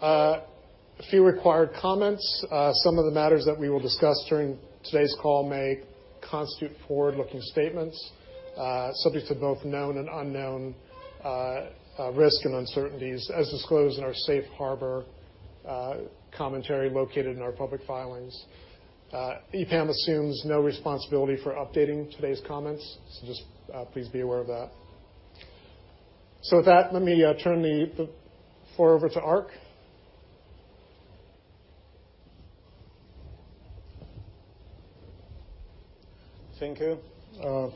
A few required comments. Some of the matters that we will discuss during today's call may constitute forward-looking statements, subject to both known and unknown risk and uncertainties as disclosed in our safe harbor commentary located in our public filings. EPAM assumes no responsibility for updating today's comments, so just please be aware of that. With that, let me turn the floor over to Ark. Thank you. It works? Great. Thank you for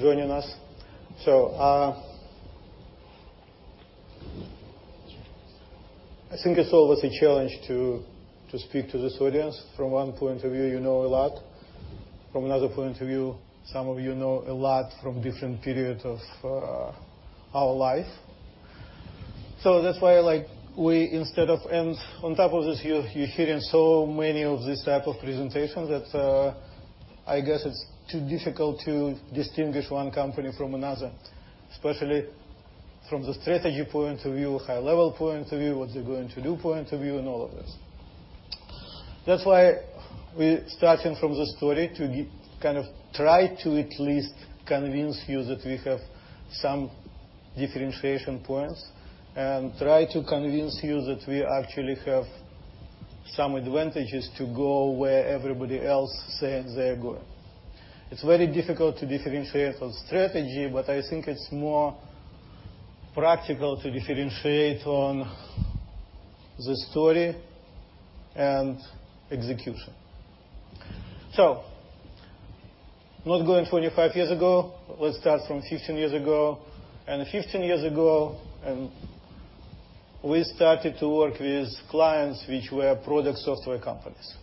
joining us. I think it's always a challenge to speak to this audience. From one point of view, you know a lot. From another point of view, some of you know a lot from different periods of our life. That's why, on top of this, you're hearing so many of these types of presentations that, I guess it's too difficult to distinguish one company from another, especially from the strategy point of view, high-level point of view, what they're going to do point of view, and all of this. That's why we're starting from the story to try to at least convince you that we have some differentiation points and try to convince you that we actually have some advantages to go where everybody else says they're going. It's very difficult to differentiate on strategy, but I think it's more practical to differentiate on the story and execution. Not going 25 years ago, let's start from 15 years ago. 15 years ago, we started to work with clients which were product software companies.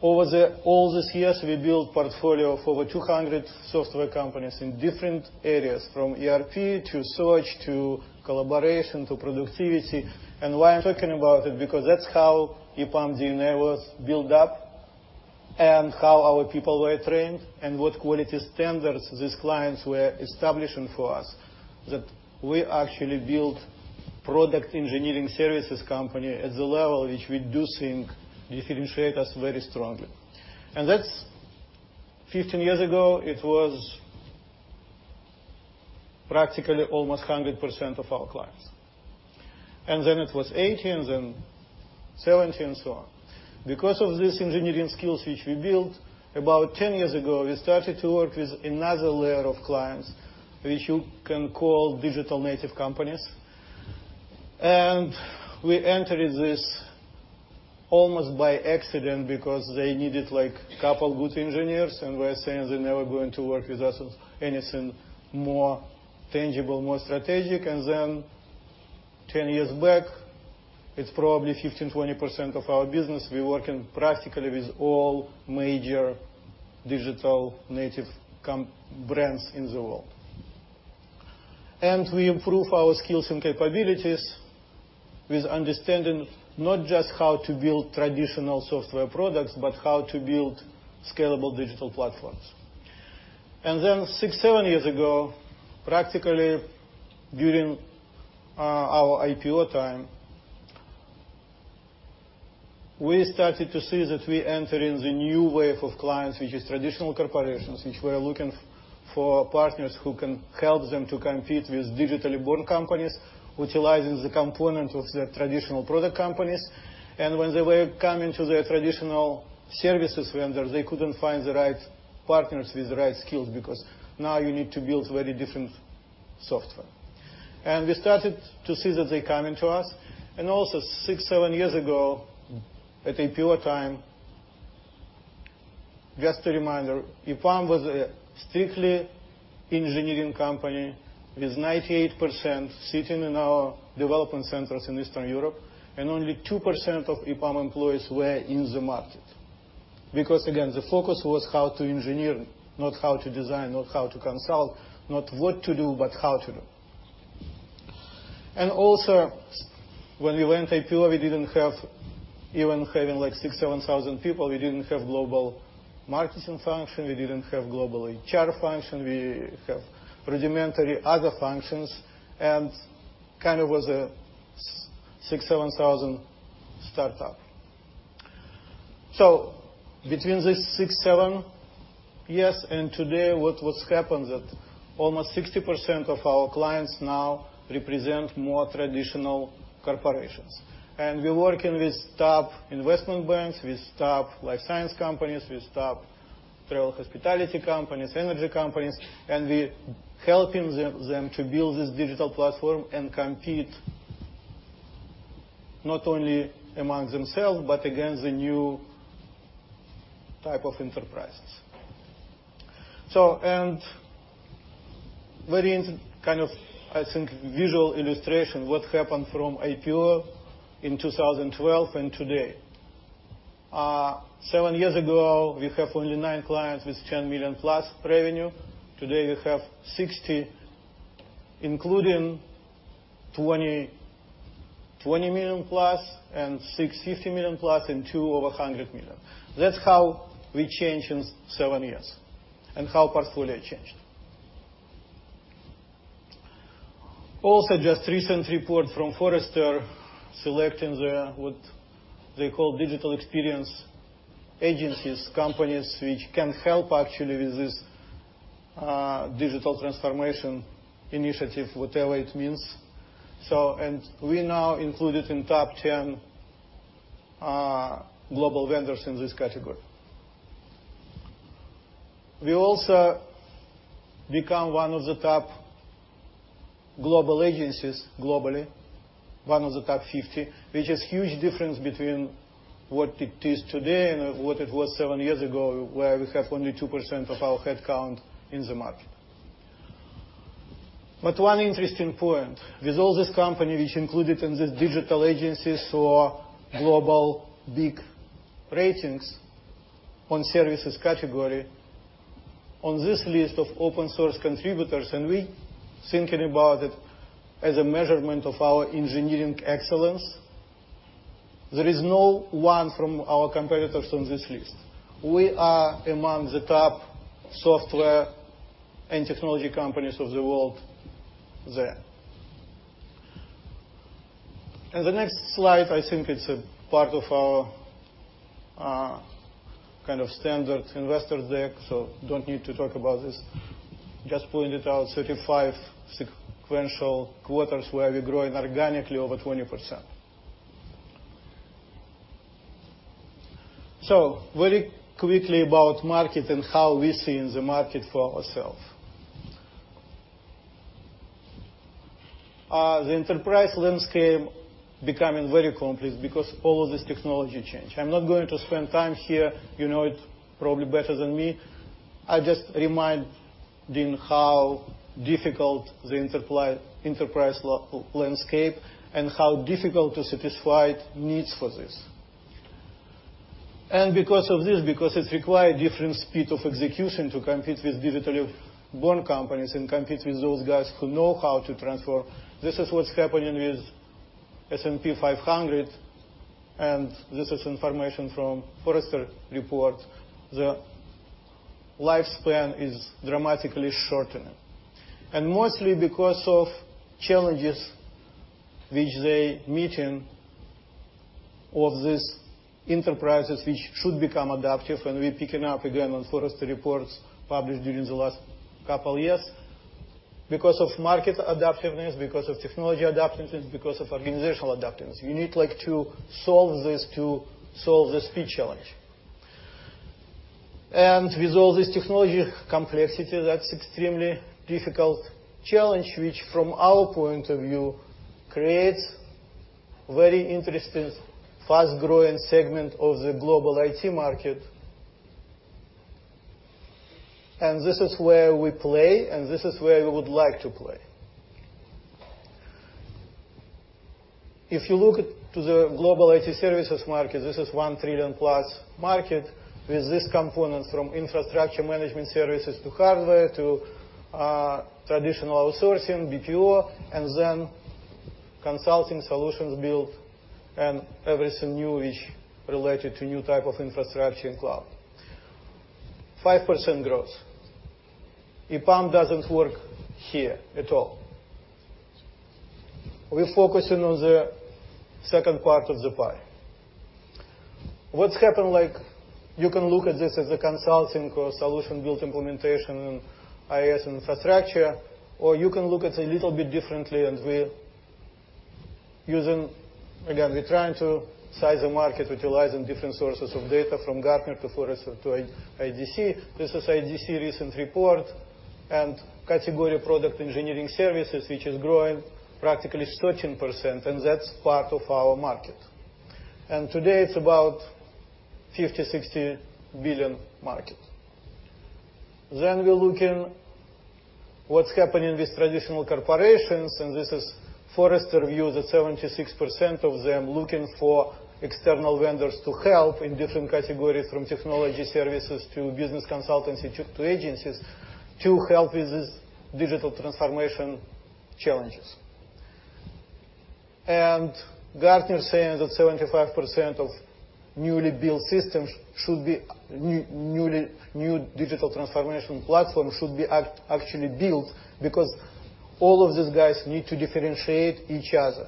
Over all these years, we built portfolio for over 200 software companies in different areas, from ERP to search, to collaboration, to productivity. Why I'm talking about it, because that's how EPAM DNA was built up and how our people were trained, and what quality standards these clients were establishing for us. That we actually built product engineering services company at the level which we do think differentiate us very strongly. That's 15 years ago, it was practically almost 100% of our clients. It was 80%, and then 70%, and so on. Because of these engineering skills which we built, about 10 years ago, we started to work with another layer of clients, which you can call digital native companies. We entered this almost by accident because they needed a couple of good engineers, and we were saying they're never going to work with us on anything more tangible, more strategic. Then 10 years back, it's probably 15, 20% of our business. We work practically with all major digital native brands in the world. We improve our skills and capabilities with understanding not just how to build traditional software products, but how to build scalable digital platforms. Then six, seven years ago, practically during our IPO time, we started to see that we enter in the new wave of clients, which is traditional corporations, which were looking for partners who can help them to compete with digitally born companies, utilizing the component of their traditional product companies. When they were coming to their traditional services vendor, they couldn't find the right partners with the right skills because now you need to build very different software. We started to see that they're coming to us. Also six, seven years ago, at IPO time, just a reminder, EPAM was a strictly engineering company with 98% sitting in our development centers in Eastern Europe, and only 2% of EPAM employees were in the market. Because, again, the focus was how to engineer, not how to design, not how to consult, not what to do, but how to do. Also, when we went IPO, even having 6,000-7,000 people, we didn't have global marketing function, we didn't have global HR function. We have rudimentary other functions, and was a 6,000-7,000 startup. Between these 6-7 years and today, what happens is that almost 60% of our clients now represent more traditional corporations. We're working with top investment banks, with top life science companies, with top travel hospitality companies, energy companies, and we're helping them to build this digital platform and compete not only among themselves, but against the new type of enterprises. Very, I think, visual illustration, what happened from IPO in 2012 and today. Seven years ago, we have only nine clients with $10 million+ revenue. Today, we have 60, including $2020 million-plus, and six $50 million-plus, and two over $100 million. That's how we changed in seven years, and how portfolio changed. Also, just recent report from Forrester selecting the, what they call digital experience agencies, companies which can help actually with this digital transformation initiative, whatever it means. We now included in top 10 global vendors in this category. We also become one of the top global agencies globally, one of the top 50, which is huge difference between what it is today and what it was seven years ago, where we have only 2% of our headcount in the market. One interesting point, with all these companies which included in this digital agencies or global big ratings on services category. On this list of open source contributors, and we thinking about it as a measurement of our Engineering Excellence, there is no one from our competitors on this list. We are among the top software and technology companies of the world there. The next slide, I think it's a part of our standard investor deck, so don't need to talk about this. Just pointed out 35 sequential quarters where we're growing organically over 20%. Very quickly about market and how we see in the market for ourself. The enterprise landscape becoming very complex because all of this technology change. I'm not going to spend time here. You know it probably better than me. I just reminding how difficult the enterprise landscape, and how difficult to satisfy needs for this. Because of this, because it requires different speed of execution to compete with digitally-born companies and compete with those guys who know how to transform, this is what's happening with S&P 500, and this is information from Forrester report. The lifespan is dramatically shortening. Mostly because of challenges which they meeting of these enterprises, which should become adaptive, and we're picking up again on Forrester reports published during the last couple years. Because of market adaptiveness, because of technology adaptiveness, because of organizational adaptiveness, you need like to solve the speed challenge. With all this technology complexity, that's extremely difficult challenge, which from our point of view, creates very interesting, fast-growing segment of the global IT market. This is where we play, and this is where we would like to play. If you look to the global IT services market, this is a $1 trillion-plus market with these components from infrastructure management services to hardware, to traditional outsourcing, BPO, and then consulting solutions build and everything new which related to new type of infrastructure and cloud. 5% growth. EPAM doesn't work here at all. We're focusing on the second part of the pie. What's happened, you can look at this as a consulting or solution-built implementation, IaaS infrastructure, or you can look at a little bit differently and we're using, we're trying to size the market utilizing different sources of data from Gartner to Forrester to IDC. This is IDC recent report and category product engineering services, which is growing practically 13%, and that's part of our market. Today, it's about $50 billion-$60 billion market. We're looking what's happening with traditional corporations, and this is Forrester view that 76% of them looking for external vendors to help in different categories from technology services to business consultancy to agencies to help with these digital transformation challenges. Gartner saying that 75% of newly built systems new digital transformation platform should be actually built because all of these guys need to differentiate each other.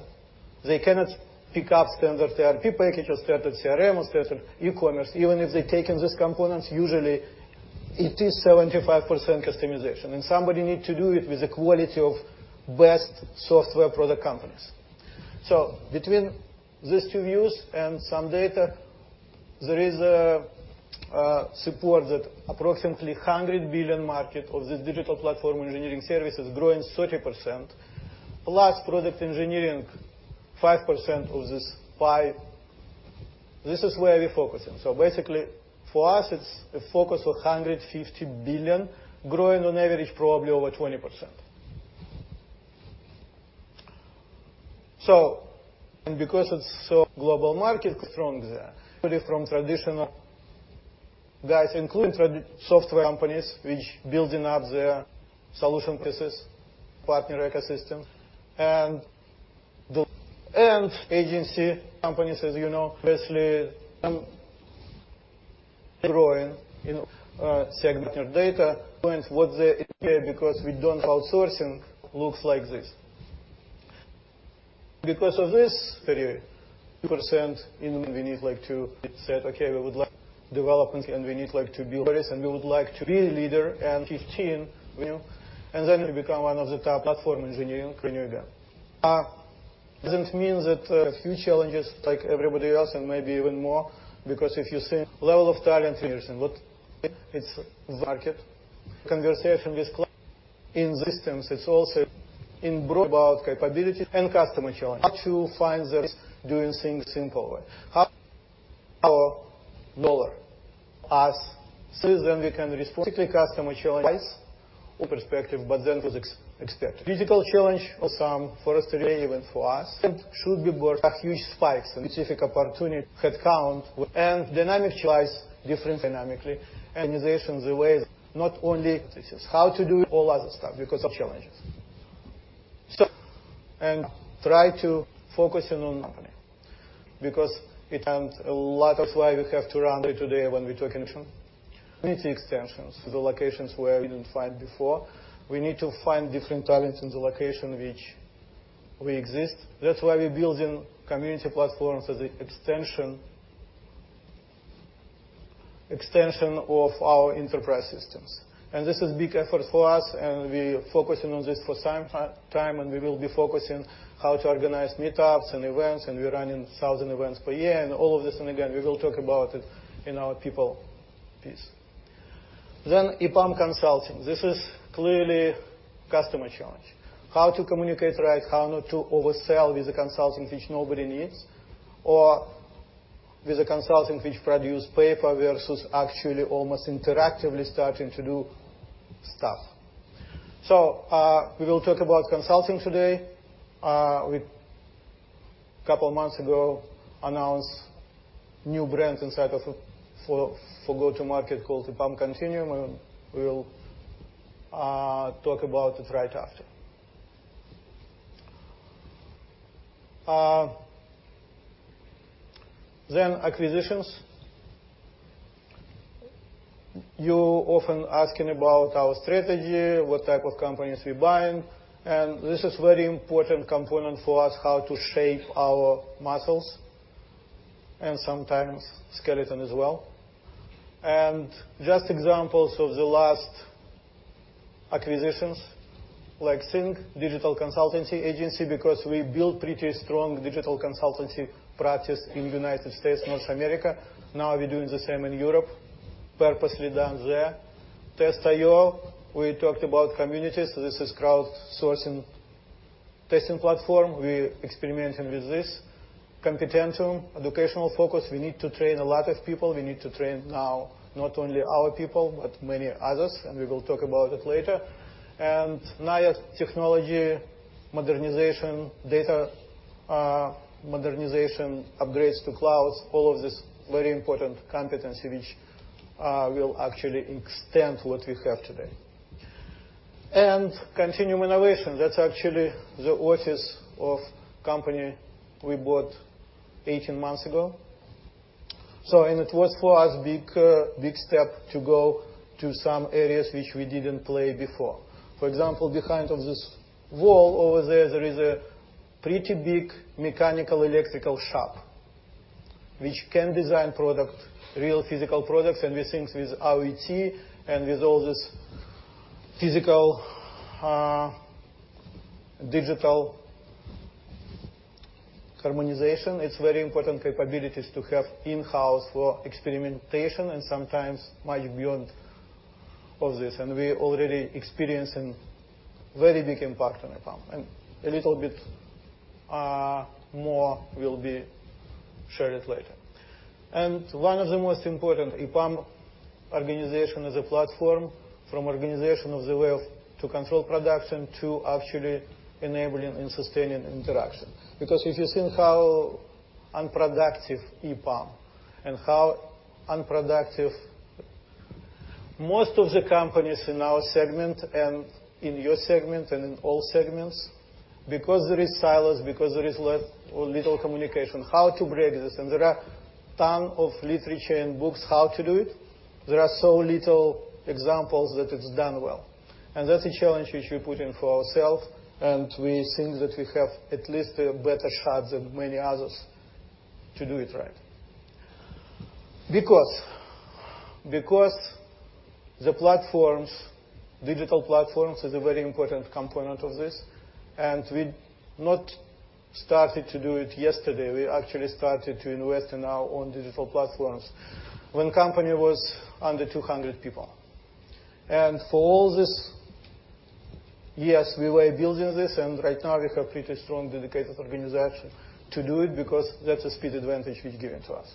They cannot pick up standard ERP packages, standard CRM, or standard e-commerce. Even if they're taking these components, usually it is 75% customization, and somebody need to do it with the quality of best software product companies. Between these two views and some data, there is a support that approximately $100 billion market of this digital platform engineering service is growing 30%, plus product engineering, 5% of this pie. This is where we're focusing. Basically, for us, it's a focus of $150 billion, growing on average probably over 20%. Because it's so global market from the traditional guys, including software companies, which building up their solution basis, partner ecosystem, and agency companies, as you know, obviously, growing in segment data points what the because we don't outsourcing looks like this. Because of this period, 2% in. We need to set, okay, we would like development and we need to build this, and we would like to be a leader and 15. Then we become one of the top platform engineering company again. It doesn't mean that a few challenges like everybody else and maybe even more, because if you think level of talent here and what its market conversation with client in systems, it's also in broad about capability and customer challenge. How to find the risk doing things simpler? How our dollar us we can respond customer challenge wise or perspective, to expect. Critical challenge for some, for us today, even for us, and should be worth a huge spikes and specific opportunity headcount and dynamic challenge different dynamically and organizations the way not only this is how to do all other stuff because of challenges. Try to focusing on company because it and a lot of why we have to run day to day when we talk innovation. We need the extensions to the locations where we didn't find before. We need to find different talents in the location which we exist. That's why we building community platforms as an extension of our enterprise systems. This is big effort for us, and we focusing on this for some time, and we will be focusing how to organize meetups and events, and we're running 1,000 events per year and all of this, and again, we will talk about it in our people piece. EPAM Consulting. This is clearly customer challenge. How to communicate right, how not to oversell with a consulting which nobody needs or with a consulting which produce paper versus actually almost interactively starting to do stuff. We will talk about consulting today. We, couple of months ago, announced new brands inside of for go-to-market called the EPAM Continuum, and we'll talk about it right after. Acquisitions. You often asking about our strategy, what type of companies we buying, and this is very important component for us, how to shape our muscles, and sometimes skeleton as well. Just examples of the last acquisitions like Sync, digital consultancy agency because we build pretty strong digital consultancy practice in United States, North America. Now we're doing the same in Europe. Purposely done there. test IO, we talked about communities. This is crowdsourcing testing platform. We experimenting with this. Competentum, educational focus. We need to train a lot of people. We need to train now, not only our people, but many others, and we will talk about it later. NAYA Technologies, modernization data, modernization upgrades to clouds, all of this very important competency, which will actually extend what we have today. Continuum Innovation, that's actually the office of company we bought 18 months ago. It was for us big step to go to some areas which we didn't play before. For example, behind of this wall over there is a pretty big mechanical electrical shop which can design product, real physical products, and we think with IoT and with all this physical, digital harmonization. It's very important capabilities to have in-house for experimentation and sometimes much beyond all this, and we already experiencing very big impact on EPAM, and a little bit more will be shared later. One of the most important, EPAM organization as a platform from organization of the way of to control production to actually enabling and sustaining interaction. If you think how unproductive EPAM and how unproductive most of the companies in our segment and in your segment and in all segments, because there is silos, because there is little communication, how to break this. There are ton of literature and books how to do it. There are so little examples that it's done well. That's a challenge which we're putting for ourselves, we think that we have at least a better shot than many others to do it right. The platforms, digital platforms, is a very important component of this, we not started to do it yesterday. We actually started to invest in our own digital platforms when company was under 200 people. For all this years, we were building this, right now we have pretty strong dedicated organization to do it because that's a speed advantage which given to us.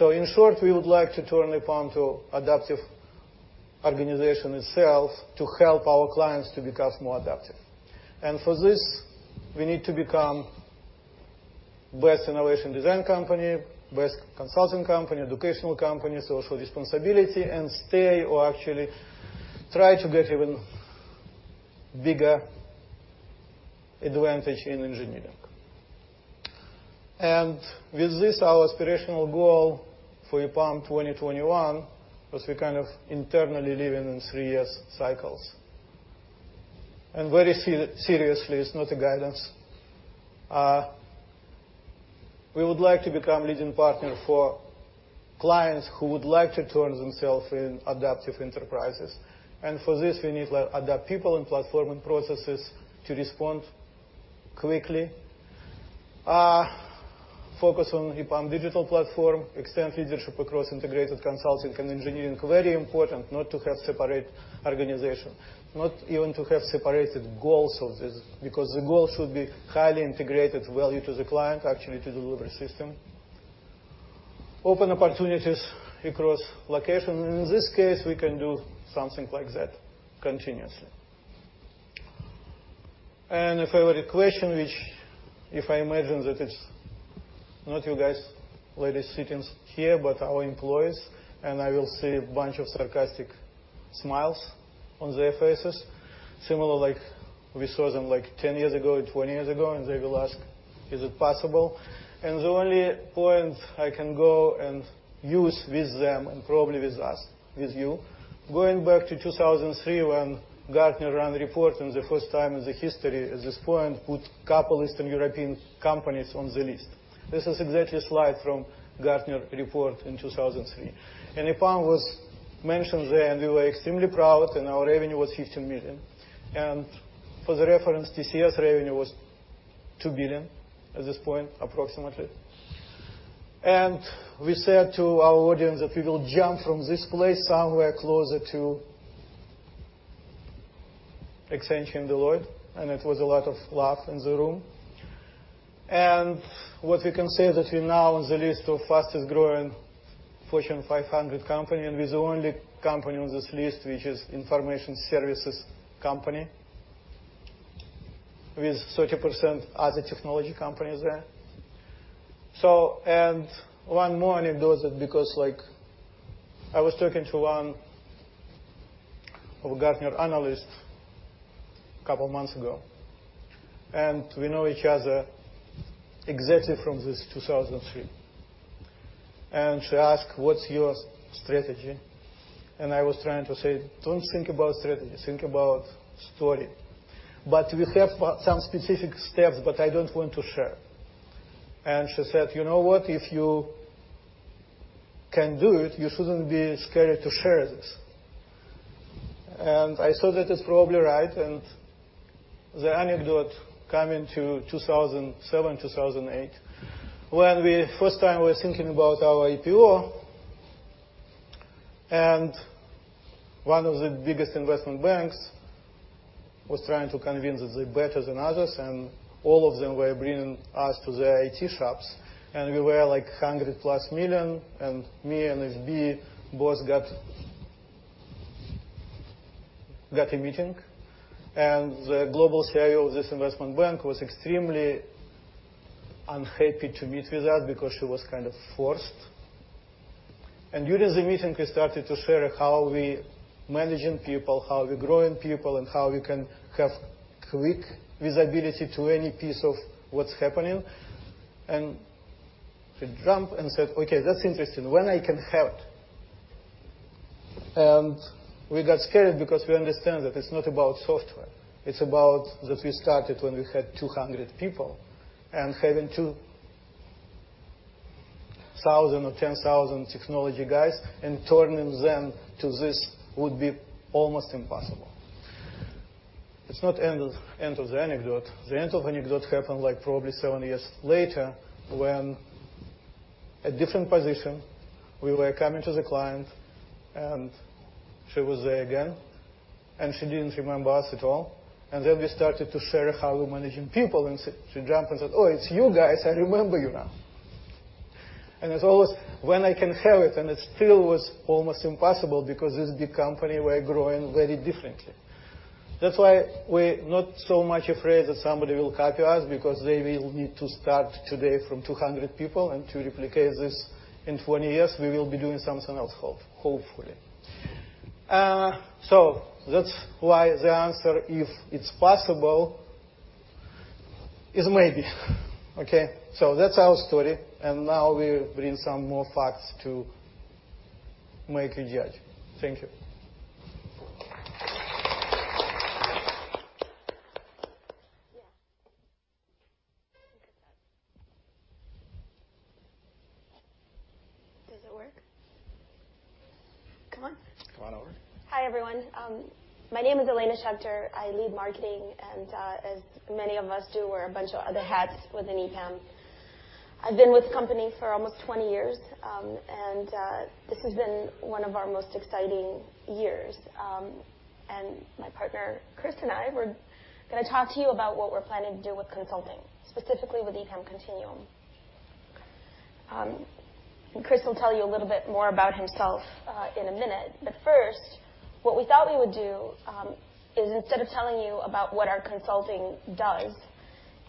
In short, we would like to turn EPAM to adaptive organization itself to help our clients to become more adaptive. For this, we need to become best innovation design company, best consulting company, educational company, social responsibility, and stay or actually try to get even bigger advantage in engineering. With this, our aspirational goal for EPAM 2021, because we internally live in three-year cycles. Very seriously, it's not a guidance. We would like to become leading partner for clients who would like to turn themself in adaptive enterprises. For this, we need adapt people and platform and processes to respond quickly. Focus on EPAM digital platform, extend leadership across integrated consulting and engineering. Very important not to have separate organization, not even to have separate goals of this, because the goal should be highly integrated value to the client, actually, to delivery system. Open opportunities across locations. In this case, we can do something like that continuously. If I were to question which, if I imagine that it's not you guys, ladies sitting here, but our employees, and I will see a bunch of sarcastic smiles on their faces, similar like we saw them 10 years ago and 20 years ago, and they will ask, "Is it possible?" The only point I can go and use with them, and probably with us, with you, going back to 2003 when Gartner ran report and the first time in the history at this point put couple Eastern European companies on the list. This is exactly a slide from Gartner report in 2003. EPAM was mentioned there, and we were extremely proud, and our revenue was $15 million. For the reference, TCS revenue was $2 billion at this point, approximately. We said to our audience that we will jump from this place somewhere closer to Accenture and Deloitte, and it was a lot of laugh in the room. What we can say that we're now on the list of fastest growing Fortune 500 company, and we're the only company on this list which is information services company with 30% other technology companies there. One more anecdote because I was talking to one of Gartner analyst a couple of months ago, and we know each other exactly from this 2003. She asked, "What's your strategy?" I was trying to say, "Don't think about strategy, think about story." We have some specific steps that I don't want to share. She said, "You know what? If you can do it, you shouldn't be scared to share this." I thought that is probably right. The anecdote come into 2007, 2008, when we first time were thinking about our IPO, and one of the biggest investment banks was trying to convince that they're better than others, and all of them were bringing us to their IT shops. We were $100 plus million, and me and FB both got a meeting. The global CEO of this investment bank was extremely unhappy to meet with us because she was kind of forced. During the meeting, we started to share how we managing people, how we growing people, and how we can have quick visibility to any piece of what's happening. She jumped and said, "Okay, that's interesting. When I can have it?" We got scared because we understand that it's not about software. It's about that we started when we had 200 people, and having 2,000 or 10,000 technology guys and turning them to this would be almost impossible. It's not end of anecdote. The end of anecdote happened probably seven years later when, a different position, we were coming to the client, and she was there again. She didn't remember us at all. We started to share how we're managing people, and she jumped and said, "Oh, it's you guys. I remember you now." As always, when I can have it, and it still was almost impossible because this big company were growing very differently. That's why we're not so much afraid that somebody will copy us because they will need to start today from 200 people, and to replicate this in 20 years, we will be doing something else, hopefully. That's why the answer if it's possible is maybe. Okay. That's our story, and now we bring some more facts to make you judge. Thank you. Yeah. I think it's on. Does it work? Come on. Come on over. Hi, everyone. My name is Elaina Shekhter. I lead marketing, and as many of us do, wear a bunch of other hats within EPAM. I've been with the company for almost 20 years, and this has been one of our most exciting years. My partner, Chris, and I, we're going to talk to you about what we're planning to do with consulting, specifically with EPAM Continuum. Chris will tell you a little bit more about himself in a minute. First, what we thought we would do, is instead of telling you about what our consulting does,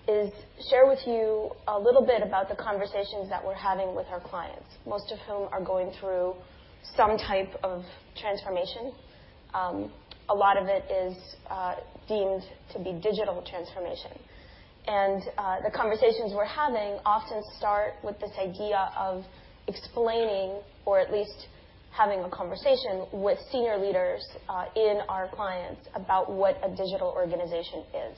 is share with you a little bit about the conversations that we're having with our clients, most of whom are going through some type of transformation. A lot of it is deemed to be digital transformation. The conversations we're having often start with this idea of explaining or at least having a conversation with senior leaders, in our clients about what a digital organization is.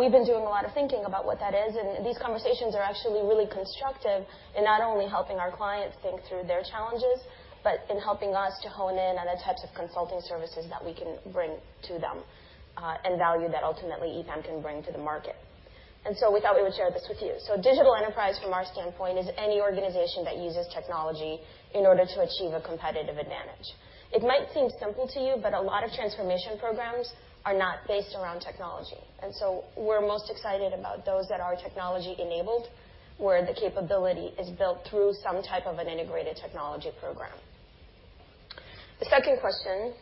We've been doing a lot of thinking about what that is, and these conversations are actually really constructive in not only helping our clients think through their challenges, but in helping us to hone in on the types of consulting services that we can bring to them, and value that ultimately EPAM can bring to the market. We thought we would share this with you. Digital enterprise from our standpoint is any organization that uses technology in order to achieve a competitive advantage. It might seem simple to you, but a lot of transformation programs are not based around technology. We're most excited about those that are technology-enabled, where the capability is built through some type of an integrated technology program. The second question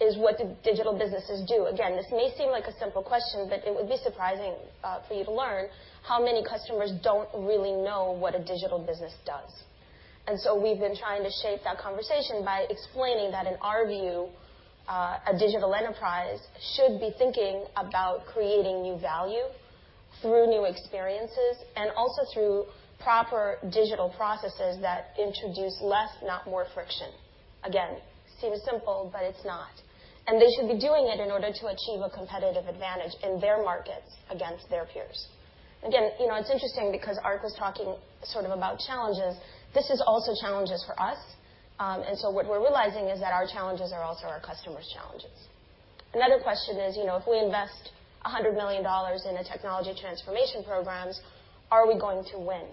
is, what do digital businesses do? This may seem like a simple question, but it would be surprising for you to learn how many customers don't really know what a digital business does. We've been trying to shape that conversation by explaining that in our view, a digital enterprise should be thinking about creating new value through new experiences and also through proper digital processes that introduce less, not more friction. Seems simple, but it's not. They should be doing it in order to achieve a competitive advantage in their markets against their peers. It's interesting because Ark was talking sort of about challenges. This is also challenges for us. What we're realizing is that our challenges are also our customers' challenges. Another question is, if we invest $100 million in a technology transformation programs, are we going to win?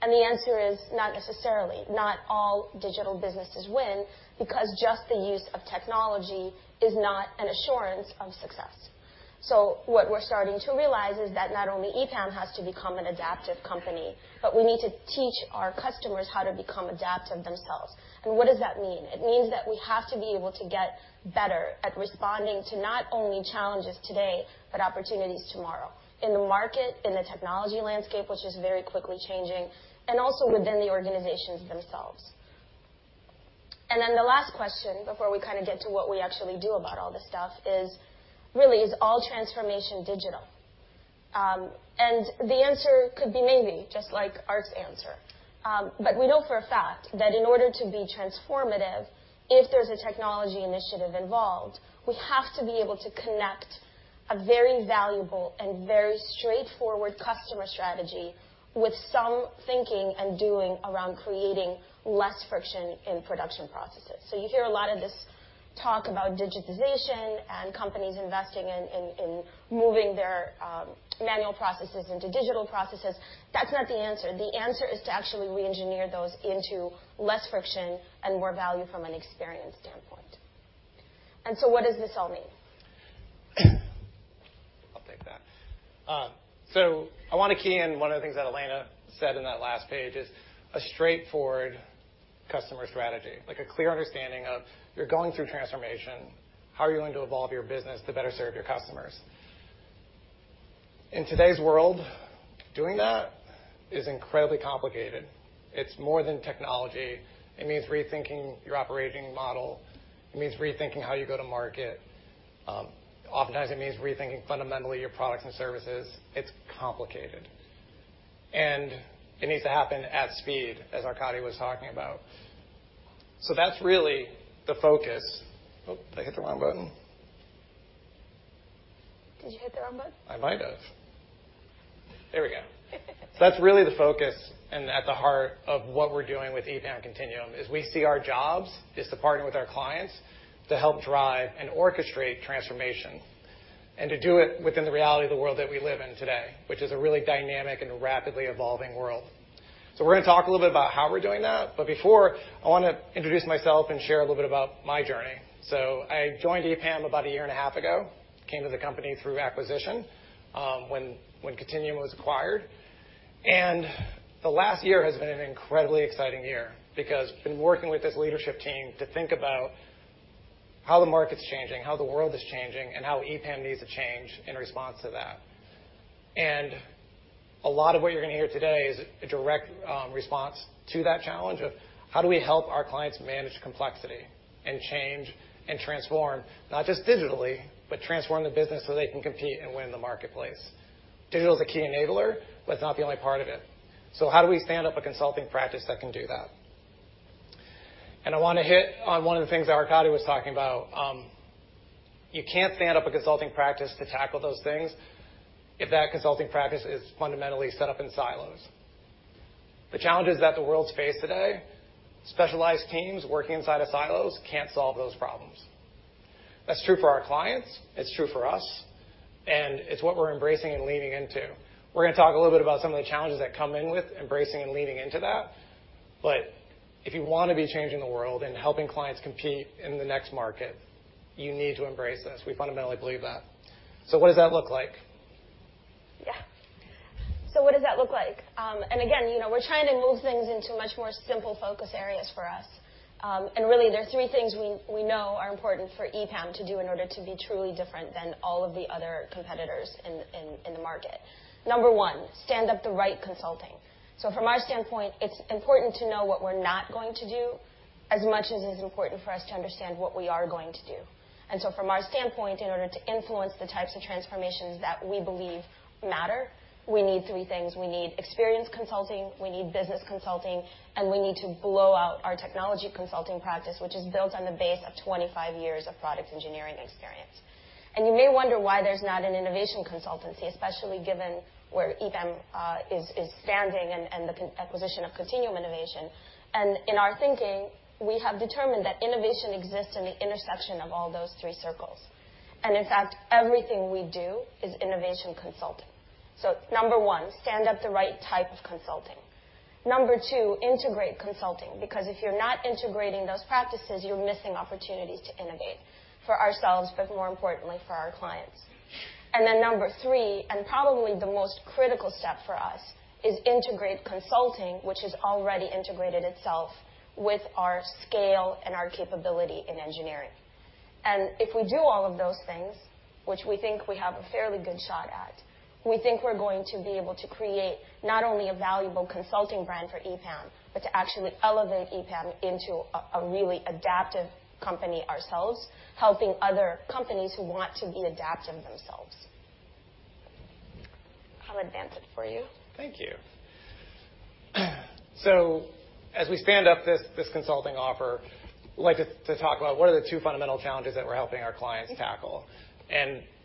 The answer is not necessarily. Not all digital businesses win because just the use of technology is not an assurance of success. What we're starting to realize is that not only EPAM has to become an adaptive company, but we need to teach our customers how to become adaptive themselves. What does that mean? It means that we have to be able to get better at responding to not only challenges today, but opportunities tomorrow in the market, in the technology landscape, which is very quickly changing, and also within the organizations themselves. The last question before we get to what we actually do about all this stuff is really, is all transformation digital? The answer could be maybe, just like Ark's answer. We know for a fact that in order to be transformative, if there's a technology initiative involved, we have to be able to connect a very valuable and very straightforward customer strategy with some thinking and doing around creating less friction in production processes. You hear a lot of this talk about digitization and companies investing in moving their manual processes into digital processes. That's not the answer. The answer is to actually re-engineer those into less friction and more value from an experience standpoint. What does this all mean? I'll take that. I want to key in one of the things that Elaina said in that last page is a straightforward customer strategy, like a clear understanding of you're going through transformation. How are you going to evolve your business to better serve your customers? In today's world, doing that is incredibly complicated. It's more than technology. It means rethinking your operating model. It means rethinking how you go to market. Oftentimes, it means rethinking fundamentally your products and services. It's complicated. It needs to happen at speed, as Arkadiy was talking about. That's really the focus. Oh, did I hit the wrong button? Did you hit the wrong button? I might have. There we go. That's really the focus and at the heart of what we're doing with EPAM Continuum, is we see our jobs is to partner with our clients to help drive and orchestrate transformation, and to do it within the reality of the world that we live in today, which is a really dynamic and rapidly evolving world. We're going to talk a little bit about how we're doing that. Before, I want to introduce myself and share a little bit about my journey. I joined EPAM about a year and a half ago, came to the company through acquisition, when Continuum was acquired. The last year has been an incredibly exciting year because been working with this leadership team to think about how the market's changing, how the world is changing, and how EPAM needs to change in response to that. A lot of what you're going to hear today is a direct response to that challenge of how do we help our clients manage complexity and change and transform, not just digitally, but transform the business so they can compete and win in the marketplace. Digital is a key enabler, but it's not the only part of it. How do we stand up a consulting practice that can do that? I want to hit on one of the things that Arkady was talking about. You can't stand up a consulting practice to tackle those things if that consulting practice is fundamentally set up in silos. The challenges that the world face today, specialized teams working inside of silos can't solve those problems. That's true for our clients, it's true for us, and it's what we're embracing and leaning into. We're going to talk a little bit about some of the challenges that come in with embracing and leaning into that. If you want to be changing the world and helping clients compete in the next market, you need to embrace this. We fundamentally believe that. What does that look like? Yeah. What does that look like? Again, we're trying to move things into much more simple focus areas for us. Really, there are three things we know are important for EPAM to do in order to be truly different than all of the other competitors in the market. Number one, stand up the right consulting. From our standpoint, it's important to know what we're not going to do as much as it is important for us to understand what we are going to do. From our standpoint, in order to influence the types of transformations that we believe matter, we need three things. We need experience consulting, we need business consulting, and we need to blow out our technology consulting practice, which is built on the base of 25 years of product engineering experience. You may wonder why there's not an innovation consultancy, especially given where EPAM is standing and the acquisition of Continuum Innovation. In our thinking, we have determined that innovation exists in the intersection of all those three circles. In fact, everything we do is innovation consulting. Number 1, stand up the right type of consulting. Number 2, integrate consulting, because if you're not integrating those practices, you're missing opportunities to innovate for ourselves, but more importantly for our clients. Number 3, and probably the most critical step for us is integrate consulting, which has already integrated itself with our scale and our capability in engineering. If we do all of those things, which we think we have a fairly good shot at, we think we're going to be able to create not only a valuable consulting brand for EPAM, but to actually elevate EPAM into a really adaptive company ourselves, helping other companies who want to be adaptive themselves. I'll advance it for you. Thank you. As we stand up this consulting offer, I'd like to talk about what are the two fundamental challenges that we're helping our clients tackle.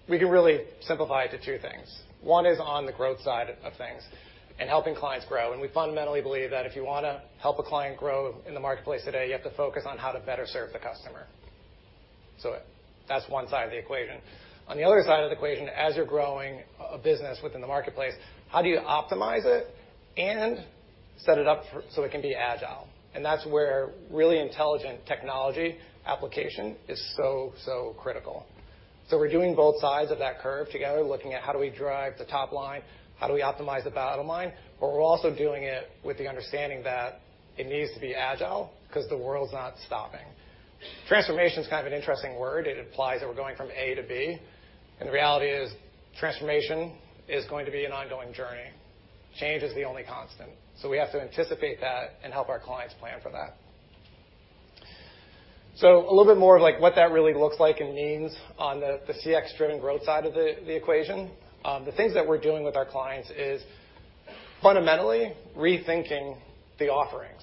We can really simplify it to two things. One is on the growth side of things and helping clients grow. We fundamentally believe that if you want to help a client grow in the marketplace today, you have to focus on how to better serve the customer. That's one side of the equation. On the other side of the equation, as you're growing a business within the marketplace, how do you optimize it and set it up so it can be agile? That's where really intelligent technology application is so critical. We're doing both sides of that curve together, looking at how do we drive the top line, how do we optimize the bottom line, but we're also doing it with the understanding that it needs to be agile because the world's not stopping. Transformation is an interesting word. It implies that we're going from A to B. The reality is transformation is going to be an ongoing journey. Change is the only constant. We have to anticipate that and help our clients plan for that. A little bit more of what that really looks like and means on the CX-driven growth side of the equation. The things that we're doing with our clients is fundamentally rethinking the offerings.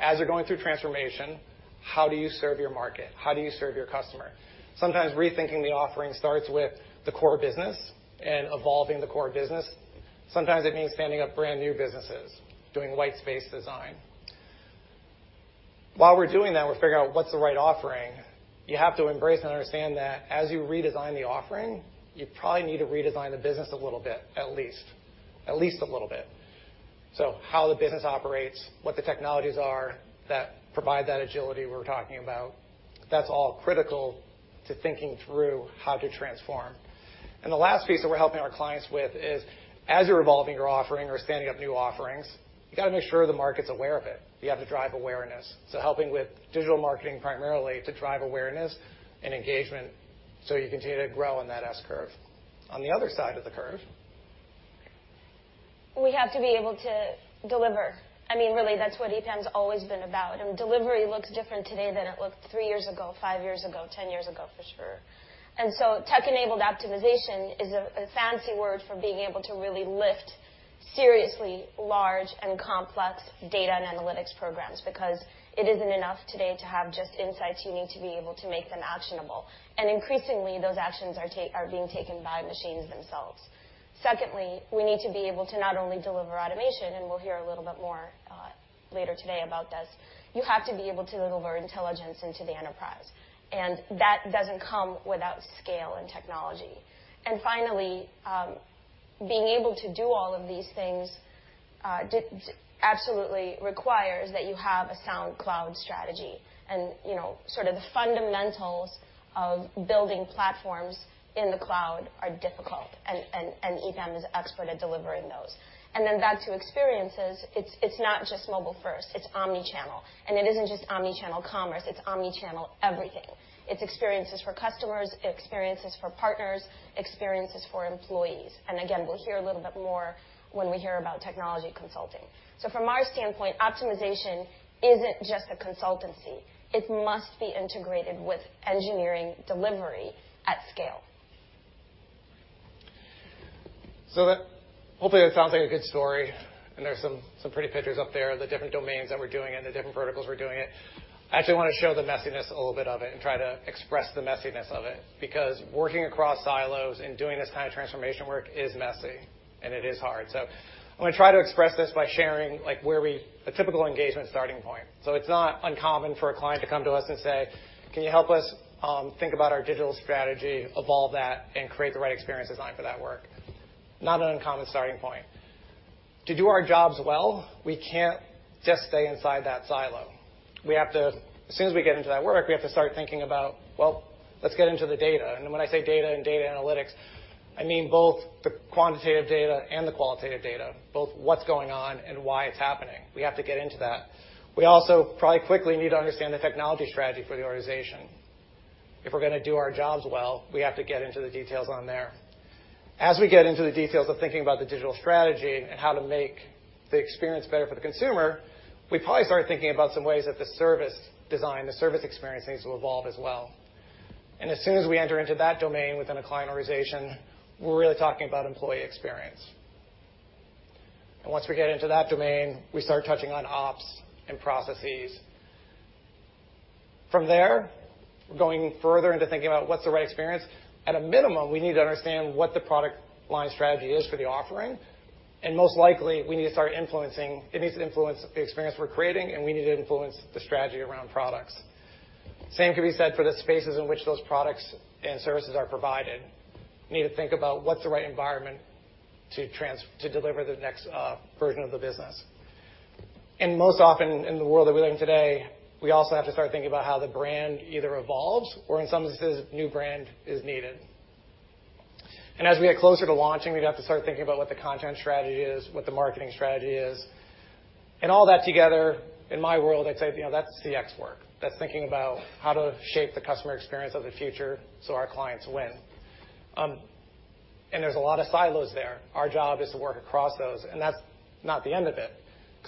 As you're going through transformation, how do you serve your market? How do you serve your customer? Sometimes rethinking the offering starts with the core business and evolving the core business. Sometimes it means standing up brand new businesses, doing white space design. While we're doing that, we're figuring out what's the right offering. You have to embrace and understand that as you redesign the offering, you probably need to redesign the business a little bit, at least. At least a little bit. How the business operates, what the technologies are that provide that agility we're talking about, that's all critical to thinking through how to transform. The last piece that we're helping our clients with is as you're evolving your offering or standing up new offerings, you got to make sure the market's aware of it. You have to drive awareness. Helping with digital marketing primarily to drive awareness and engagement so you continue to grow on that S curve. On the other side of the curve. We have to be able to deliver. Really, that's what EPAM's always been about. Delivery looks different today than it looked three years ago, five years ago, 10 years ago, for sure. Tech-enabled optimization is a fancy word for being able to really lift seriously large and complex data and analytics programs because it isn't enough today to have just insights. You need to be able to make them actionable. Increasingly, those actions are being taken by machines themselves. Secondly, we need to be able to not only deliver automation, and we'll hear a little bit more later today about this, you have to be able to deliver intelligence into the enterprise. That doesn't come without scale and technology. Finally, being able to do all of these things absolutely requires that you have a sound cloud strategy. The fundamentals of building platforms in the cloud are difficult and EPAM is expert at delivering those. Then back to experiences, it's not just mobile first, it's omni-channel. It isn't just omni-channel commerce, it's omni-channel everything. It's experiences for customers, experiences for partners, experiences for employees. Again, we'll hear a little bit more when we hear about technology consulting. From our standpoint, optimization isn't just a consultancy. It must be integrated with engineering delivery at scale. Hopefully that sounds like a good story and there's some pretty pictures up there of the different domains that we're doing it and the different verticals we're doing it. I actually want to show the messiness a little bit of it and try to express the messiness of it because working across silos and doing this kind of transformation work is messy and it is hard. I'm going to try to express this by sharing a typical engagement starting point. It's not uncommon for a client to come to us and say, "Can you help us think about our digital strategy, evolve that, and create the right experience design for that work?" Not an uncommon starting point. To do our jobs well, we can't just stay inside that silo. As soon as we get into that work, we have to start thinking about, well, let's get into the data. When I say data and data analytics, I mean both the quantitative data and the qualitative data, both what's going on and why it's happening. We have to get into that. We also probably quickly need to understand the technology strategy for the organization. If we're going to do our jobs well, we have to get into the details on there. As we get into the details of thinking about the digital strategy and how to make the experience better for the consumer, we probably start thinking about some ways that the service design, the service experience needs to evolve as well. As soon as we enter into that domain within a client organization, we're really talking about employee experience. Once we get into that domain, we start touching on ops and processes. From there, going further into thinking about what's the right experience, at a minimum, we need to understand what the product line strategy is for the offering, and most likely, it needs to influence the experience we're creating, and we need to influence the strategy around products. Same can be said for the spaces in which those products and services are provided. We need to think about what's the right environment to deliver the next version of the business. Most often in the world that we live in today, we also have to start thinking about how the brand either evolves or in some instances, new brand is needed. As we get closer to launching, we'd have to start thinking about what the content strategy is, what the marketing strategy is, and all that together, in my world, I'd say, that's CX work. That's thinking about how to shape the customer experience of the future so our clients win. There's a lot of silos there. Our job is to work across those, and that's not the end of it.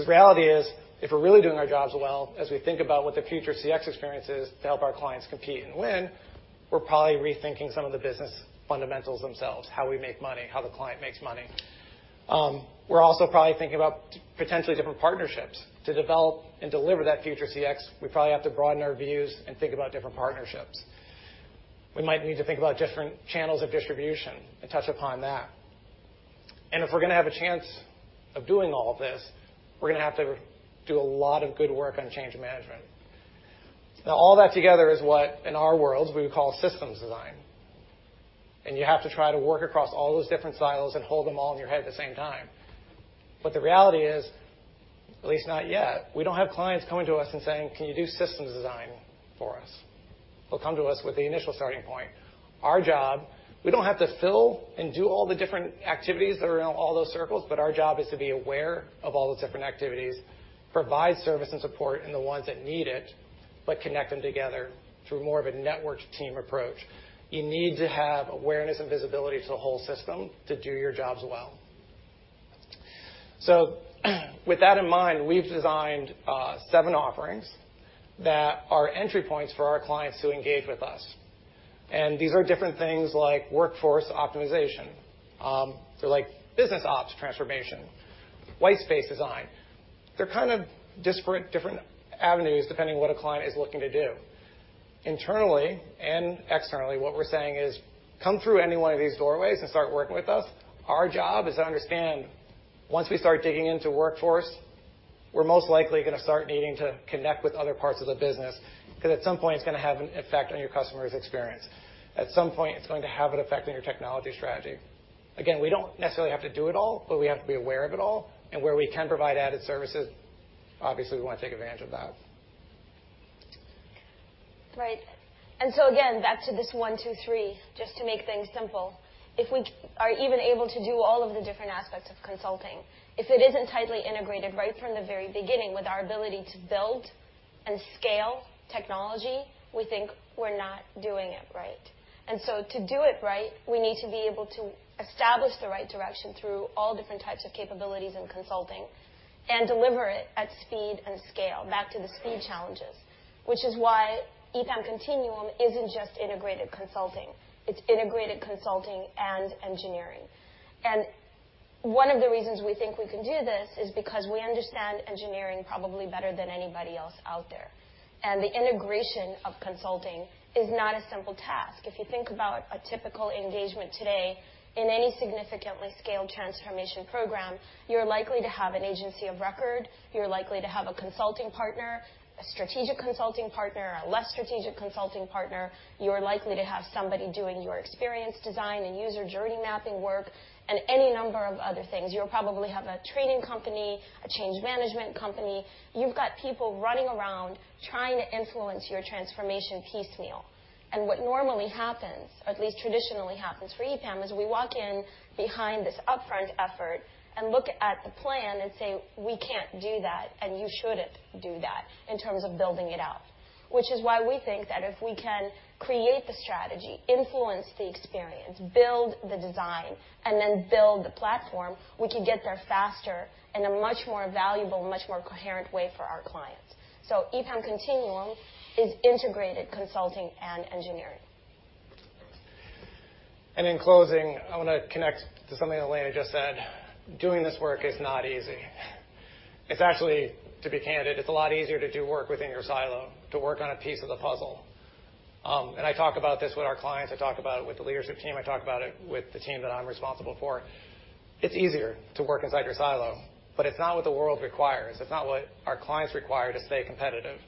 Reality is, if we're really doing our jobs well, as we think about what the future CX experience is to help our clients compete and win, we're probably rethinking some of the business fundamentals themselves, how we make money, how the client makes money. We're also probably thinking about potentially different partnerships. To develop and deliver that future CX, we probably have to broaden our views and think about different partnerships. We might need to think about different channels of distribution and touch upon that. If we're going to have a chance of doing all of this, we're going to have to do a lot of good work on change management. All that together is what in our worlds we would call systems design, and you have to try to work across all those different silos and hold them all in your head at the same time. The reality is, at least not yet, we don't have clients coming to us and saying, "Can you do systems design for us?" They'll come to us with the initial starting point. Our job, we don't have to fill and do all the different activities that are in all those circles. Our job is to be aware of all those different activities, provide service and support in the ones that need it. Connect them together through more of a networked team approach. You need to have awareness and visibility to the whole system to do your jobs well. With that in mind, we've designed seven offerings that are entry points for our clients to engage with us. These are different things like workforce optimization. They're like business ops transformation, white space design. They're kind of disparate, different avenues depending on what a client is looking to do. Internally and externally, what we're saying is, come through any one of these doorways and start working with us. Our job is to understand once we start digging into workforce, we're most likely going to start needing to connect with other parts of the business, because at some point, it's going to have an effect on your customer's experience. At some point, it's going to have an effect on your technology strategy. Again, we don't necessarily have to do it all, but we have to be aware of it all. Where we can provide added services, obviously, we want to take advantage of that. Right. Again, back to this one, two, three, just to make things simple. If we are even able to do all of the different aspects of consulting, if it isn't tightly integrated right from the very beginning with our ability to build and scale technology, we think we're not doing it right. To do it right, we need to be able to establish the right direction through all different types of capabilities in consulting and deliver it at speed and scale, back to the speed challenges. Which is why EPAM Continuum isn't just integrated consulting, it's integrated consulting and engineering. One of the reasons we think we can do this is because we understand engineering probably better than anybody else out there, and the integration of consulting is not a simple task. If you think about a typical engagement today in any significantly scaled transformation program, you're likely to have an agency of record, you're likely to have a consulting partner, a strategic consulting partner, a less strategic consulting partner. You're likely to have somebody doing your experience design and user journey mapping work and any number of other things. You'll probably have a training company, a change management company. You've got people running around trying to influence your transformation piecemeal. What normally happens, or at least traditionally happens for EPAM, is we walk in behind this upfront effort and look at the plan and say, "We can't do that, and you shouldn't do that," in terms of building it out. Which is why we think that if we can create the strategy, influence the experience, build the design, and then build the platform, we can get there faster in a much more valuable, much more coherent way for our clients. EPAM Continuum is integrated consulting and engineering. In closing, I want to connect to something Elaina just said. Doing this work is not easy. It's actually, to be candid, it's a lot easier to do work within your silo, to work on a piece of the puzzle. I talk about this with our clients. I talk about it with the leadership team. I talk about it with the team that I'm responsible for. It's easier to work inside your silo, but it's not what the world requires. It's not what our clients require to stay competitive.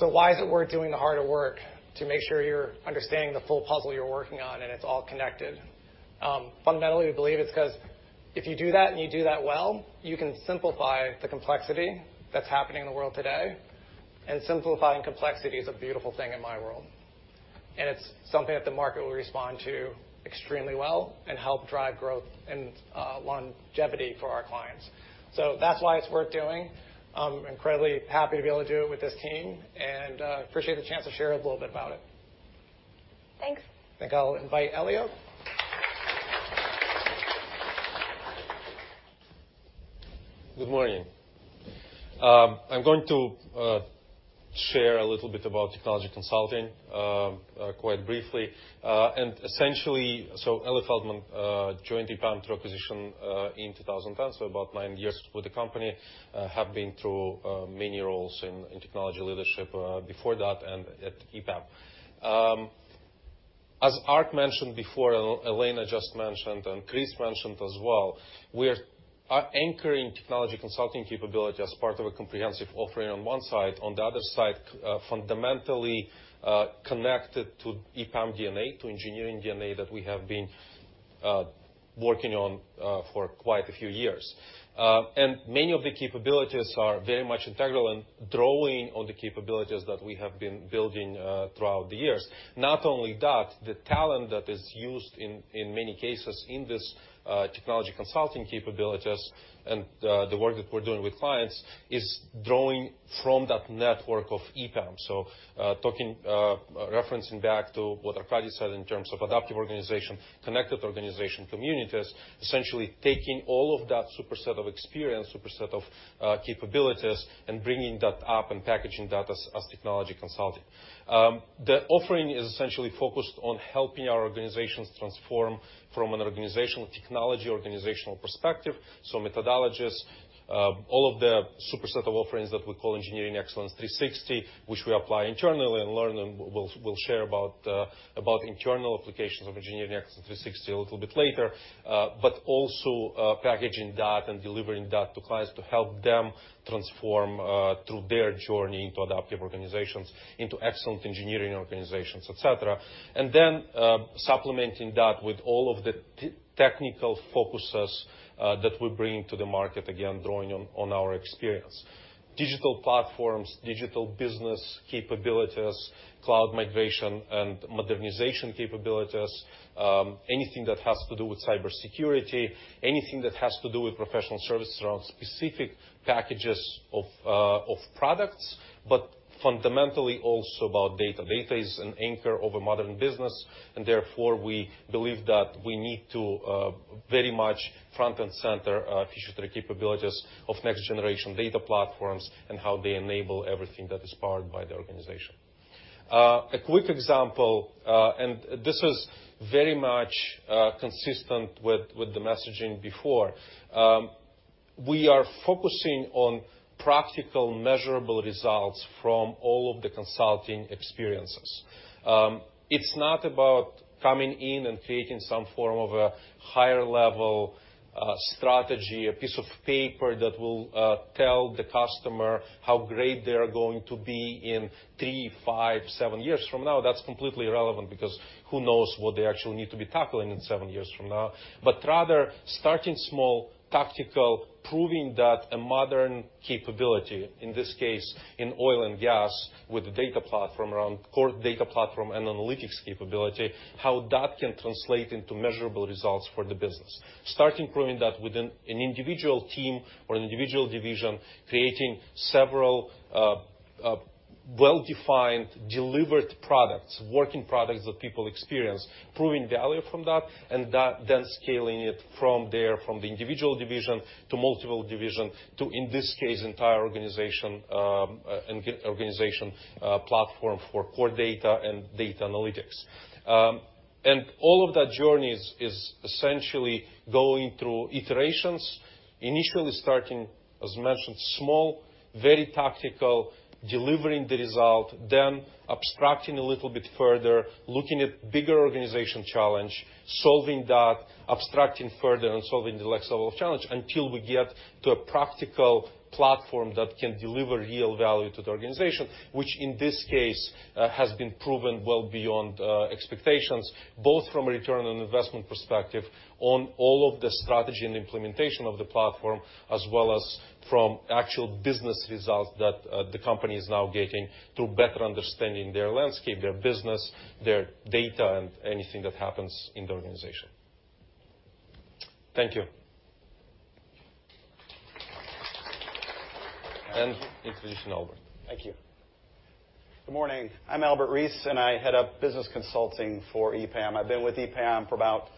Why is it worth doing the harder work to make sure you're understanding the full puzzle you're working on and it's all connected? Fundamentally, we believe it's because if you do that and you do that well, you can simplify the complexity that's happening in the world today. Simplifying complexity is a beautiful thing in my world, and it's something that the market will respond to extremely well and help drive growth and longevity for our clients. That's why it's worth doing. I'm incredibly happy to be able to do it with this team, and appreciate the chance to share a little bit about it. Thanks. I think I'll invite [Elio]. Good morning. I'm going to share a little bit about technology consulting, quite briefly. Essentially, Eli Feldman joined EPAM through acquisition in 2010, about nine years with the company. He has been through many roles in technology leadership before that and at EPAM. As Ark mentioned before, Elaina just mentioned, Chris mentioned as well, we're anchoring technology consulting capability as part of a comprehensive offering on one side. On the other side, fundamentally, connected to EPAM DNA, to engineering DNA that we have been working on for quite a few years. Many of the capabilities are very much integral and drawing on the capabilities that we have been building throughout the years. Not only that, the talent that is used in many cases in this technology consulting capabilities and the work that we're doing with clients is drawing from that network of EPAM. Referencing back to what Arkady said in terms of adaptive organization, connected organization, communities, essentially taking all of that superset of experience, superset of capabilities and bringing that up and packaging that as technology consulting. The offering is essentially focused on helping our organizations transform from an organizational technology, organizational perspective. Methodologies, all of the superset of offerings that we call Engineering Excellence 360, which we apply internally and learn and we'll share about internal applications of Engineering Excellence 360 a little bit later. Also packaging that and delivering that to clients to help them transform through their journey into adaptive organizations, into excellent engineering organizations, et cetera. Then supplementing that with all of the technical focuses that we're bringing to the market, again, drawing on our experience. Digital platforms, digital business capabilities, cloud migration and modernization capabilities. Anything that has to do with cybersecurity, anything that has to do with professional services around specific packages of products, but fundamentally also about data. Data is an anchor of a modern business, and therefore, we believe that we need to very much front and center feature the capabilities of next generation data platforms and how they enable everything that is powered by the organization. A quick example, this is very much consistent with the messaging before. We are focusing on practical, measurable results from all of the consulting experiences. It's not about coming in and creating some form of a higher level strategy, a piece of paper that will tell the customer how great they are going to be in three, five, seven years from now. That's completely irrelevant because who knows what they actually need to be tackling in seven years from now. Rather starting small, tactical, proving that a modern capability, in this case, in oil and gas with a data platform around core data platform and analytics capability, how that can translate into measurable results for the business. Starting proving that within an individual team or an individual division, creating several well-defined, delivered products, working products that people experience, proving value from that, and then scaling it from there from the individual division to multiple division to, in this case, entire organization platform for core data and data analytics. All of that journey is essentially going through iterations. Initially starting, as mentioned, small, very tactical, delivering the result, then abstracting a little bit further, looking at bigger organization challenge, solving that, abstracting further and solving the next level of challenge until we get to a practical platform that can deliver real value to the organization. Which in this case has been proven well beyond expectations, both from an ROI perspective on all of the strategy and implementation of the platform, as well as from actual business results that the company is now getting through better understanding their landscape, their business, their data, and anything that happens in the organization. Thank you. introduction Albert. Thank you. Good morning. I'm Albert Rees, and I head up business consulting for EPAM. I've been with EPAM for about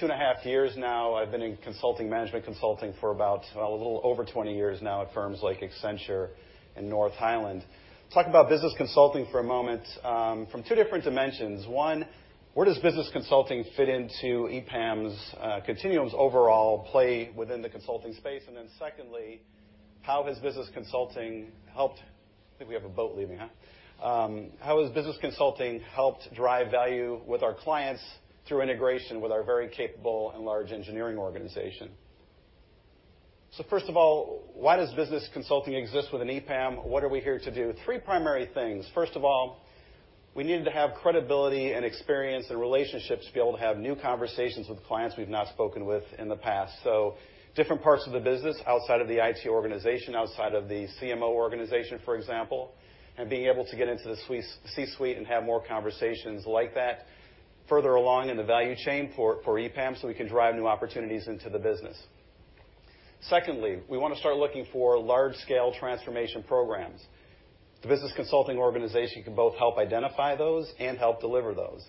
two and a half years now. I've been in management consulting for about a little over 20 years now at firms like Accenture and North Highland. I'll talk about business consulting for a moment from two different dimensions. One, where does business consulting fit into EPAM Continuum's overall play within the consulting space? Secondly, I think we have a boat leaving, huh? How has business consulting helped drive value with our clients through integration with our very capable and large engineering organization? First of all, why does business consulting exist within EPAM? What are we here to do? Three primary things. We needed to have credibility and experience and relationships to be able to have new conversations with clients we've not spoken with in the past. Different parts of the business outside of the IT organization, outside of the CMO organization, for example, and being able to get into the C-suite and have more conversations like that further along in the value chain for EPAM so we can drive new opportunities into the business. We want to start looking for large-scale transformation programs. The business consulting organization can both help identify those and help deliver those.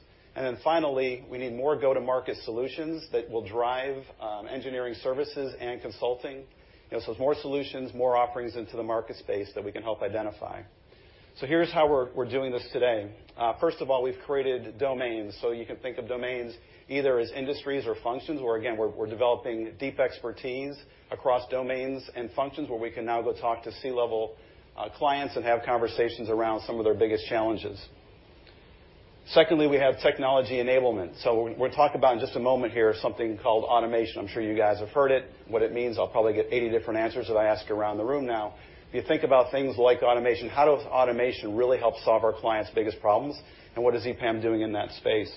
Finally, we need more go-to-market solutions that will drive engineering services and consulting. It's more solutions, more offerings into the market space that we can help identify. Here's how we're doing this today. We've created domains. You can think of domains either as industries or functions, where again, we're developing deep expertise across domains and functions where we can now go talk to C-level clients and have conversations around some of their biggest challenges. Secondly, we have technology enablement. We'll talk about in just a moment here something called automation. I'm sure you guys have heard it. What it means, I'll probably get 80 different answers if I ask around the room now. If you think about things like automation, how does automation really help solve our clients' biggest problems, and what is EPAM doing in that space?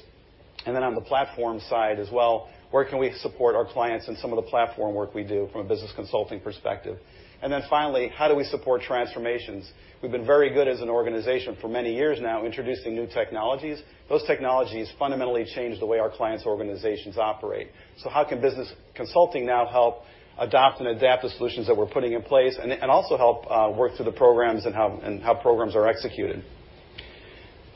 On the platform side as well, where can we support our clients in some of the platform work we do from a business consulting perspective? Finally, how do we support transformations? We've been very good as an organization for many years now introducing new technologies. Those technologies fundamentally change the way our clients' organizations operate. How can business consulting now help adopt and adapt the solutions that we're putting in place and also help work through the programs and how programs are executed?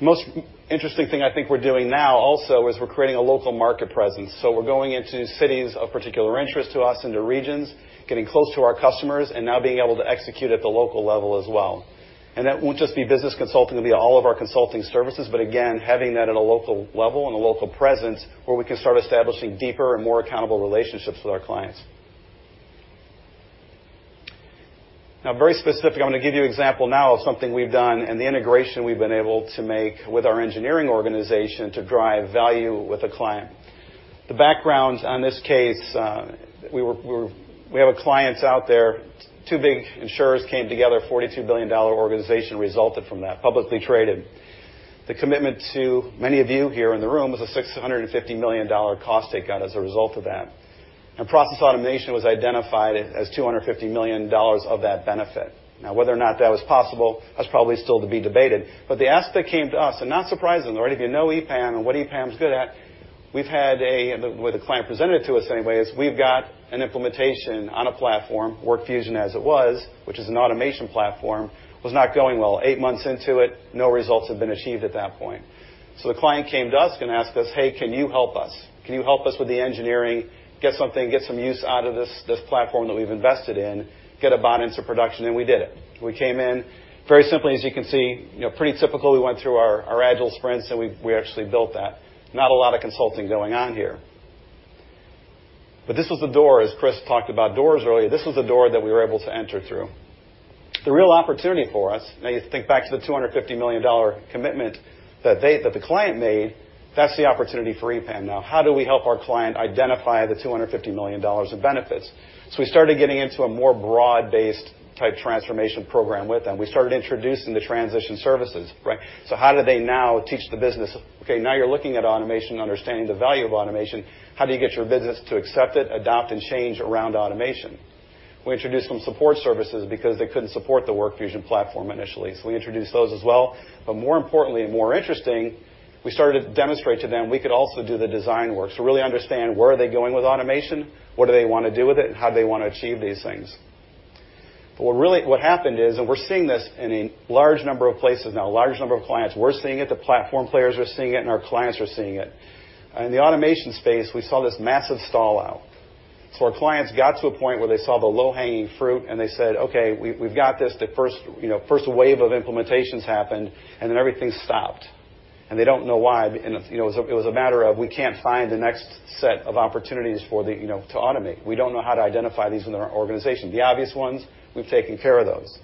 Most interesting thing I think we're doing now also is we're creating a local market presence. We're going into cities of particular interest to us, into regions, getting close to our customers, and now being able to execute at the local level as well. That won't just be business consulting, it'll be all of our consulting services. Again, having that at a local level and a local presence where we can start establishing deeper and more accountable relationships with our clients. Very specific, I'm going to give you an example now of something we've done and the integration we've been able to make with our engineering organization to drive value with a client. The background on this case, we have clients out there, two big insurers came together, $42 billion organization resulted from that, publicly traded. The commitment to many of you here in the room was a $650 million cost takeout as a result of that. Process automation was identified as $250 million of that benefit. Whether or not that was possible, that's probably still to be debated. The ask that came to us, and not surprisingly, if you know EPAM and what EPAM's good at, the way the client presented it to us anyway, is we've got an implementation on a platform, WorkFusion as it was, which is an automation platform, was not going well. Eight months into it, no results had been achieved at that point. The client came to us and asked us, "Hey, can you help us? Can you help us with the engineering, get something, get some use out of this platform that we've invested in, get a bot into production?" We did it. We came in very simply, as you can see, pretty typical. We went through our agile sprints, and we actually built that. Not a lot of consulting going on here. This was the door, as Chris talked about doors earlier, this was the door that we were able to enter through. The real opportunity for us, now you think back to the $250 million commitment that the client made, that's the opportunity for EPAM now. How do we help our client identify the $250 million of benefits? We started getting into a more broad-based type transformation program with them. We started introducing the transition services, right? How do they now teach the business? Okay, now you're looking at automation, understanding the value of automation. How do you get your business to accept it, adopt, and change around automation? We introduced some support services because they couldn't support the WorkFusion platform initially. We introduced those as well. More importantly and more interesting, we started to demonstrate to them we could also do the design work. Really understand where are they going with automation, what do they want to do with it, and how do they want to achieve these things. What happened is, and we're seeing this in a large number of places now, a large number of clients. We're seeing it, the platform players are seeing it, and our clients are seeing it. In the automation space, we saw this massive stall out. Our clients got to a point where they saw the low-hanging fruit and they said, "Okay, we've got this." The first wave of implementations happened, and then everything stopped, and they don't know why. It was a matter of we can't find the next set of opportunities to automate. We don't know how to identify these in our organization. The obvious ones, we've taken care of those.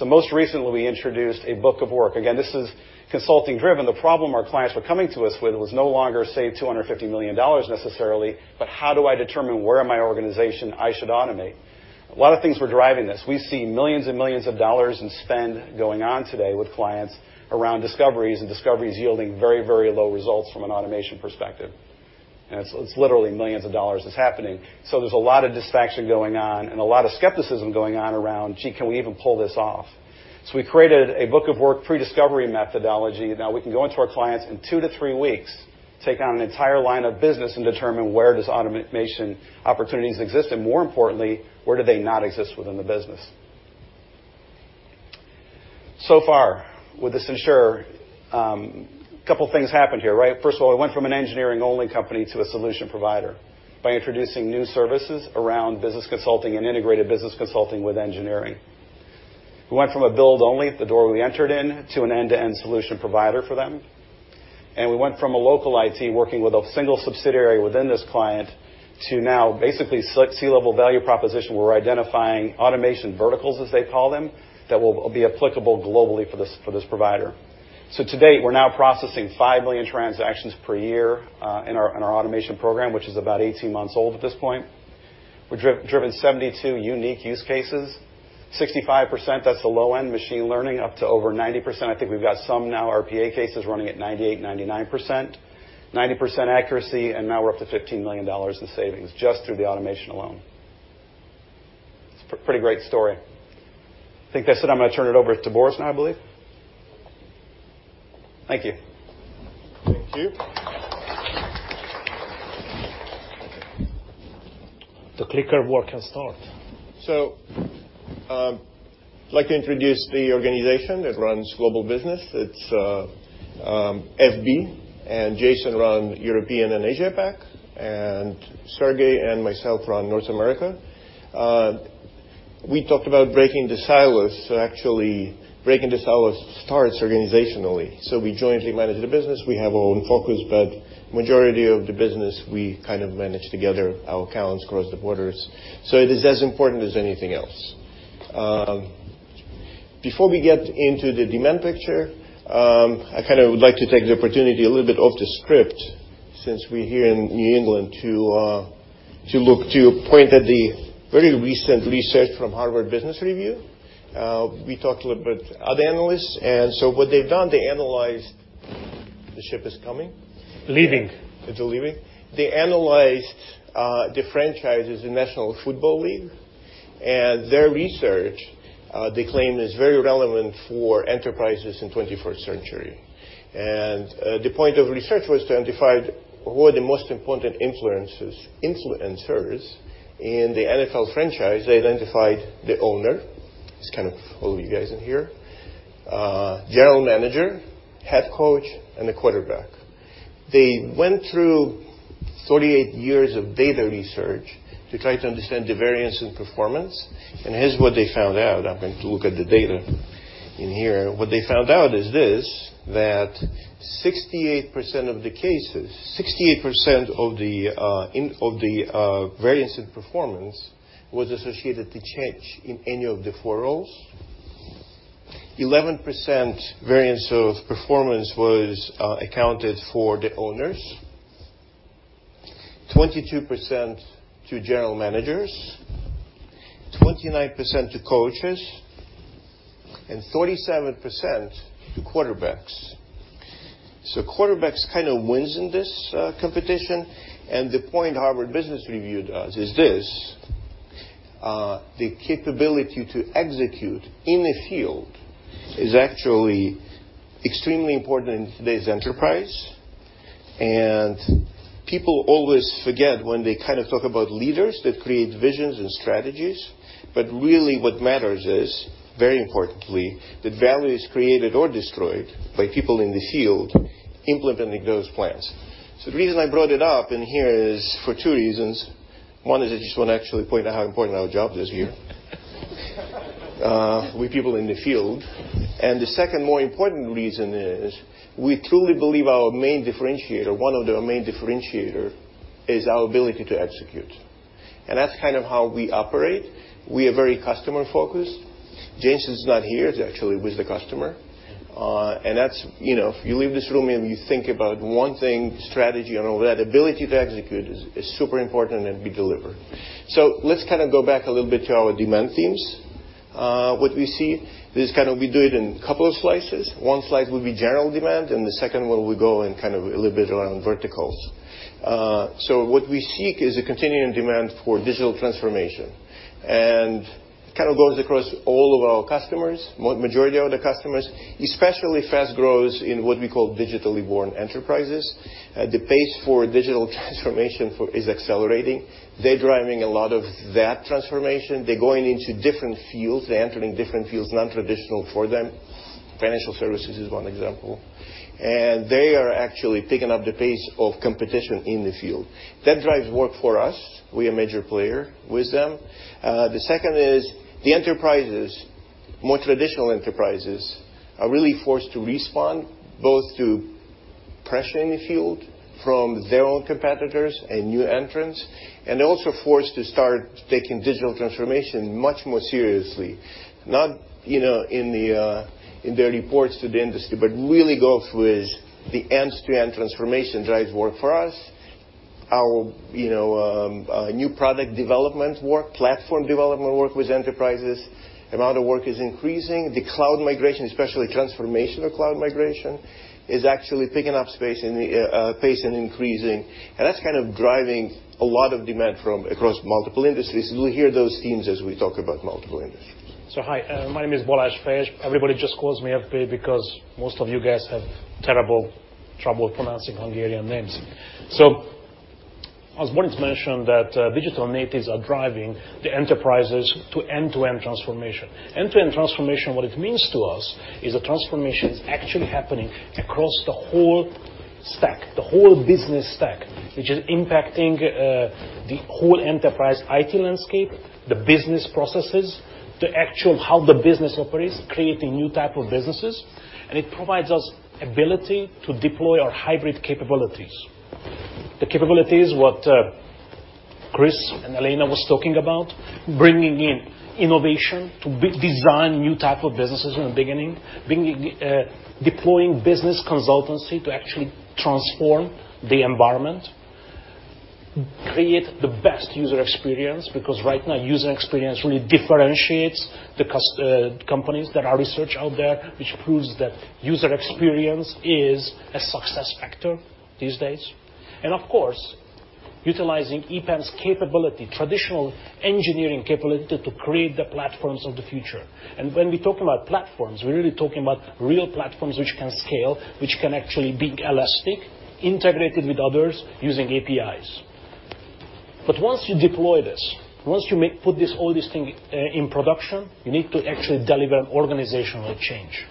Most recently, we introduced a book of work. Again, this is consulting-driven. The problem our clients were coming to us with was no longer, say, $250 million necessarily, but how do I determine where in my organization I should automate? A lot of things were driving this. We see millions and millions of dollars in spend going on today with clients around discoveries, and discoveries yielding very low results from an automation perspective. It's literally millions of dollars that's happening. There's a lot of distraction going on and a lot of skepticism going on around, gee, can we even pull this off? We created a book of work pre-discovery methodology. Now we can go into our clients in two to three weeks, take on an entire line of business, and determine where does automation opportunities exist, and more importantly, where do they not exist within the business. So far with this insurer, couple things happened here, right? First of all, it went from an engineering-only company to a solution provider by introducing new services around business consulting and integrated business consulting with engineering. We went from a build-only, the door we entered in, to an end-to-end solution provider for them. We went from a local IT working with a single subsidiary within this client to now basically C-level value proposition. We're identifying automation verticals, as they call them, that will be applicable globally for this provider. To date, we're now processing 5 million transactions per year in our Automation Program, which is about 18 months old at this point. We've driven 72 unique use cases, 65%, that's the low-end machine learning, up to over 90%. I think we've got some now RPA cases running at 98%, 99%, 90% accuracy, and now we're up to $15 million in savings just through the automation alone. It's a pretty great story. I think that's it. I'm going to turn it over to Boris now, I believe. Thank you. Thank you. The clicker work can start. I'd like to introduce the organization that runs global business. It's FB, and Jason run European and Asia Pac, and Sergey and myself run North America. We talked about breaking the silos. Actually, breaking the silos starts organizationally. We jointly manage the business. We have our own focus, but majority of the business, we kind of manage together, our accounts across the borders. It is as important as anything else. Before we get into the demand picture, I would like to take the opportunity a little bit off the script since we're here in New England to point at the very recent research from "Harvard Business Review." We talked a little bit with other analysts. What they've done, they analyzed The ship is coming. Leaving. It's leaving? They analyzed the franchises in National Football League, and their research, they claim, is very relevant for enterprises in 21st century. The point of research was to identify who are the most important influencers in the NFL franchise. They identified the owner. It's kind of all you guys in here. General manager, head coach, and the quarterback. They went through 48 years of data research to try to understand the variance in performance, and here's what they found out. I'm going to look at the data in here. What they found out is this, that 68% of the cases, 68% of the variance in performance was associated to change in any of the four roles. 11% variance of performance was accounted for the owners, 22% to general managers, 29% to coaches, and 47% to quarterbacks. Quarterbacks kind of wins in this competition, the point Harvard Business Review does is this. The capability to execute in the field is actually extremely important in today's enterprise. People always forget when they talk about leaders that create visions and strategies, but really what matters is, very importantly, that value is created or destroyed by people in the field implementing those plans. The reason I brought it up in here is for two reasons. One is I just want to actually point out how important our job is here. We people in the field. The second more important reason is we truly believe our main differentiator, one of the main differentiator is our ability to execute. That's kind of how we operate. We are very customer-focused. Jason's not here. He's actually with the customer. If you leave this room, and you think about one thing, strategy and all that, ability to execute is super important, and we deliver. Let's go back a little bit to our demand themes. What we see is we do it in a couple of slices. One slice will be general demand, and the second one we go in a little bit around verticals. What we seek is a continuing demand for digital transformation. It kind of goes across all of our customers, majority of the customers, especially fast growers in what we call digitally born enterprises. The pace for digital transformation is accelerating. They're driving a lot of that transformation. They're going into different fields. They're entering different fields, nontraditional for them. Financial services is one example. They are actually picking up the pace of competition in the field. That drives work for us. We're a major player with them. The second is the enterprises, more traditional enterprises, are really forced to respond both to pressure in the field from their own competitors and new entrants, and they're also forced to start taking digital transformation much more seriously. Not in their reports to the industry, but really go through the end-to-end transformation drives work for us. Our new product development work, platform development work with enterprises, amount of work is increasing. The cloud migration, especially transformation of cloud migration, is actually picking up pace and increasing. That's kind of driving a lot of demand from across multiple industries, and we'll hear those themes as we talk about multiple industries. Hi. My name is Balazs Fejes. Everybody just calls me FP because most of you guys have terrible trouble pronouncing Hungarian names. As Boris mentioned, that digital natives are driving the enterprises to end-to-end transformation. End-to-end transformation, what it means to us is a transformation that's actually happening across the whole stack, the whole business stack, which is impacting the whole enterprise IT landscape, the business processes, the actual how the business operates, creating new type of businesses, and it provides us ability to deploy our hybrid capabilities. The capabilities Chris and Eleina was talking about bringing in innovation to design new type of businesses in the beginning, deploying business consultancy to actually transform the environment, create the best user experience, because right now, user experience really differentiates the companies. There are research out there which proves that user experience is a success factor these days. Of course, utilizing EPAM's capability, traditional engineering capability to create the platforms of the future. When we talk about platforms, we're really talking about real platforms which can scale, which can actually be elastic, integrated with others using APIs. Once you deploy this, once you put all these things in production, you need to actually deliver organizational change.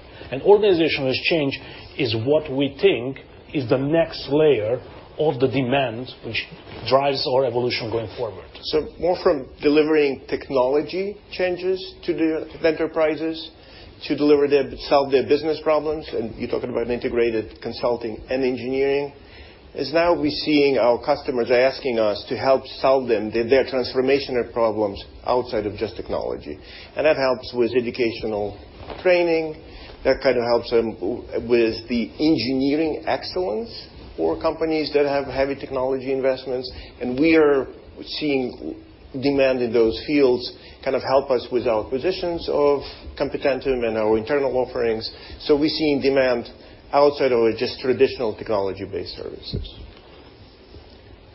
Organizational change is what we think is the next layer of the demand, which drives our evolution going forward. More from delivering technology changes to the enterprises to solve their business problems, and you're talking about integrated consulting and engineering, now we're seeing our customers are asking us to help solve their transformational problems outside of just technology. That helps with educational training. That kind of helps them with the Engineering Excellence for companies that have heavy technology investments. We are seeing demand in those fields kind of help us with our positions of Competentum and our internal offerings. We're seeing demand outside of just traditional technology-based services.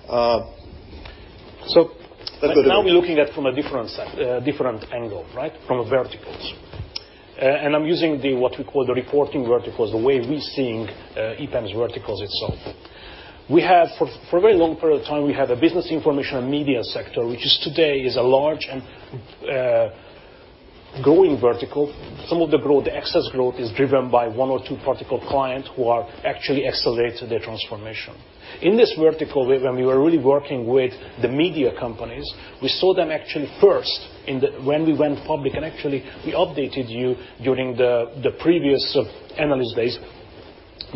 Now we're looking at from a different angle, right? From verticals. I'm using what we call the reporting verticals, the way we're seeing EPAM's verticals itself. For a very long period of time, we had a business information and media sector, which today is a large and growing vertical. Some of the excess growth is driven by one or two particular clients who have actually accelerated their transformation. In this vertical, when we were really working with the media companies, we saw them actually first when we went public, and actually we updated you during the previous analyst days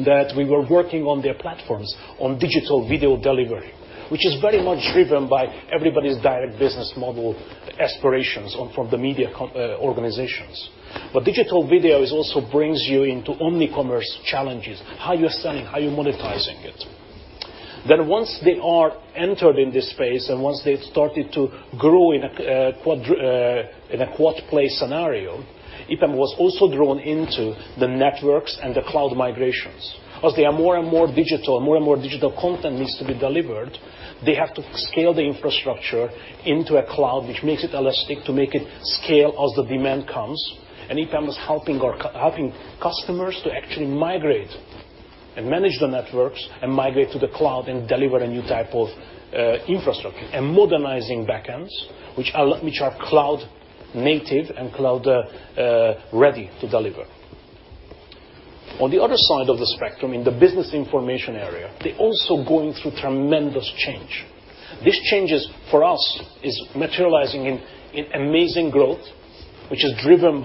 that we were working on their platforms on digital video delivery. Which is very much driven by everybody's direct business model aspirations from the media organizations. Digital video also brings you into omni-commerce challenges, how you're selling, how you're monetizing it. Once they are entered in this space, and once they've started to grow in a quad-play scenario, EPAM was also drawn into the networks and the cloud migrations. They are more and more digital, more and more digital content needs to be delivered, they have to scale the infrastructure into a cloud, which makes it elastic to make it scale as the demand comes. EPAM is helping customers to actually migrate and manage the networks and migrate to the cloud and deliver a new type of infrastructure, and modernizing backends, which are cloud native and cloud ready to deliver. The other side of the spectrum, in the business information area, they're also going through tremendous change. This change is, for us, is materializing in amazing growth, which is driven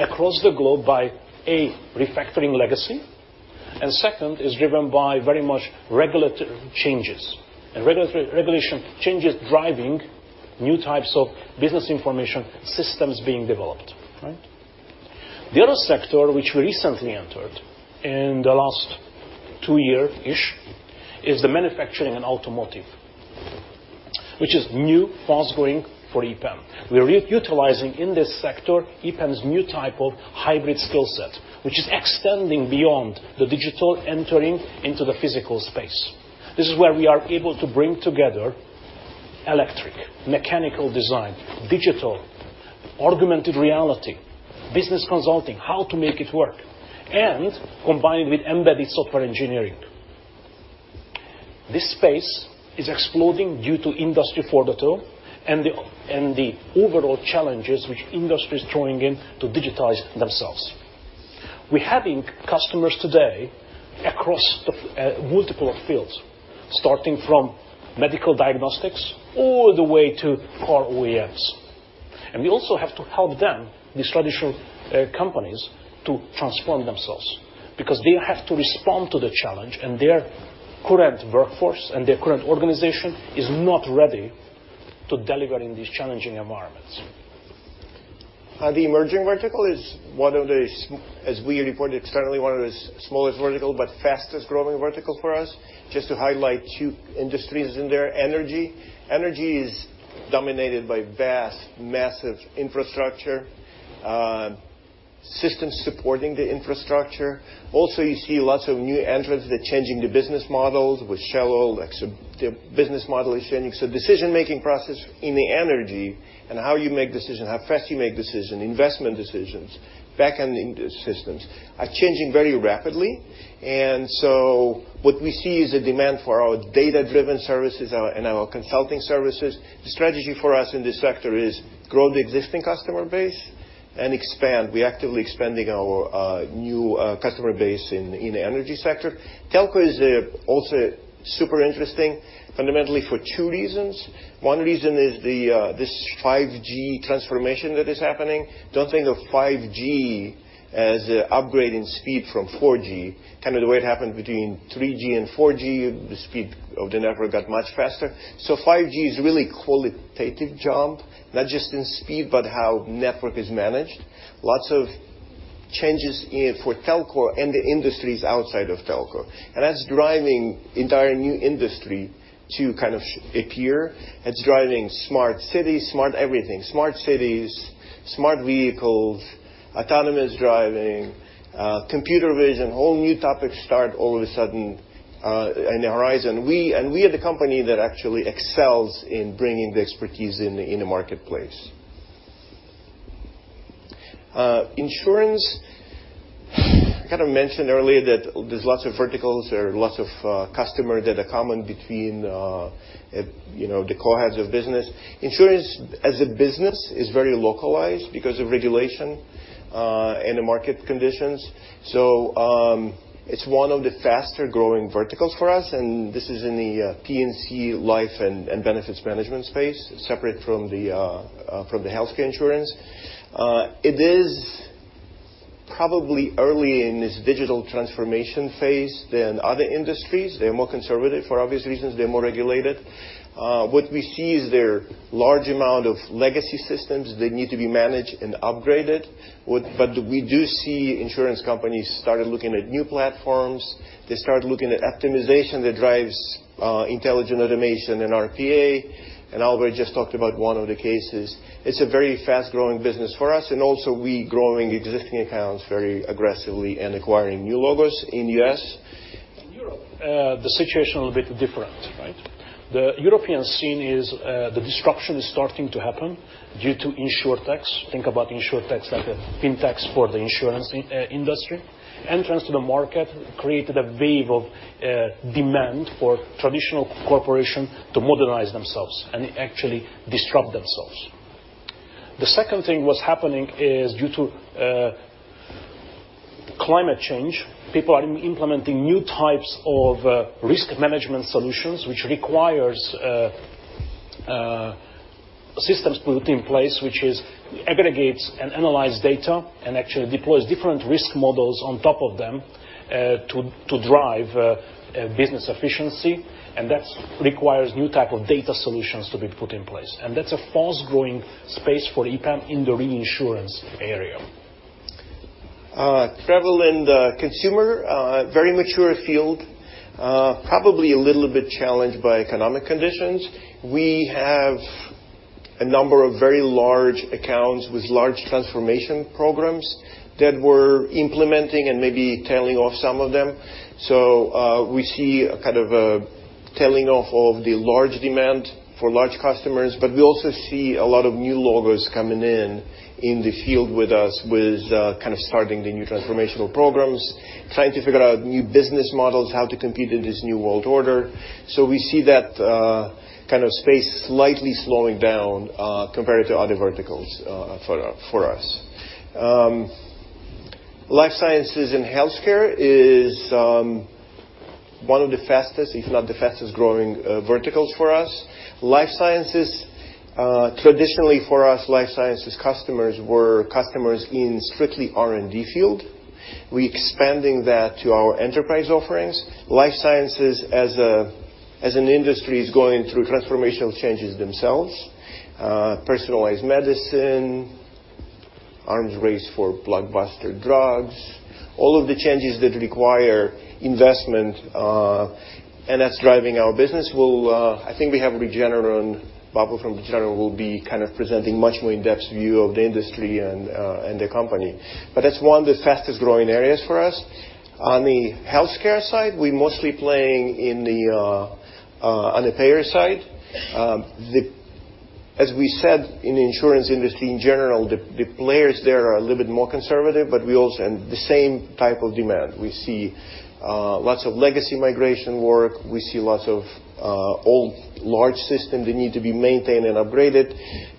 across the globe by, A, refactoring legacy, and second is driven by very much regulatory changes, and regulation changes driving new types of business information systems being developed. Right? The other sector which we recently entered in the last two year-ish, is the manufacturing and automotive, which is new, fast-growing for EPAM. We're utilizing in this sector, EPAM's new type of hybrid skill set, which is extending beyond the digital, entering into the physical space. This is where we are able to bring together electric, mechanical design, digital, augmented reality, business consulting, how to make it work, and combined with embedded software engineering. This space is exploding due to Industry 4.0 and the overall challenges which industry is throwing in to digitize themselves. We're having customers today across multiple fields, starting from medical diagnostics all the way to car OEMs. We also have to help them, these traditional companies, to transform themselves because they have to respond to the challenge, and their current workforce and their current organization is not ready to deliver in these challenging environments. The emerging vertical is, as we reported externally, one of the smallest vertical, but fastest-growing vertical for us. Just to highlight two industries in there. Energy. Energy is dominated by vast, massive infrastructure, systems supporting the infrastructure. Also, you see lots of new entrants that are changing the business models with Shell, their business model is changing. Decision-making process in the energy and how you make decision, how fast you make decision, investment decisions, backend systems are changing very rapidly. What we see is a demand for our data-driven services and our consulting services. The strategy for us in this sector is grow the existing customer base and expand. We're actively expanding our new customer base in the energy sector. Telco is also super interesting fundamentally for two reasons. One reason is this 5G transformation that is happening. Don't think of 5G as upgrading speed from 4G, kind of the way it happened between 3G and 4G, the speed of the network got much faster. 5G is a really qualitative jump, not just in speed, but how network is managed. Changes for telco and the industries outside of telco. That's driving entire new industry to appear. It's driving smart cities, smart everything. Smart cities, smart vehicles, autonomous driving, computer vision, whole new topics start all of a sudden in the horizon. We are the company that actually excels in bringing the expertise in the marketplace. Insurance, I kind of mentioned earlier that there's lots of verticals or lots of customers that are common between the co-heads of business. Insurance as a business is very localized because of regulation and the market conditions. It's one of the faster-growing verticals for us, and this is in the P&C life and benefits management space, separate from the healthcare insurance. It is probably early in this digital transformation phase than other industries. They're more conservative for obvious reasons. They're more regulated. What we see is their large amount of legacy systems that need to be managed and upgraded. We do see insurance companies started looking at new platforms. They start looking at optimization that drives intelligent automation and RPA, and Albert just talked about one of the cases. It's a very fast-growing business for us, and also we growing existing accounts very aggressively and acquiring new logos in U.S. In Europe, the situation a little bit different, right? The European scene is, the disruption is starting to happen due to InsurTech. Think about InsurTech like a FinTech for the insurance industry. Entrance to the market created a wave of demand for traditional corporation to modernize themselves and actually disrupt themselves. The second thing was happening is due to climate change, people are implementing new types of risk management solutions, which requires systems put in place which aggregates and analyze data and actually deploys different risk models on top of them, to drive business efficiency. That requires new type of data solutions to be put in place. That's a fast-growing space for EPAM in the reinsurance area. Travel and consumer, very mature field. Probably a little bit challenged by economic conditions. We have a number of very large accounts with large transformation programs that we're implementing and maybe tailing off some of them. We see a kind of a tailing off of the large demand for large customers, but we also see a lot of new logos coming in in the field with us with starting the new transformational programs, trying to figure out new business models, how to compete in this new world order. We see that kind of space slightly slowing down, compared to other verticals for us. Life sciences and healthcare is one of the fastest, if not the fastest-growing verticals for us. Life sciences, traditionally for us, life sciences customers were customers in strictly R&D field. We are expanding that to our enterprise offerings. Life sciences as an industry is going through transformational changes themselves. Personalized medicine, arms race for blockbuster drugs, all of the changes that require investment, and that's driving our business. I think we have Regeneron. Pablo from Regeneron will be presenting much more in-depth view of the industry and the company. That's one of the fastest-growing areas for us. On the healthcare side, we mostly playing on the payer side. As we said, in the insurance industry in general, the players there are a little bit more conservative, and the same type of demand. We see lots of legacy migration work. We see lots of old large system that need to be maintained and upgraded.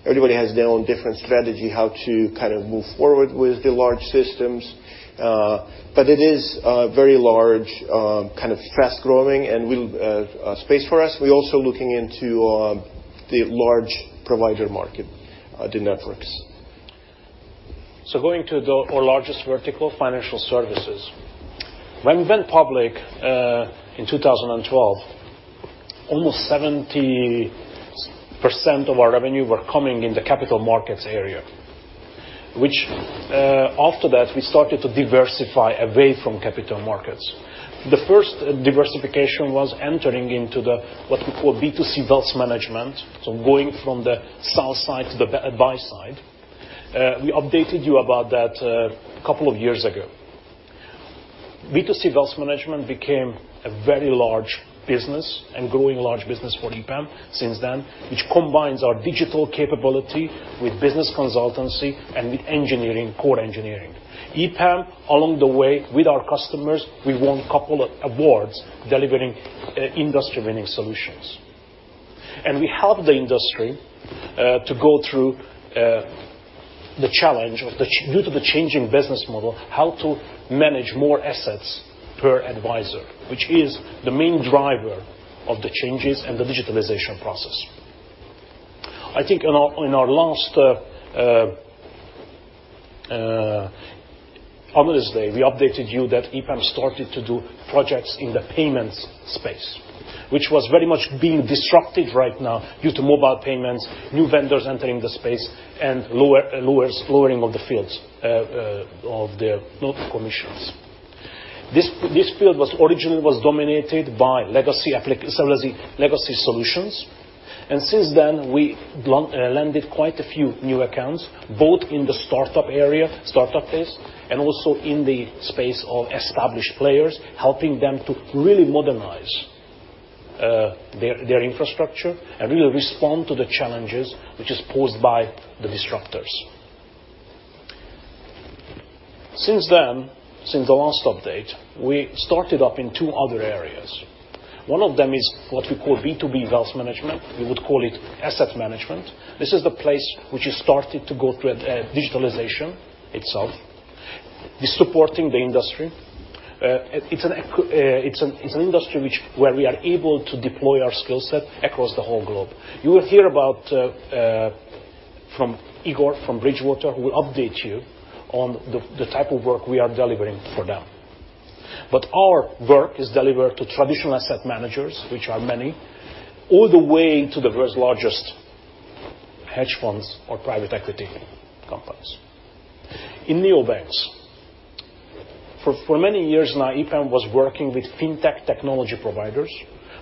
Everybody has their own different strategy how to move forward with the large systems. It is a very large, fast-growing space for us. We also looking into the large provider market, the networks. Going to our largest vertical, financial services. When we went public, in 2012, almost 70% of our revenue were coming in the capital markets area, which, after that, we started to diversify away from capital markets. The first diversification was entering into the, what we call B2C wealth management, going from the sell side to the buy side. We updated you about that a couple of years ago. B2C wealth management became a very large business and growing large business for EPAM since then, which combines our digital capability with business consultancy and with core engineering. EPAM, along the way, with our customers, we won couple awards delivering industry-winning solutions. We helped the industry to go through the challenge due to the changing business model, how to manage more assets per advisor, which is the main driver of the changes and the digitalization process. I think in our last Analyst Day, we updated you that EPAM started to do projects in the payments space, which was very much being disrupted right now due to mobile payments, new vendors entering the space, lowering of the fees of the commissions. This field was originally dominated by legacy solutions. Since then, we landed quite a few new accounts, both in the startup area, startup space, also in the space of established players, helping them to really modernize their infrastructure really respond to the challenges, which is posed by the disruptors. Since then, since the last update, we started up in two other areas. One of them is what we call B2B wealth management. We would call it asset management. This is the place which has started to go through a digitalization itself. We're supporting the industry. It's an industry where we are able to deploy our skill set across the whole globe. You will hear about from Igor, from Bridgewater, who will update you on the type of work we are delivering for them. Our work is delivered to traditional asset managers, which are many, all the way to the world's largest hedge funds or private equity companies. In neobanks. For many years now, EPAM was working with FinTech technology providers,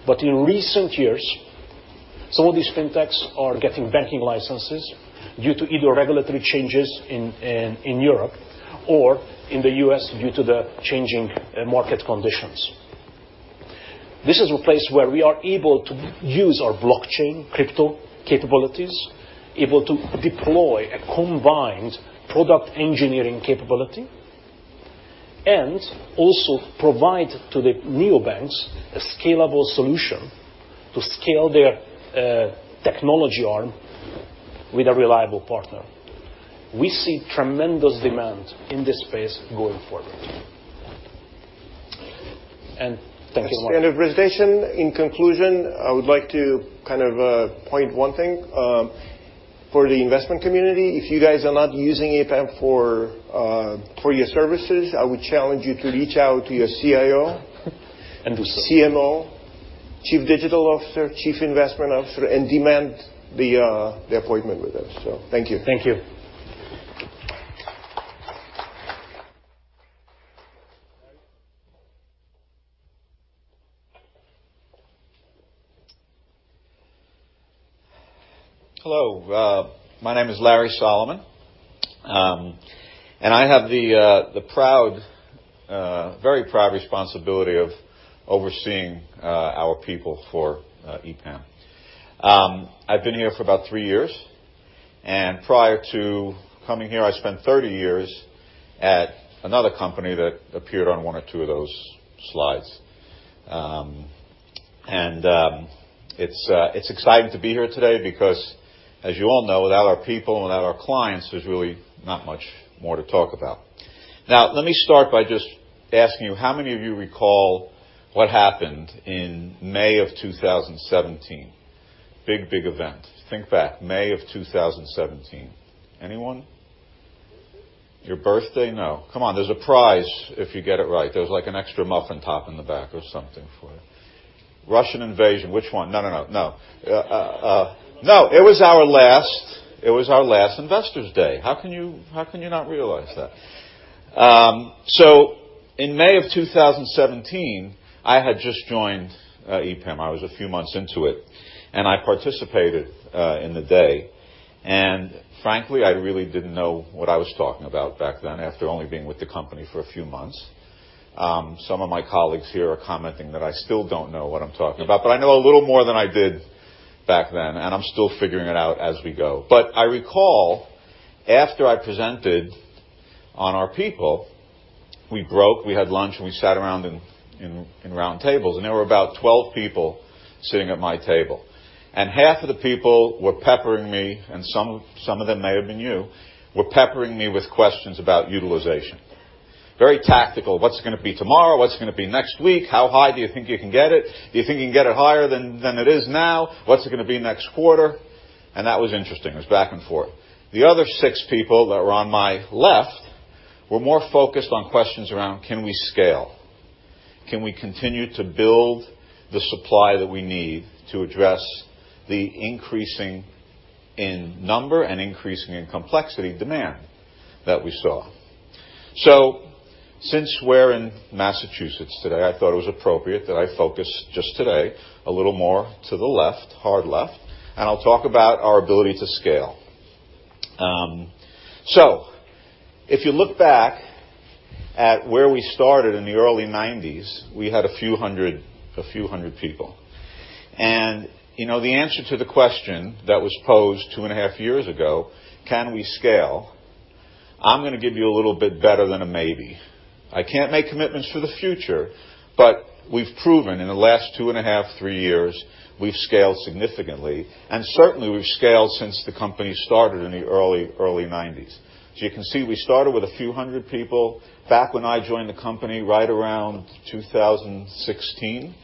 but in recent years, some of these FinTechs are getting banking licenses due to either regulatory changes in Europe or in the U.S. due to the changing market conditions. This is a place where we are able to use our blockchain crypto capabilities, able to deploy a combined product engineering capability, and also provide to the neobanks a scalable solution to scale their technology arm with a reliable partner. We see tremendous demand in this space going forward. Thank you, Martin. End of presentation. In conclusion, I would like to point one thing. For the investment community, if you guys are not using EPAM for your services, I would challenge you to reach out to your CIO. Do so. CMO, Chief Digital Officer, Chief Investment Officer, and demand the appointment with them. Thank you. Thank you. Hello, my name is Larry Solomon. I have the very proud responsibility of overseeing our people for EPAM. I've been here for about three years, and prior to coming here, I spent 30 years at another company that appeared on one or two of those slides. It's exciting to be here today because, as you all know, without our people and without our clients, there's really not much more to talk about. Now let me start by just asking you, how many of you recall what happened in May of 2017? Big event. Think back. May of 2017. Anyone? Birthday. Your birthday? No. Come on, there's a prize if you get it right. There's an extra muffin top in the back or something for you. Russian invasion. Which one? No. No. It was our last Investors Day. How can you not realize that? In May of 2017, I had just joined EPAM. I was a few months into it. I participated in the day, and frankly, I really didn't know what I was talking about back then after only being with the company for a few months. Some of my colleagues here are commenting that I still don't know what I'm talking about. I know a little more than I did back then, and I'm still figuring it out as we go. I recall after I presented on our people, we broke, we had lunch, and we sat around in round tables, and there were about 12 people sitting at my table. Half of the people were peppering me, and some of them may have been you, were peppering me with questions about utilization. Very tactical. What's it going to be tomorrow? What's it going to be next week? How high do you think you can get it? Do you think you can get it higher than it is now? What's it going to be next quarter? That was interesting. It was back and forth. The other six people that were on my left were more focused on questions around, can we scale? Can we continue to build the supply that we need to address the increasing in number and increasing in complexity demand that we saw? Since we're in Massachusetts today, I thought it was appropriate that I focus just today a little more to the left, hard left, and I'll talk about our ability to scale. If you look back at where we started in the early 90s, we had a few hundred people. The answer to the question that was posed 2.5 years ago, can we scale? I'm going to give you a little bit better than a maybe. I can't make commitments for the future, but we've proven in the last 2.5, 3 years, we've scaled significantly, and certainly we've scaled since the company started in the early 90s. You can see we started with a few hundred people. Back when I joined the company right around 2016,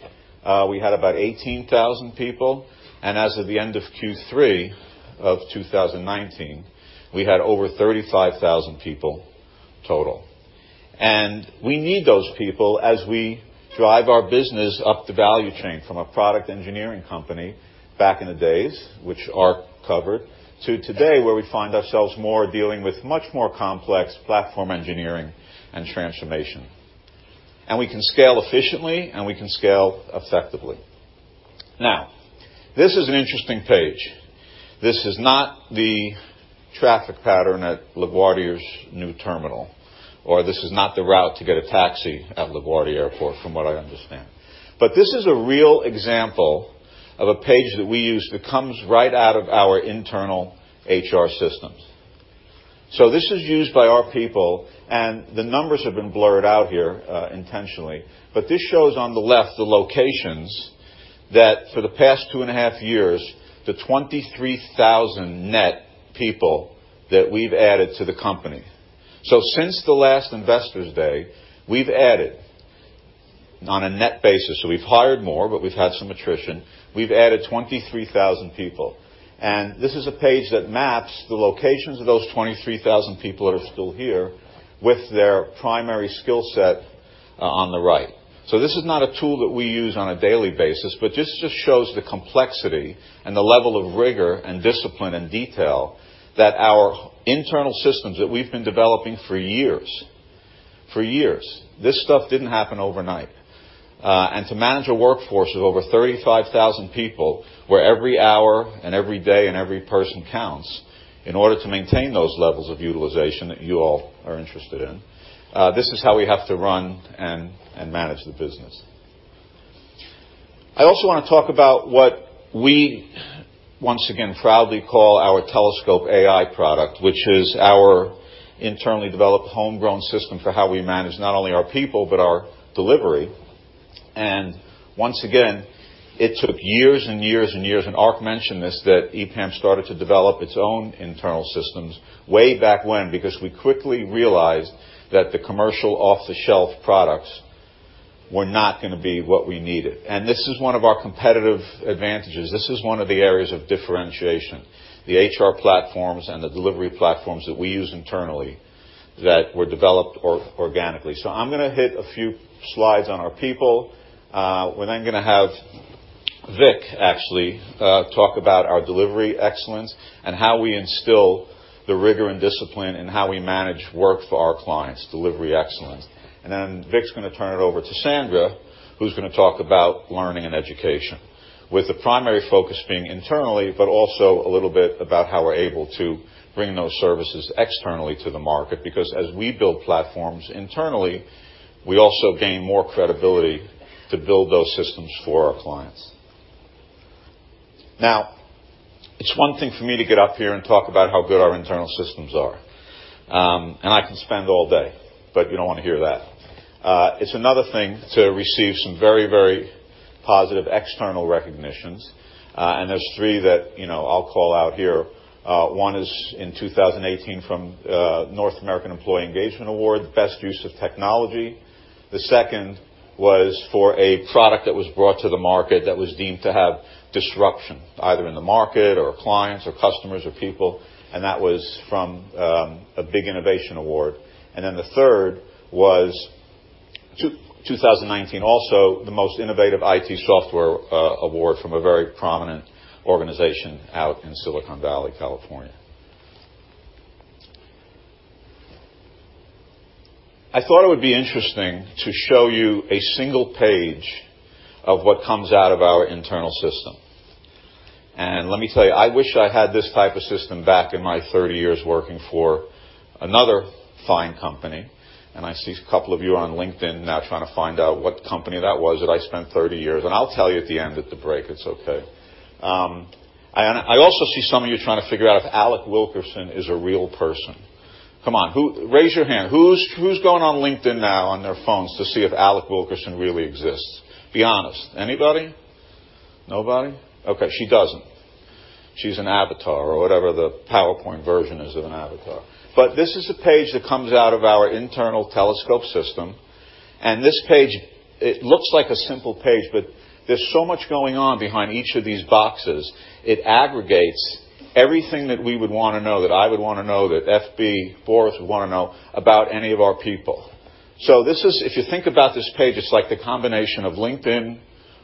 we had about 18,000 people. As of the end of Q3 of 2019, we had over 35,000 people total. We need those people as we drive our business up the value chain from a product engineering company back in the days, which Ark covered, to today, where we find ourselves more dealing with much more complex platform engineering and transformation. We can scale efficiently, and we can scale effectively. Now, this is an interesting page. This is not the traffic pattern at LaGuardia's new terminal, or this is not the route to get a taxi at LaGuardia Airport, from what I understand. This is a real example of a page that we use that comes right out of our internal HR systems. This is used by our people, and the numbers have been blurred out here intentionally. This shows on the left the locations that for the past 2.5 years, the 23,000 net people that we've added to the company. Since the last Investors Day, we've added on a net basis. We've hired more, but we've had some attrition. We've added 23,000 people. This is a page that maps the locations of those 23,000 people that are still here with their primary skill set on the right. This is not a tool that we use on a daily basis, but this just shows the complexity and the level of rigor and discipline and detail that our internal systems that we've been developing for years. This stuff didn't happen overnight. To manage a workforce of over 35,000 people, where every hour and every day and every person counts in order to maintain those levels of utilization that you all are interested in. This is how we have to run and manage the business. I also want to talk about what we once again proudly call our Telescope AI product, which is our internally developed homegrown system for how we manage not only our people but our delivery. Once again, it took years and years, and Ark mentioned this, that EPAM started to develop its own internal systems way back when, because we quickly realized that the commercial off-the-shelf products were not going to be what we needed. This is one of our competitive advantages. This is one of the areas of differentiation, the HR platforms and the delivery platforms that we use internally that were developed organically. I'm going to hit a few slides on our people. We're then going to have Vic actually talk about our delivery excellence and how we instill the rigor and discipline and how we manage work for our clients' delivery excellence. Then Vic's going to turn it over to Sandra, who's going to talk about learning and education, with the primary focus being internally, but also a little bit about how we're able to bring those services externally to the market. Because as we build platforms internally, we also gain more credibility to build those systems for our clients. Now, it's one thing for me to get up here and talk about how good our internal systems are. I can spend all day, but you don't want to hear that. It's another thing to receive some very, very positive external recognitions. There's three that I'll call out here. One is in 2018 from North American Employee Engagement Awards, Best Use of Technology. The second was for a product that was brought to the market that was deemed to have disruption, either in the market or clients or customers or people, and that was from a big innovation award. The third was 2019, also the Most Innovative IT Software award from a very prominent organization out in Silicon Valley, California. I thought it would be interesting to show you a single page of what comes out of our internal system. Let me tell you, I wish I had this type of system back in my 30 years working for another fine company. I see a couple of you on LinkedIn now trying to find out what company that was that I spent 30 years. I'll tell you at the end, at the break, it's okay. I also see some of you trying to figure out if Alec Wilkerson is a real person. Come on, raise your hand. Who's going on LinkedIn now on their phones to see if Alec Wilkerson really exists? Be honest. Anybody? Nobody? Okay, she doesn't. She's an avatar or whatever the PowerPoint version is of an avatar. This is a page that comes out of our internal Telescope system. This page, it looks like a simple page, but there's so much going on behind each of these boxes. It aggregates everything that we would want to know, that I would want to know, that FB, Boris would want to know about any of our people. If you think about this page, it's like the combination of LinkedIn,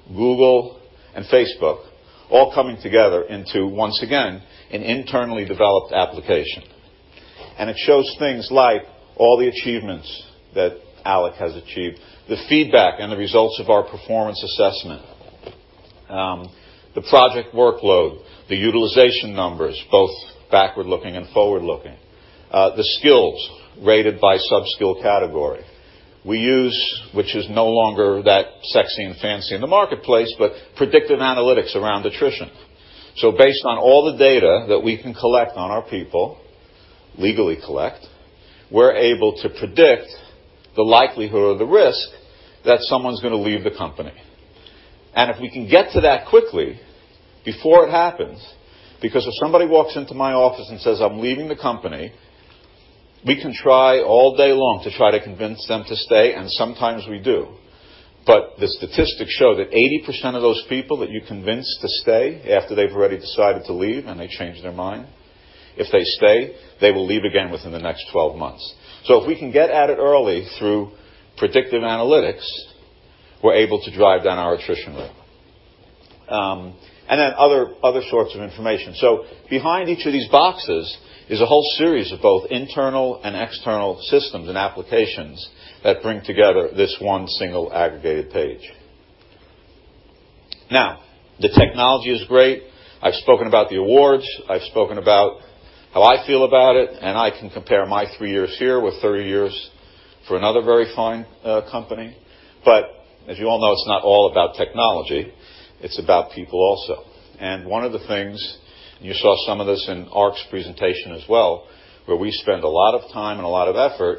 Google, and Facebook all coming together into, once again, an internally developed application. It shows things like all the achievements that Alec has achieved, the feedback and the results of our performance assessment. The project workload, the utilization numbers, both backward-looking and forward-looking. The skills rated by sub-skill category. We use, which is no longer that sexy and fancy in the marketplace, but predictive analytics around attrition. Based on all the data that we can collect on our people, legally collect, we're able to predict the likelihood or the risk that someone's going to leave the company. If we can get to that quickly before it happens, because if somebody walks into my office and says, "I'm leaving the company," we can try all day long to try to convince them to stay, and sometimes we do. The statistics show that 80% of those people that you convince to stay after they've already decided to leave and they change their mind, if they stay, they will leave again within the next 12 months. If we can get at it early through predictive analytics, we're able to drive down our attrition rate. Other sorts of information. Behind each of these boxes is a whole series of both internal and external systems and applications that bring together this one single aggregated page. Now, the technology is great. I've spoken about the awards. I've spoken about how I feel about it, and I can compare my three years here with 30 years for another very fine company. As you all know, it's not all about technology, it's about people also. One of the things, you saw some of this in Ark's presentation as well, where we spend a lot of time and a lot of effort,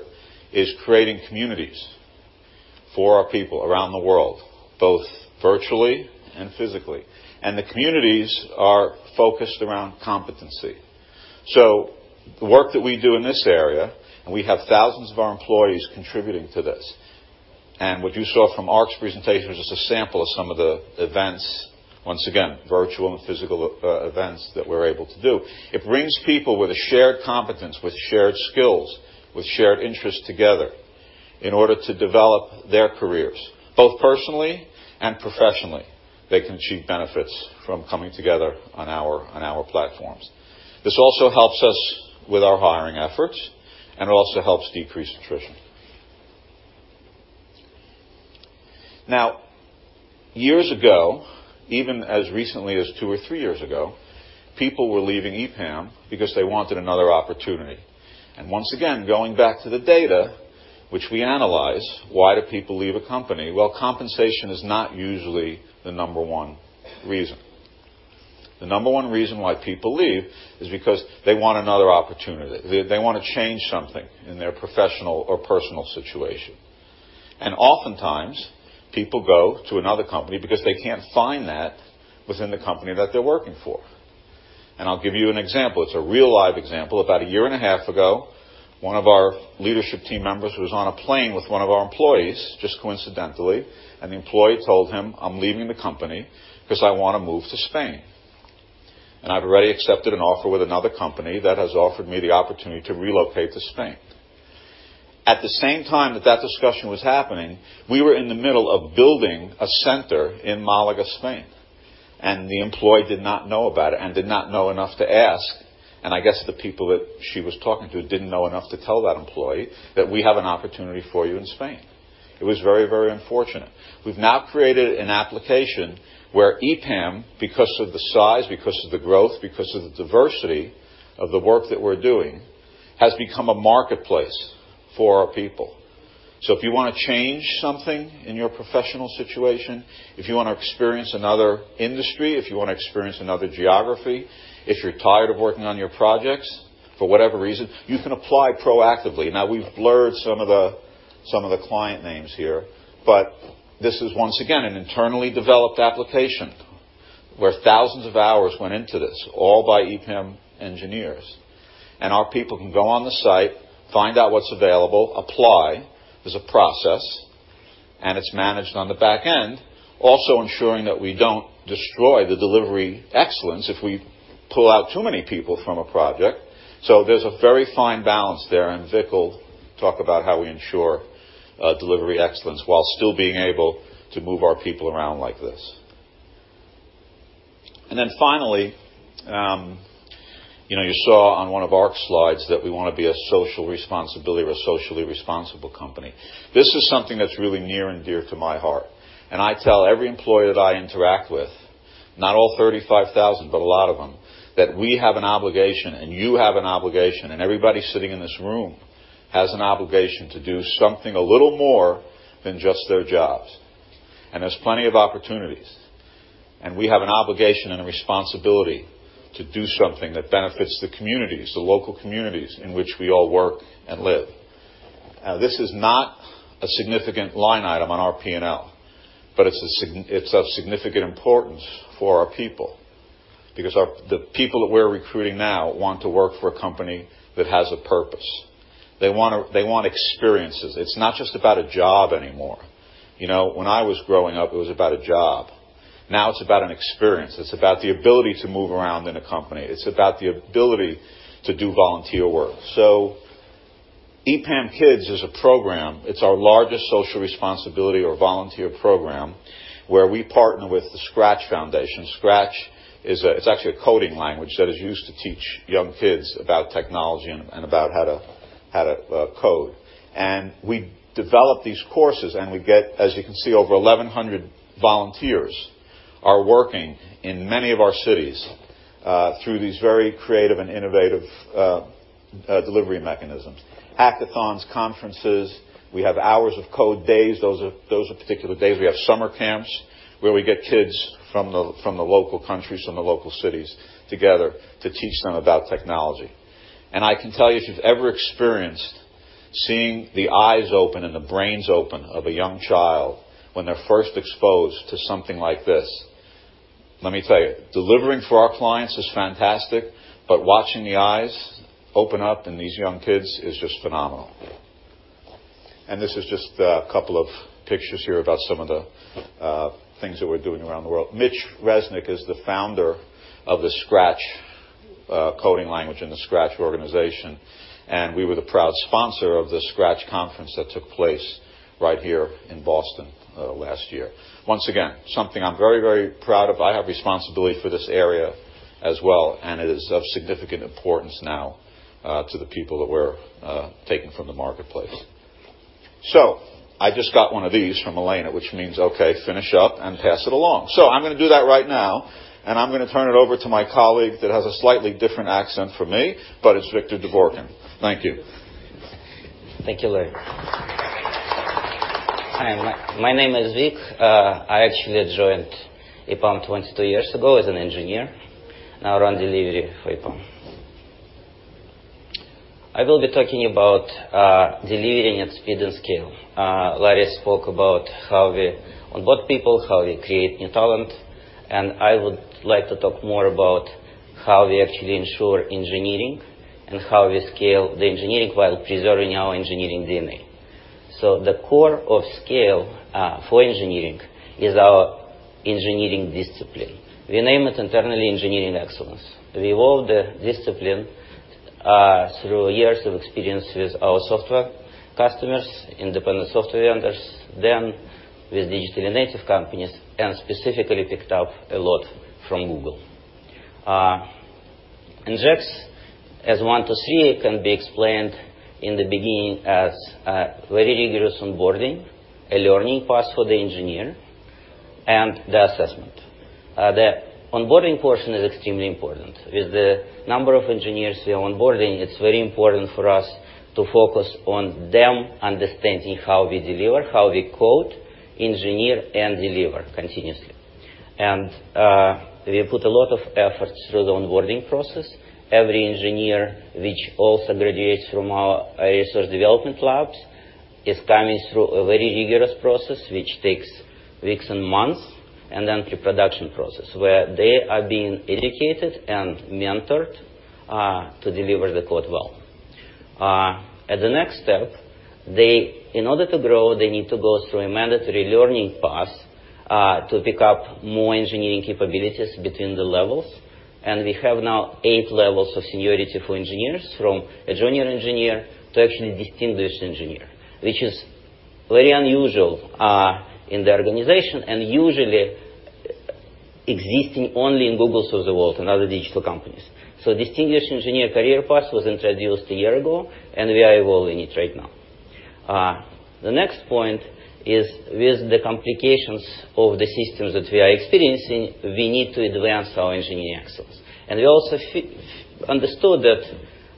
is creating communities for our people around the world, both virtually and physically. The communities are focused around competency. The work that we do in this area, and we have thousands of our employees contributing to this. What you saw from Ark's presentation was just a sample of some of the events, once again, virtual and physical events that we're able to do. It brings people with a shared competence, with shared skills, with shared interests together in order to develop their careers, both personally and professionally, they can achieve benefits from coming together on our platforms. This also helps us with our hiring efforts and also helps decrease attrition. Years ago, even as recently as two or three years ago, people were leaving EPAM because they wanted another opportunity. Once again, going back to the data which we analyze, why do people leave a company? Well, compensation is not usually the number 1 reason. The number 1 reason why people leave is because they want another opportunity. They want to change something in their professional or personal situation. Oftentimes, people go to another company because they can't find that within the company that they're working for. I'll give you an example. It's a real live example. About a year and a half ago, one of our leadership team members was on a plane with one of our employees, just coincidentally, and the employee told him, "I'm leaving the company because I want to move to Spain, and I've already accepted an offer with another company that has offered me the opportunity to relocate to Spain." At the same time that that discussion was happening, we were in the middle of building a center in Málaga, Spain, and the employee did not know about it and did not know enough to ask, and I guess the people that she was talking to didn't know enough to tell that employee that we have an opportunity for you in Spain. It was very unfortunate. We've now created an application where EPAM, because of the size, because of the growth, because of the diversity of the work that we're doing, has become a marketplace for our people. If you want to change something in your professional situation, if you want to experience another industry, if you want to experience another geography, if you're tired of working on your projects, for whatever reason, you can apply proactively. We've blurred some of the client names here, but this is once again, an internally developed application where thousands of hours went into this all by EPAM engineers. Our people can go on the site, find out what's available, apply. There's a process, and it's managed on the back end, also ensuring that we don't destroy the delivery excellence if we pull out too many people from a project. There's a very fine balance there. Vic will talk about how we ensure delivery excellence while still being able to move our people around like this. Finally, you saw on one of Ark's slides that we want to be a social responsibility or a socially responsible company. This is something that's really near and dear to my heart. I tell every employee that I interact with, not all 35,000, but a lot of them, that we have an obligation, and you have an obligation, and everybody sitting in this room has an obligation to do something a little more than just their jobs. There's plenty of opportunities. We have an obligation and a responsibility to do something that benefits the communities, the local communities in which we all work and live. This is not a significant line item on our P&L, but it's of significant importance for our people because the people that we're recruiting now want to work for a company that has a purpose. They want experiences. It's not just about a job anymore. When I was growing up, it was about a job. Now it's about an experience. It's about the ability to move around in a company. It's about the ability to do volunteer work. EPAM eKids is a program. It's our largest social responsibility or volunteer program where we partner with the Scratch Foundation. Scratch is actually a coding language that is used to teach young kids about technology and about how to code. We develop these courses, and we get, as you can see, over 1,100 volunteers are working in many of our cities, through these very creative and innovative delivery mechanisms. Hackathons, conferences, we have hours of code days. Those are particular days. We have summer camps where we get kids from the local countries, from the local cities together to teach them about technology. I can tell you, if you've ever experienced seeing the eyes open and the brains open of a young child when they're first exposed to something like this, let me tell you, delivering for our clients is fantastic, but watching the eyes open up in these young kids is just phenomenal. This is just a couple of pictures here about some of the things that we're doing around the world. Mitch Resnick is the founder of the Scratch coding language and the Scratch organization. We were the proud sponsor of the Scratch conference that took place right here in Boston last year. Once again, something I'm very, very proud of. I have responsibility for this area as well, and it is of significant importance now to the people that we're taking from the marketplace. I just got one of these from Elaina, which means, okay, finish up and pass it along. I'm going to do that right now, and I'm going to turn it over to my colleague that has a slightly different accent from me, but it's Victor Dvorkin. Thank you. Thank you, Larry. Hi, my name is Vic. I actually joined EPAM 22 years ago as an engineer, now run delivery for EPAM. I will be talking about delivering at speed and scale. Larry spoke about how we onboard people, how we create new talent, I would like to talk more about how we actually ensure engineering and how we scale the engineering while preserving our engineering DNA. The core of scale for engineering is our engineering discipline. We name it internally Engineering Excellence. We evolved the discipline through years of experience with our software customers, independent software vendors, then with digitally native companies, and specifically picked up a lot from Google. EngX as one, two, three can be explained in the beginning as a very rigorous onboarding, a learning path for the engineer, and the assessment. The onboarding portion is extremely important. With the number of engineers we are onboarding, it's very important for us to focus on them understanding how we deliver, how we code, engineer, and deliver continuously. We put a lot of effort through the onboarding process. Every engineer, which also graduates from our resource development labs, is coming through a very rigorous process, which takes weeks and months, and then through production process, where they are being educated and mentored to deliver the code well. At the next step, in order to grow, they need to go through a mandatory learning path, to pick up more engineering capabilities between the levels. We have now 8 levels of seniority for engineers, from a junior engineer to actually distinguished engineer, which is very unusual in the organization and usually existing only in Googles of the world and other digital companies. Distinguished engineer career path was introduced a year ago, and we are evolving it right now. The next point is with the complications of the systems that we are experiencing, we need to advance our Engineering Excellence. We also understood that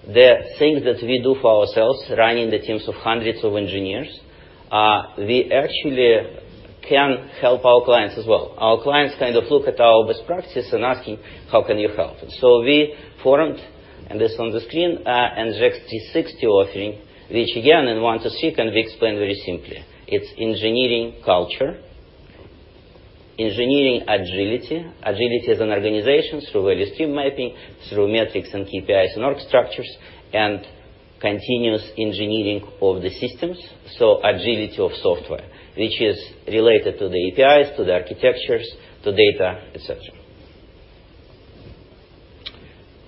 the things that we do for ourselves, running the teams of hundreds of engineers, we actually can help our clients as well. Our clients look at our best practices and asking, "How can you help us?" We formed, and this on the screen, an EX 360 offering, which again, in one to three can be explained very simply. It's engineering culture, engineering agility as an organization through value stream mapping, through metrics and KPIs and org structures, and continuous engineering of the systems, so agility of software, which is related to the APIs, to the architectures, to data,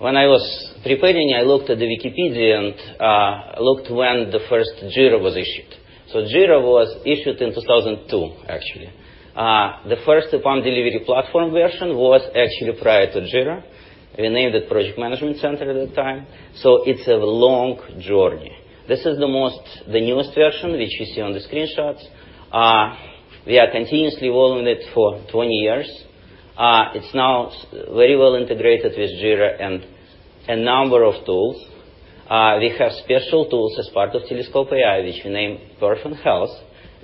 et cetera. When I was preparing, I looked at the Wikipedia and looked when the first Jira was issued. Jira was issued in 2002, actually. The first EPAM delivery platform version was actually prior to Jira. We named it Project Management Center at the time. It's a long journey. This is the newest version, which you see on the screenshots. We are continuously evolving it for 20 years. It's now very well integrated with Jira and a number of tools. We have special tools as part of Telescope AI, which we name [Perf on Health],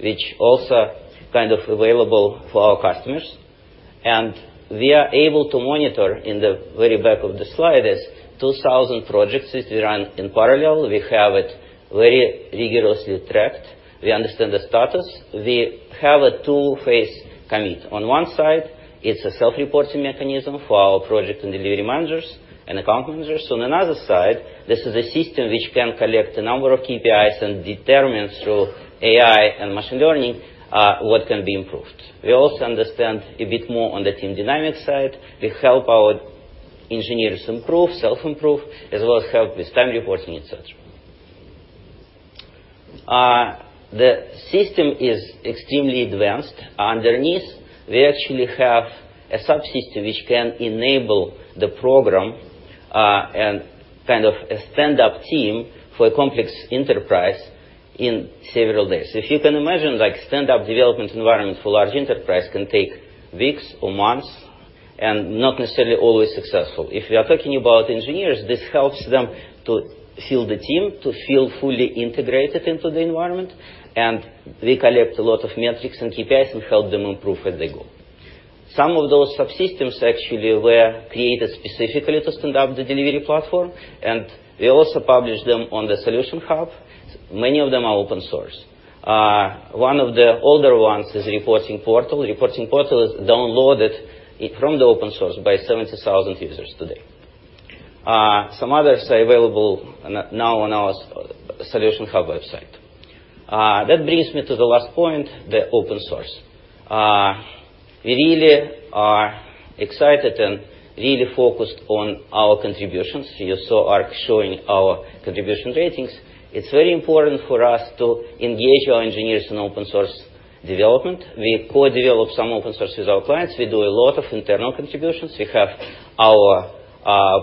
which also available for our customers. We are able to monitor, in the very back of the slide, is 2,000 projects which we run in parallel. We have it very rigorously tracked. We understand the status. We have a two-phase commit. On one side, it's a self-reporting mechanism for our project and delivery managers and account managers. On another side, this is a system which can collect a number of KPIs and determine through AI and machine learning, what can be improved. We also understand a bit more on the team dynamic side. We help our engineers improve, self-improve, as well as help with time reporting, et cetera. The system is extremely advanced. Underneath, we actually have a subsystem which can enable the program, and a stand-up team for a complex enterprise in several days. If you can imagine, stand-up development environment for large enterprise can take weeks or months, and not necessarily always successful. If we are talking about engineers, this helps them to feel the team, to feel fully integrated into the environment, and we collect a lot of metrics and KPIs, and we help them improve as they go. Some of those subsystems actually were created specifically to stand up the delivery platform, we also publish them on the Solution Hub. Many of them are open source. One of the older ones is ReportPortal. ReportPortal is downloaded from the open source by 70,000 users today. Some others are available now on our Solution Hub website. That brings me to the last point, the open source. We really are excited and really focused on our contributions. You saw Ark showing our contribution ratings. It's very important for us to engage our engineers in open source development. We co-develop some open source with our clients. We do a lot of internal contributions. We have our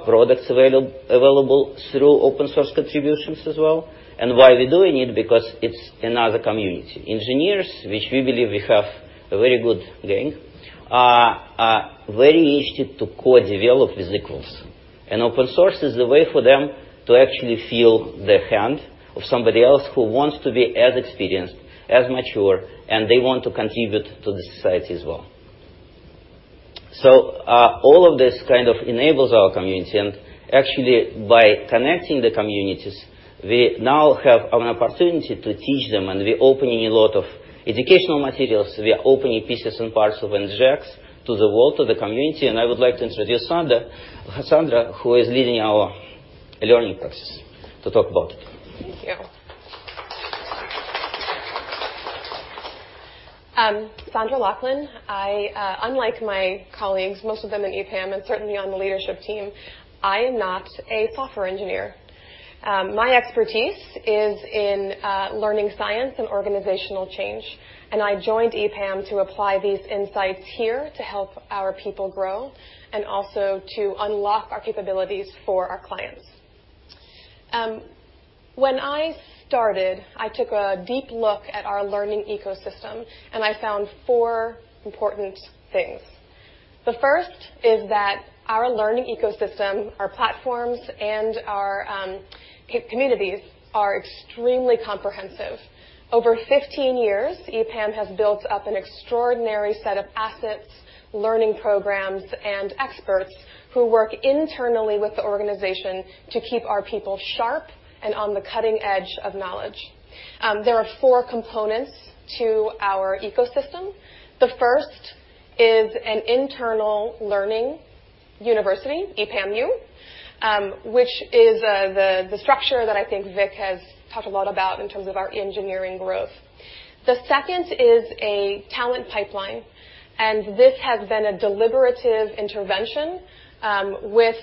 products available through open source contributions as well. Why we're doing it, because it's another community. Engineers, which we believe we have a very good gang, are very interested to co-develop with equals. Open source is a way for them to actually feel the hand of somebody else who wants to be as experienced, as mature, and they want to contribute to the society as well. All of this kind of enables our community, and actually by connecting the communities, we now have an opportunity to teach them, and we're opening a lot of educational materials. We are opening pieces and parts of EngX to the world, to the community, and I would like to introduce Sandra, who is leading our learning process, to talk about it. Thank you. I'm Sandra Loughlin. Unlike my colleagues, most of them in EPAM, and certainly on the leadership team, I'm not a software engineer. My expertise is in learning science and organizational change, and I joined EPAM to apply these insights here to help our people grow and also to unlock our capabilities for our clients. When I started, I took a deep look at our learning ecosystem, and I found four important things. The first is that our learning ecosystem, our platforms, and our communities are extremely comprehensive. Over 15 years, EPAM has built up an extraordinary set of assets, learning programs, and experts who work internally with the organization to keep our people sharp and on the cutting edge of knowledge. There are four components to our ecosystem. The first is an internal learning university, EPAMU, which is the structure that I think Vic has talked a lot about in terms of our engineering growth. The second is a talent pipeline, and this has been a deliberative intervention with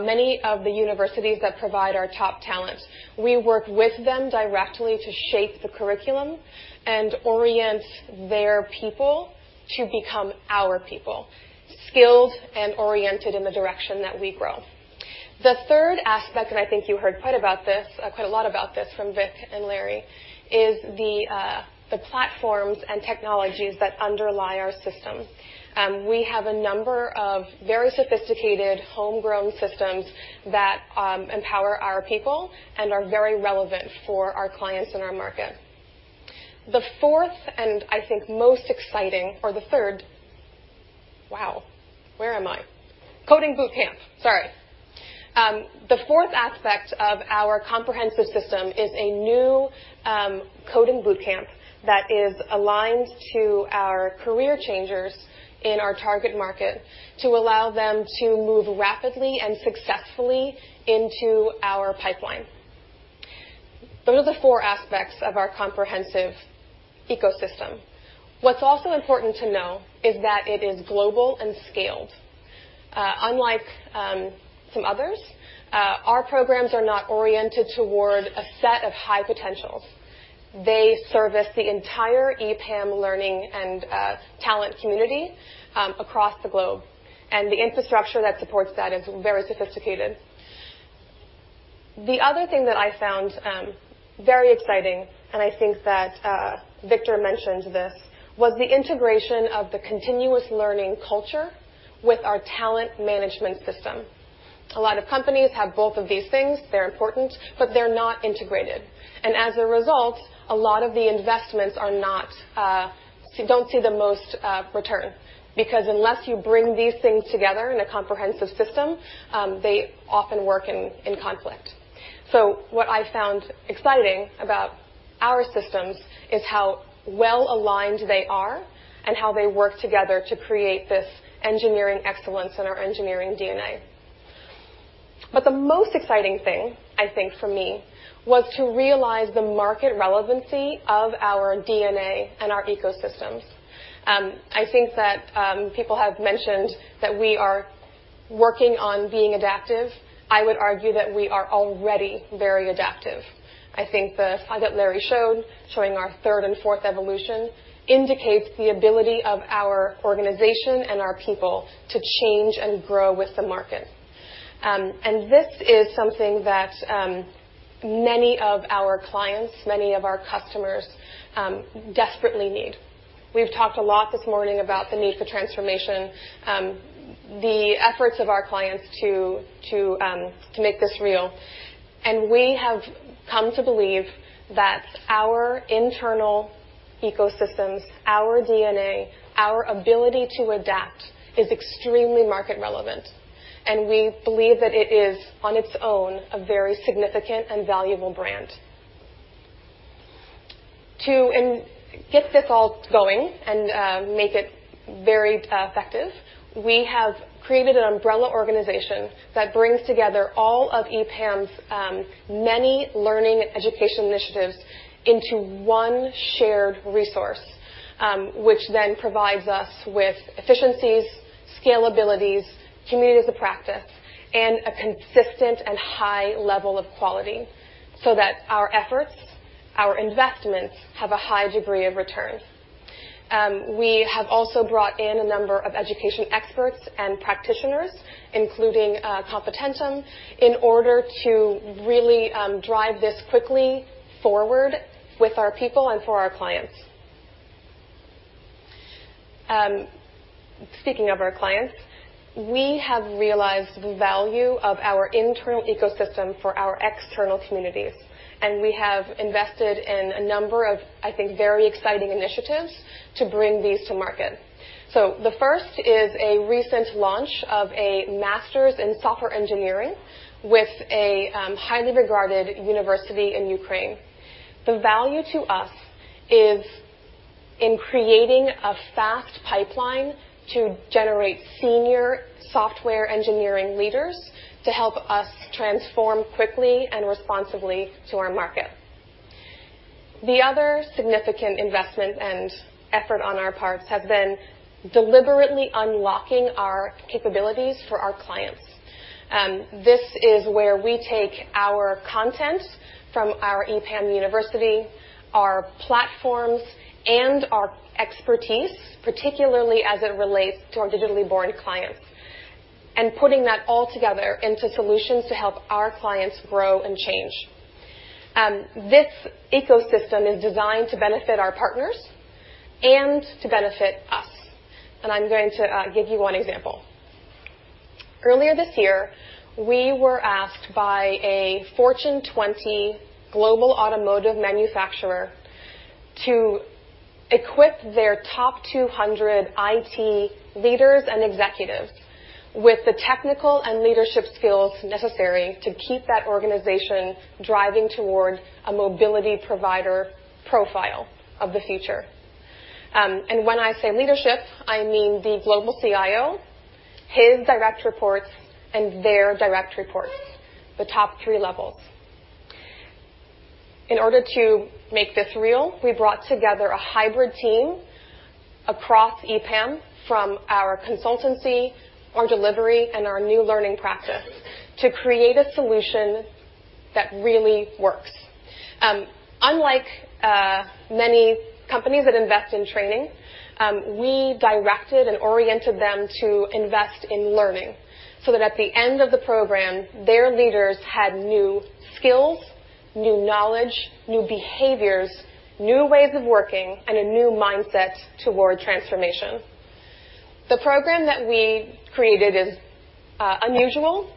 many of the universities that provide our top talent. We work with them directly to shape the curriculum and orient their people to become our people, skilled and oriented in the direction that we grow. The third aspect, and I think you heard quite a lot about this from Vic and Larry, is the platforms and technologies that underlie our system. We have a number of very sophisticated homegrown systems that empower our people and are very relevant for our clients and our market. The fourth, and I think or the third. Wow. Where am I? Coding bootcamp, sorry. The fourth aspect of our comprehensive system is a new coding bootcamp that is aligned to our career changers in our target market to allow them to move rapidly and successfully into our pipeline. Those are the four aspects of our comprehensive ecosystem. What's also important to know is that it is global and scaled. Unlike some others, our programs are not oriented toward a set of high potentials. They service the entire EPAM learning and talent community across the globe, and the infrastructure that supports that is very sophisticated. The other thing that I found very exciting, and I think that Victor mentioned this, was the integration of the continuous learning culture with our talent management system. A lot of companies have both of these things. They're important, they're not integrated. As a result, a lot of the investments don't see the most return, because unless you bring these things together in a comprehensive system, they often work in conflict. What I found exciting about our systems is how well-aligned they are and how they work together to create this Engineering Excellence and our engineering DNA. The most exciting thing, I think for me, was to realize the market relevancy of our DNA and our ecosystems. I think that people have mentioned that we are working on being adaptive. I would argue that we are already very adaptive. I think the slide that Larry showed, showing our third and fourth evolution, indicates the ability of our organization and our people to change and grow with the market. This is something that many of our clients, many of our customers desperately need. We've talked a lot this morning about the need for transformation, the efforts of our clients to make this real. We have come to believe that our internal ecosystems, our DNA, our ability to adapt is extremely market relevant. We believe that it is, on its own, a very significant and valuable brand. To get this all going and make it very effective, we have created an umbrella organization that brings together all of EPAM's many learning education initiatives into one shared resource, which then provides us with efficiencies, scalabilities, communities of practice, and a consistent and high level of quality so that our efforts, our investments, have a high degree of return. We have also brought in a number of education experts and practitioners, including Competentum, in order to really drive this quickly forward with our people and for our clients. Speaking of our clients, we have realized the value of our internal ecosystem for our external communities. We have invested in a number of, I think, very exciting initiatives to bring these to market. The first is a recent launch of a master's in software engineering with a highly regarded university in Ukraine. The value to us is in creating a fast pipeline to generate senior software engineering leaders to help us transform quickly and responsibly to our market. The other significant investment and effort on our parts have been deliberately unlocking our capabilities for our clients. This is where we take our content from our EPAM University, our platforms, and our expertise, particularly as it relates to our digitally born clients, and putting that all together into solutions to help our clients grow and change. This ecosystem is designed to benefit our partners and to benefit us. I'm going to give you one example. Earlier this year, we were asked by a Fortune 20 global automotive manufacturer to equip their top 200 IT leaders and executives with the technical and leadership skills necessary to keep that organization driving toward a mobility provider profile of the future. When I say leadership, I mean the global CIO, his direct reports, and their direct reports, the top three levels. In order to make this real, we brought together a hybrid team across EPAM from our consultancy, our delivery, and our new learning practice to create a solution that really works. Unlike many companies that invest in training, we directed and oriented them to invest in learning so that at the end of the program, their leaders had new skills, new knowledge, new behaviors, new ways of working, and a new mindset toward transformation. The program that we created is unusual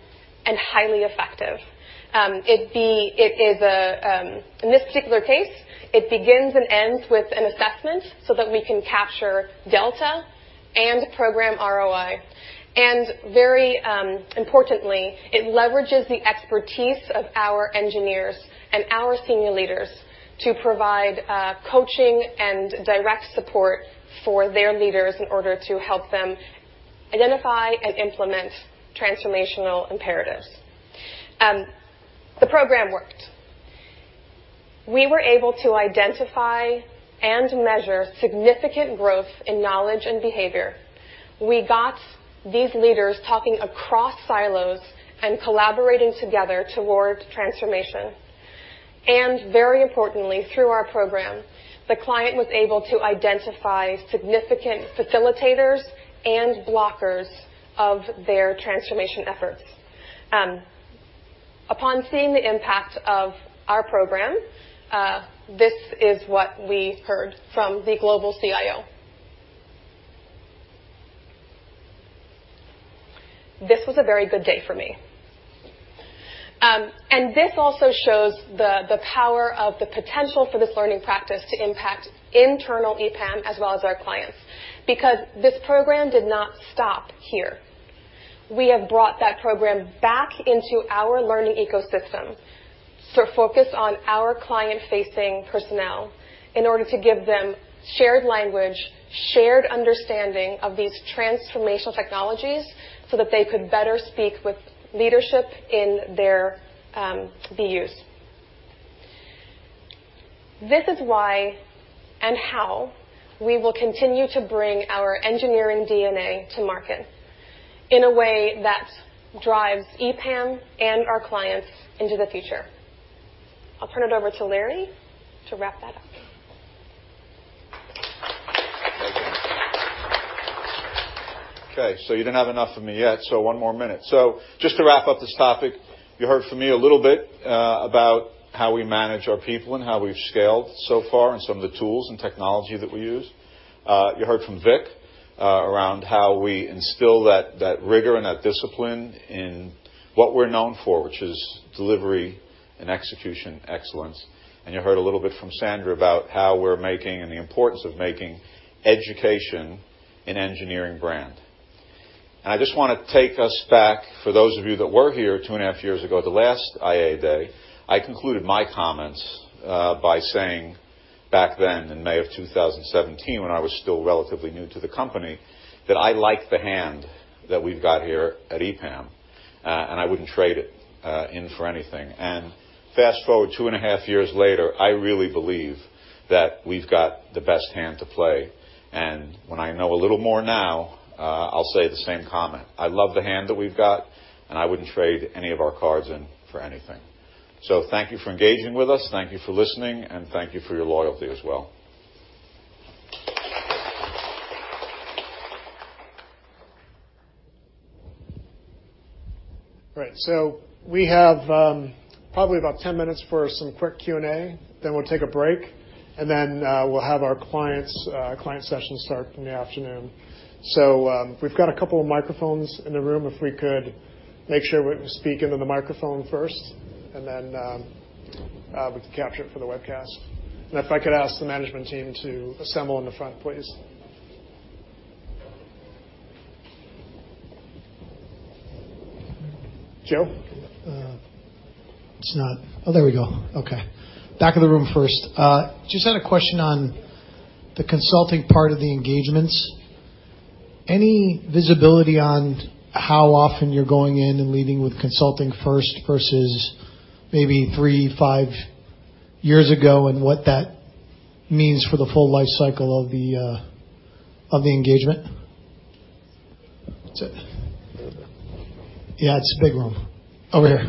and highly effective. In this particular case, it begins and ends with an assessment so that we can capture delta and program ROI. Very importantly, it leverages the expertise of our engineers and our senior leaders to provide coaching and direct support for their leaders in order to help them identify and implement transformational imperatives. The program worked. We were able to identify and measure significant growth in knowledge and behavior. We got these leaders talking across silos and collaborating together towards transformation. Very importantly, through our program, the client was able to identify significant facilitators and blockers of their transformation efforts. Upon seeing the impact of our program, this is what we heard from the global CIO. “This was a very good day for me.” This also shows the power of the potential for this learning practice to impact internal EPAM as well as our clients, because this program did not stop here. We have brought that program back into our learning ecosystem to focus on our client-facing personnel in order to give them shared language, shared understanding of these transformational technologies so that they could better speak with leadership in their BUs. This is why and how we will continue to bring our engineering DNA to market in a way that drives EPAM and our clients into the future. I'll turn it over to Larry to wrap that up. Thank you. Okay, you didn't have enough of me yet, one more minute. Just to wrap up this topic, you heard from me a little bit about how we manage our people and how we've scaled so far and some of the tools and technology that we use. You heard from Vic around how we instill that rigor and that discipline in what we're known for, which is delivery and execution excellence. You heard a little bit from Sandra about how we're making, and the importance of making education an engineering brand. I just want to take us back, for those of you that were here two and a half years ago at the last IA day, I concluded my comments by saying back then in May of 2017, when I was still relatively new to the company, that I like the hand that we've got here at EPAM, and I wouldn't trade it in for anything. Fast-forward two and a half years later, I really believe that we've got the best hand to play. When I know a little more now, I'll say the same comment. I love the hand that we've got, and I wouldn't trade any of our cards in for anything. Thank you for engaging with us. Thank you for listening, and thank you for your loyalty as well. All right. We have probably about 10 minutes for some quick Q&A, then we'll take a break, and then we'll have our client sessions start in the afternoon. We've got a couple of microphones in the room. If we could make sure we speak into the microphone first, and then we can capture it for the webcast. If I could ask the management team to assemble in the front, please. Joe? Oh, there we go. Okay. Back of the room first. Just had a question on the consulting part of the engagements. Any visibility on how often you're going in and leading with consulting first versus maybe three, five years ago, and what that means for the full life cycle of the engagement? That's it. Yeah, it's a big room. Over here.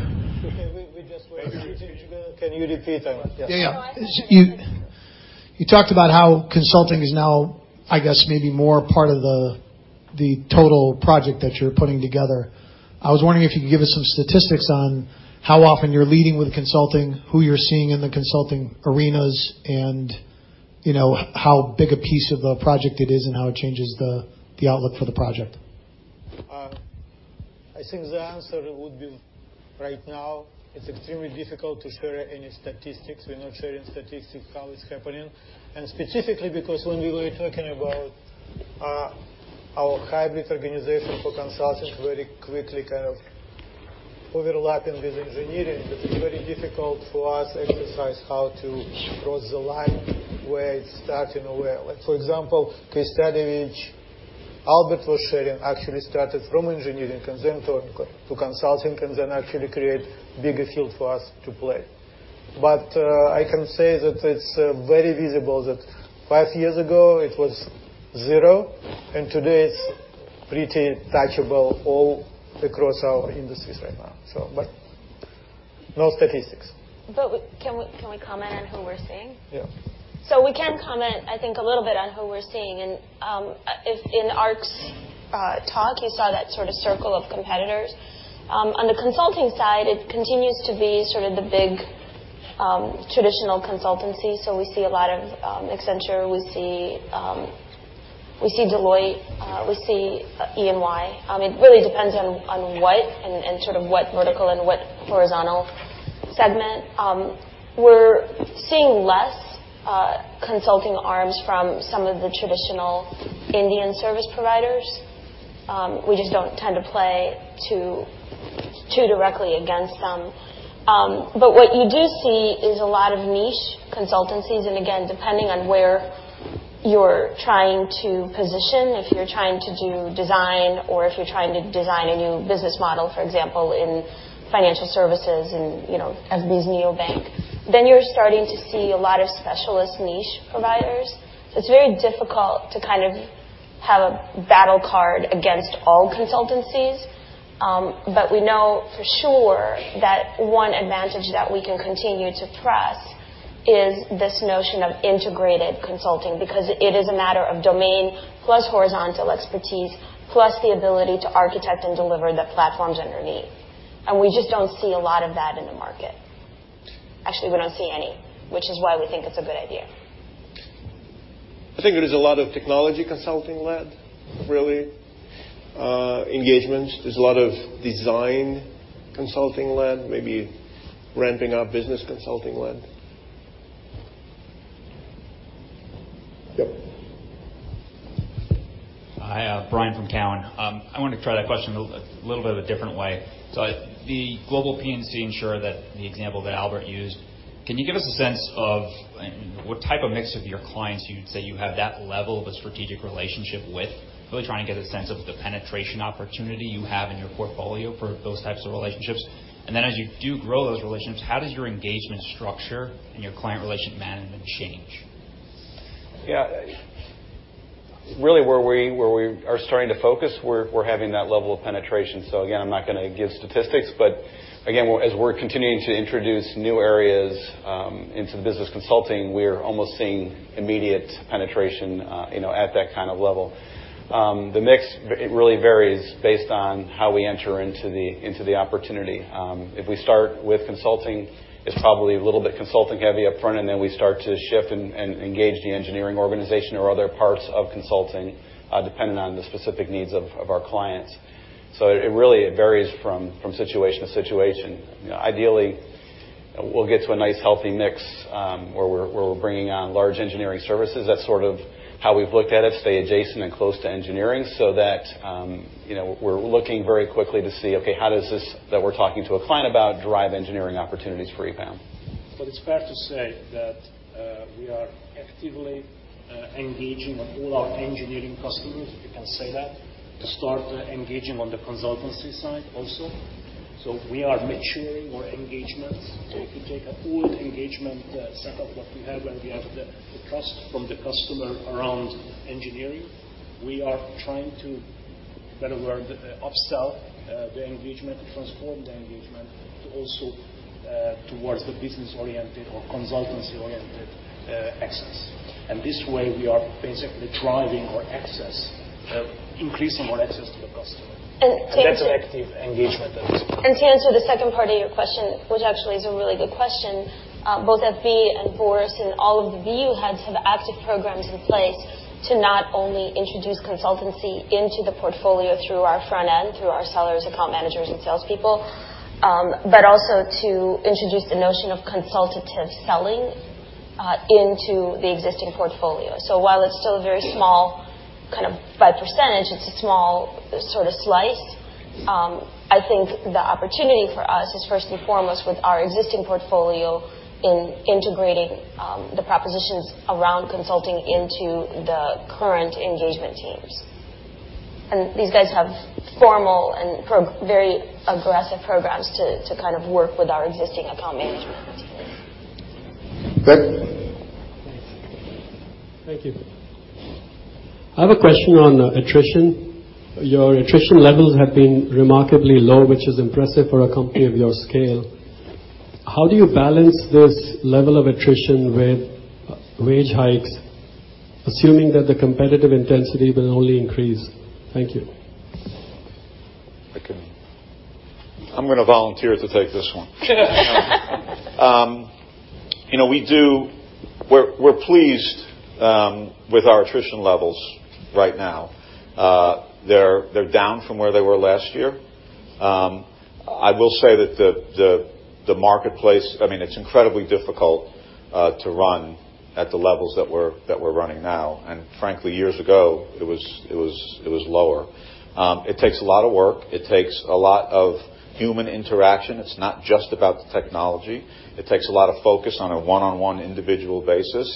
Okay. Can you repeat that? Yeah. You talked about how consulting is now, I guess, maybe more a part of the total project that you're putting together. I was wondering if you could give us some statistics on how often you're leading with consulting, who you're seeing in the consulting arenas, and how big a piece of a project it is, and how it changes the outlook for the project. I think the answer would be right now, it's extremely difficult to share any statistics. We're not sharing statistics, how it's happening. Specifically because when we were talking about our hybrid organization for consulting very quickly kind of overlapping with engineering, it is very difficult for us exercise how to cross the line where it's starting or where. Like, for example, Khryshchanovich, Albert was sharing, actually started from engineering and then turned to consulting, and then actually create bigger field for us to play. I can say that it's very visible that five years ago it was zero, and today it's pretty touchable all across our industries right now. No statistics. Can we comment on who we're seeing? Yeah. We can comment, I think, a little bit on who we're seeing. If in Ark's talk, you saw that sort of circle of competitors. On the consulting side, it continues to be sort of the big, traditional consultancy. We see a lot of Accenture. We see Deloitte. We see EY. It really depends on what, and sort of what vertical and what horizontal segment. We're seeing less consulting arms from some of the traditional Indian service providers. We just don't tend to play too directly against them. What you do see is a lot of niche consultancies, and again, depending on where you're trying to position, if you're trying to do design or if you're trying to design a new business model, for example, in financial services and as this neobank. You're starting to see a lot of specialist niche providers. It's very difficult to kind of have a battle card against all consultancies. We know for sure that one advantage that we can continue to press is this notion of integrated consulting, because it is a matter of domain plus horizontal expertise, plus the ability to architect and deliver the platforms underneath. We just don't see a lot of that in the market. Actually, we don't see any, which is why we think it's a good idea. I think there is a lot of technology consulting-led, really, engagements. There's a lot of design consulting-led, maybe ramping up business consulting-led. Yep. Hi, Bryan from Cowen. I wanted to try that question a little bit of a different way. The global P&C insurer, the example that Albert used, can you give us a sense of what type of mix of your clients you'd say you have that level of a strategic relationship with? Really trying to get a sense of the penetration opportunity you have in your portfolio for those types of relationships. As you do grow those relationships, how does your engagement structure and your client relationship management change? Yeah. Really where we are starting to focus, we're having that level of penetration. Again, I'm not going to give statistics, but again, as we're continuing to introduce new areas into the business consulting, we're almost seeing immediate penetration at that kind of level. The mix, it really varies based on how we enter into the opportunity. If we start with consulting, it's probably a little bit consulting heavy up front, and then we start to shift and engage the engineering organization or other parts of consulting, depending on the specific needs of our clients. It really varies from situation to situation. We'll get to a nice healthy mix where we're bringing on large engineering services. That's sort of how we've looked at it, stay adjacent and close to engineering so that we're looking very quickly to see, okay, how does this, that we're talking to a client about, drive engineering opportunities for EPAM? It's fair to say that we are actively engaging all our engineering customers, if you can say that, to start engaging on the consultancy side also. We are maturing our engagements. If you take a whole engagement setup like we have, where we have the trust from the customer around engineering. We are trying to, for lack of a better word, upsell the engagement, transform the engagement to also towards the business-oriented or consultancy-oriented access. This way, we are basically driving our access, increasing our access to the customer. And to answer- That's active engagement at this point. To answer the second part of your question, which actually is a really good question. Both FB and Boris and all of the BU heads have active programs in place to not only introduce consultancy into the portfolio through our front end, through our sellers, account managers, and salespeople. Also to introduce the notion of consultative selling into the existing portfolio. While it's still very small, kind of by percentage, it's a small sort of slice. I think the opportunity for us is first and foremost with our existing portfolio in integrating the propositions around consulting into the current engagement teams. These guys have formal and very aggressive programs to kind of work with our existing account management teams. Greg. Thanks. Thank you. I have a question on attrition. Your attrition levels have been remarkably low, which is impressive for a company of your scale. How do you balance this level of attrition with wage hikes, assuming that the competitive intensity will only increase? Thank you. I can. I'm going to volunteer to take this one. We're pleased with our attrition levels right now. They're down from where they were last year. I will say that the marketplace, it's incredibly difficult to run at the levels that we're running now. Frankly, years ago, it was lower. It takes a lot of work. It takes a lot of human interaction. It's not just about the technology. It takes a lot of focus on a one-on-one individual basis.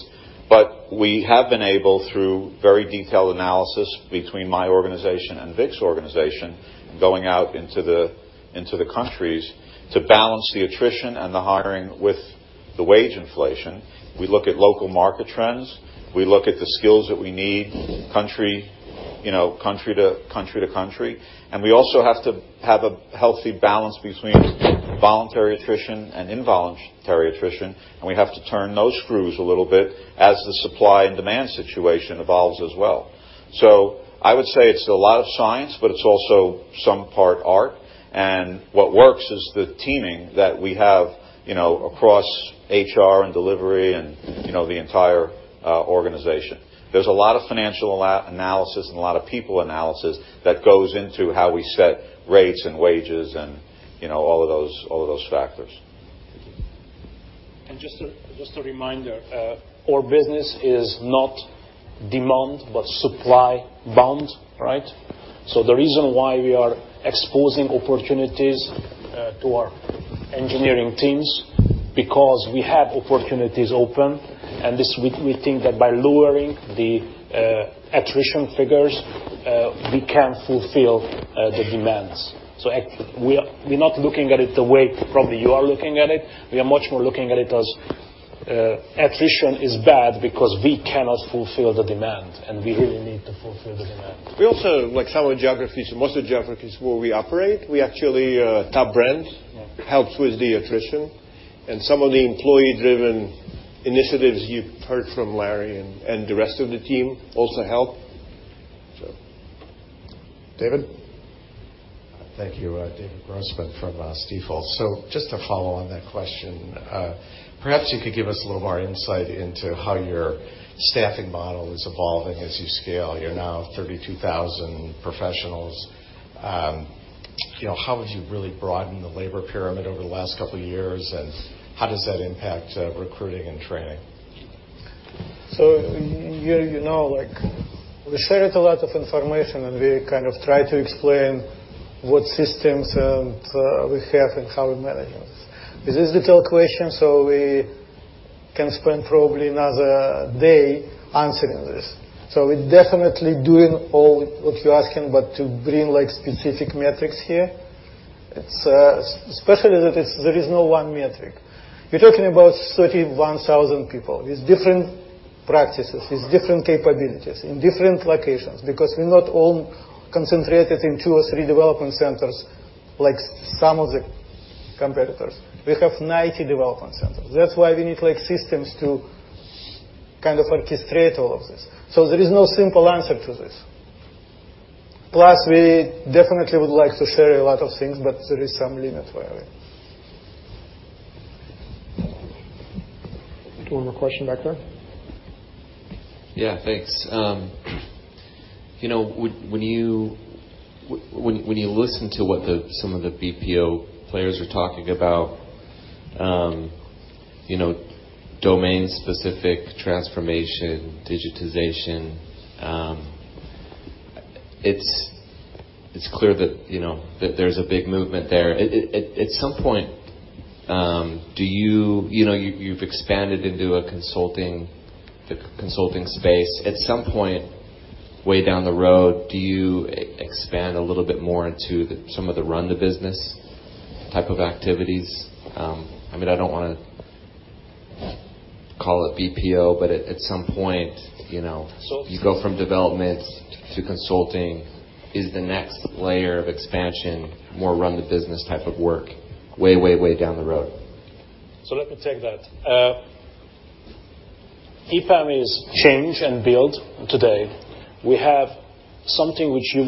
We have been able, through very detailed analysis between my organization and Vic's organization, going out into the countries to balance the attrition and the hiring with the wage inflation. We look at local market trends. We look at the skills that we need country to country. We also have to have a healthy balance between voluntary attrition and involuntary attrition, and we have to turn those screws a little bit as the supply and demand situation evolves as well. I would say it's a lot of science, but it's also some part art. What works is the teaming that we have across HR and delivery and the entire organization. There's a lot of financial analysis and a lot of people analysis that goes into how we set rates and wages and all of those factors. Just a reminder, our business is not demand but supply bound, right? The reason why we are exposing opportunities to our engineering teams, because we have opportunities open, and we think that by lowering the attrition figures, we can fulfill the demands. We're not looking at it the way probably you are looking at it. We are much more looking at it as attrition is bad because we cannot fulfill the demand, and we really need to fulfill the demand. We also, like some of the geographies, most of the geographies where we operate, we actually are a top brand. Yeah. Helps with the attrition. Some of the employee-driven initiatives you've heard from Larry and the rest of the team also help. David. Thank you. David Grossman from Stifel. Just to follow on that question. Perhaps you could give us a little more insight into how your staffing model is evolving as you scale. You are now 32,000 professionals. How have you really broadened the labor pyramid over the last couple of years, and how does that impact recruiting and training? We shared a lot of information, and we kind of tried to explain what systems we have and how we manage it. This is a detailed question, so we can spend probably another day answering this. We're definitely doing all what you're asking, but to bring specific metrics here, especially that there is no one metric. We're talking about 31,000 people with different practices, with different capabilities in different locations. Because we're not all concentrated in two or three development centers like some of the competitors. We have 90 development centers. That's why we need systems to kind of orchestrate all of this. There is no simple answer to this. Plus, we definitely would like to share a lot of things, but there is some limit where we. One more question back there. Yeah, thanks. When you listen to what some of the BPO players are talking about, domain-specific transformation, digitization, it's clear that there's a big movement there. You've expanded into a consulting space. At some point way down the road, do you expand a little bit more into some of the run the business type of activities? I don't want to call it BPO, but at some point. So- You go from development to consulting. Is the next layer of expansion more run the business type of work way, way down the road? Let me take that. EPAM is change and build today. We have something which you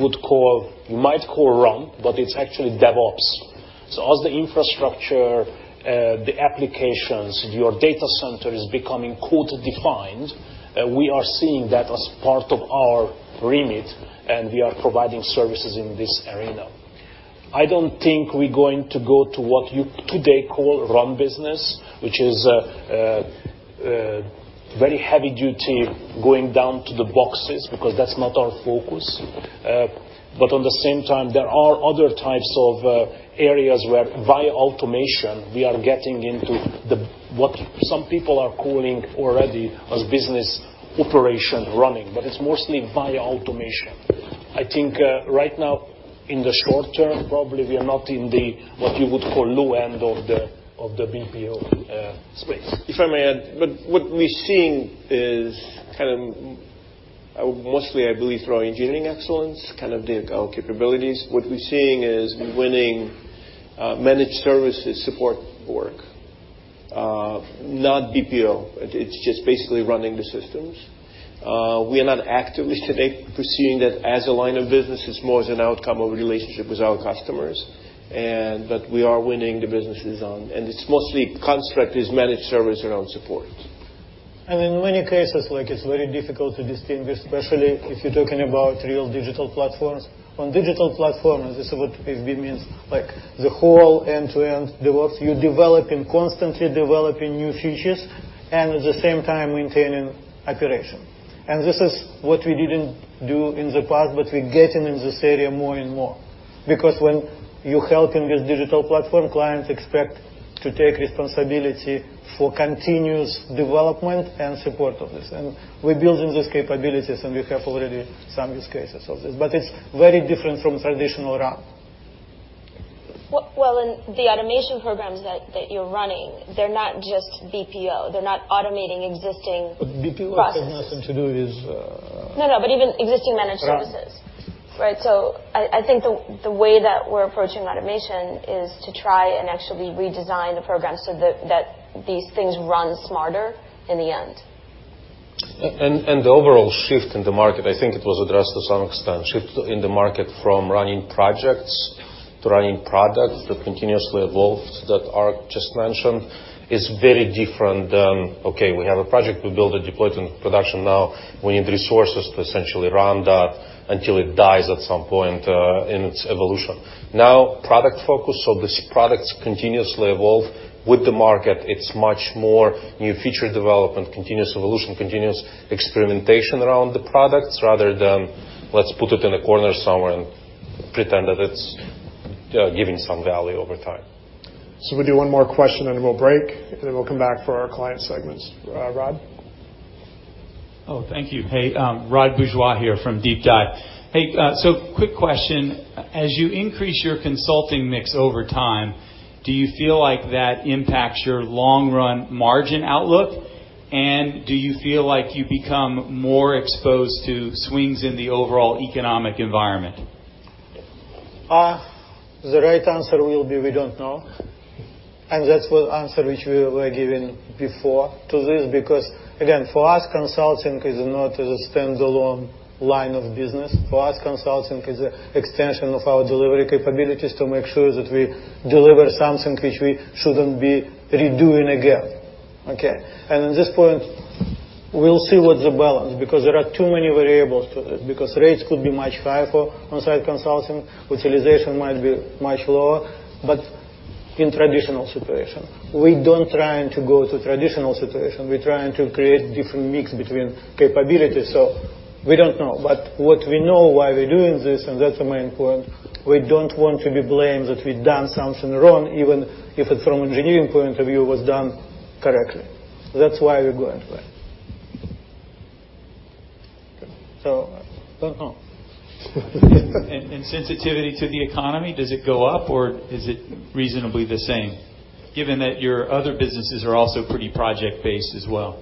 might call run, but it's actually DevOps. As the infrastructure, the applications, your data center is becoming code-defined, we are seeing that as part of our remit, and we are providing services in this arena. I don't think we're going to go to what you today call run business, which is very heavy duty going down to the boxes, because that's not our focus. On the same time, there are other types of areas where via automation, we are getting into what some people are calling already as business operation running, but it's mostly via automation. Right now in the short term, probably we are not in the, what you would call low end of the BPO space. If I may add, what we're seeing is mostly, I believe through our Engineering Excellence, our capabilities. What we're seeing is winning managed services support work, not BPO. It's just basically running the systems. We are not actively today pursuing that as a line of business. It's more as an outcome of relationship with our customers. We are winning the businesses on, and it's mostly construct is managed service around support. In many cases, it's very difficult to distinguish, especially if you're talking about real digital platforms. On digital platforms, this is what FB means, the whole end-to-end DevOps. You're constantly developing new features, and at the same time maintaining operation. This is what we didn't do in the past, but we're getting in this area more and more. Because when you're helping with digital platform, clients expect to take responsibility for continuous development and support of this. We're building these capabilities, and we have already some use cases of this. It's very different from traditional run. Well, in the automation programs that you're running, they're not just BPO. They're not automating existing- BPO has nothing to do with. No, no, even existing managed services. Run. Right. I think the way that we're approaching automation is to try and actually redesign the program so that these things run smarter in the end. The overall shift in the market, I think it was addressed to some extent, shift in the market from running projects to running products that continuously evolved, that Ark just mentioned, is very different than, we have a project, we build it, deploy it in production now. We need resources to essentially run that until it dies at some point in its evolution. Product focus, these products continuously evolve with the market. It's much more new feature development, continuous evolution, continuous experimentation around the products rather than let's put it in a corner somewhere and pretend that it's giving some value over time. We'll do one more question, then we'll break, and then we'll come back for our client segments. Rod? Oh, thank you. Hey, Rod Bourgeois here from DeepDive. Hey, quick question. As you increase your consulting mix over time, do you feel like that impacts your long-run margin outlook? Do you feel like you become more exposed to swings in the overall economic environment? The right answer will be we don't know, and that's what answer which we were given before to this because, again, for us, consulting is not as a standalone line of business. For us, consulting is an extension of our delivery capabilities to make sure that we deliver something which we shouldn't be redoing again. Okay. At this point, we'll see what's the balance, because there are too many variables to this, because rates could be much higher for on-site consulting. Utilization might be much lower, but in traditional situation. We don't trying to go to traditional situation. We're trying to create different mix between capabilities. We don't know. What we know why we're doing this, and that's the main point. We don't want to be blamed that we've done something wrong, even if it from engineering point of view, was done correctly. That's why we're going for it. Don't know. Sensitivity to the economy, does it go up, or is it reasonably the same, given that your other businesses are also pretty project-based as well?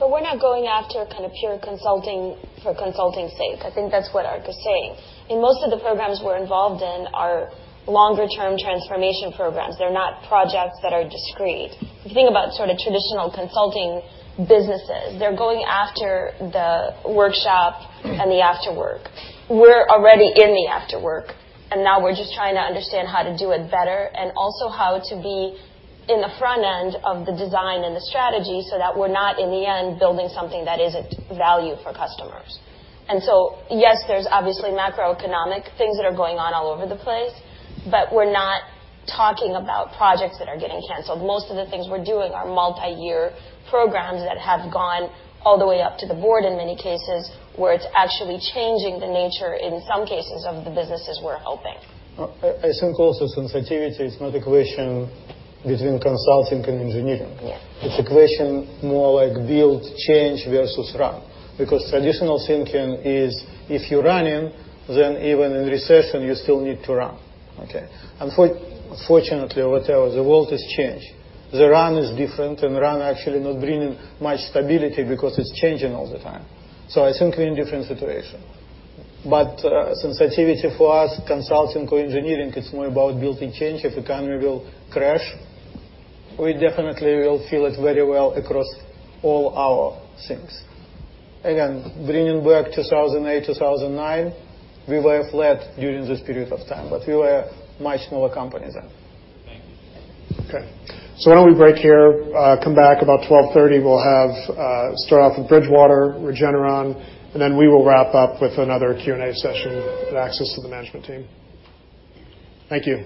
We're not going after pure consulting for consulting's sake. I think that's what Ark is saying. In most of the programs we're involved in are longer-term transformation programs. They're not projects that are discrete. If you think about traditional consulting businesses, they're going after the workshop and the after-work. We're already in the after-work, and now we're just trying to understand how to do it better and also how to be in the front end of the design and the strategy so that we're not, in the end, building something that isn't value for customers. Yes, there's obviously macroeconomic things that are going on all over the place, but we're not talking about projects that are getting canceled. Most of the things we're doing are multi-year programs that have gone all the way up to the board in many cases, where it's actually changing the nature in some cases of the businesses we're helping. I think also sensitivity is not equation between consulting and engineering. Yeah. It's equation more like build change versus run. Traditional thinking is if you're running, then even in recession, you still need to run. Okay. Unfortunately, or whatever, the world has changed. The run is different, and run actually not bringing much stability because it's changing all the time. I think we're in different situation. Sensitivity for us, consulting or engineering, it's more about building change. If economy will crash, we definitely will feel it very well across all our things. Again, bringing back 2008, 2009, we were flat during this period of time, but we were much smaller company then. Thank you. Okay. Why don't we break here, come back about 12:30 P.M. We'll start off with Bridgewater, Regeneron, we will wrap up with another Q&A session and access to the management team. Thank you.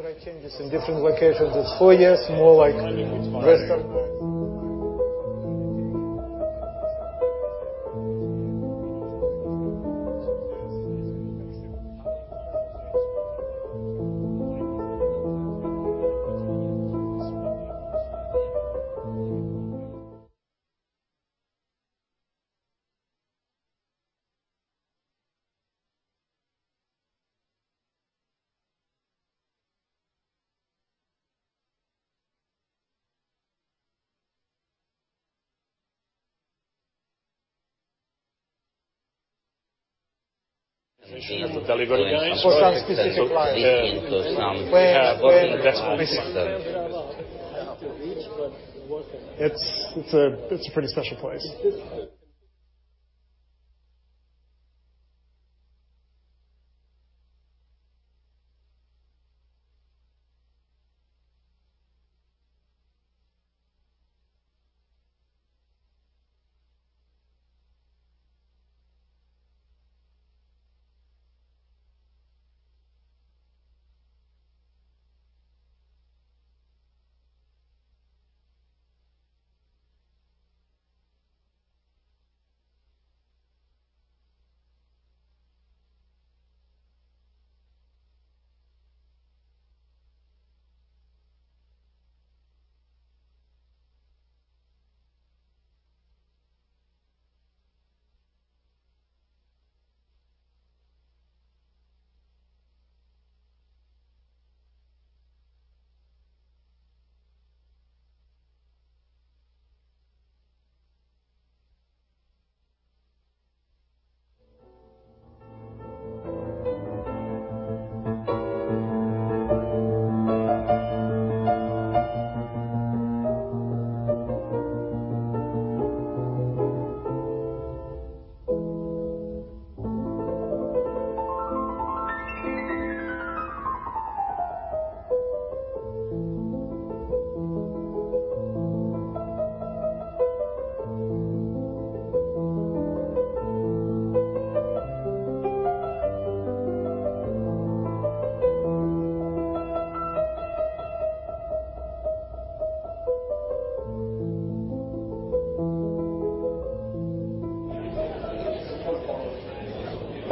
Thank you. Thank you. There are changes in different locations. It's four years, more like restaurant. mission of delivery. For some specific client. Yeah. Where- That's what this is. It's a pretty special place.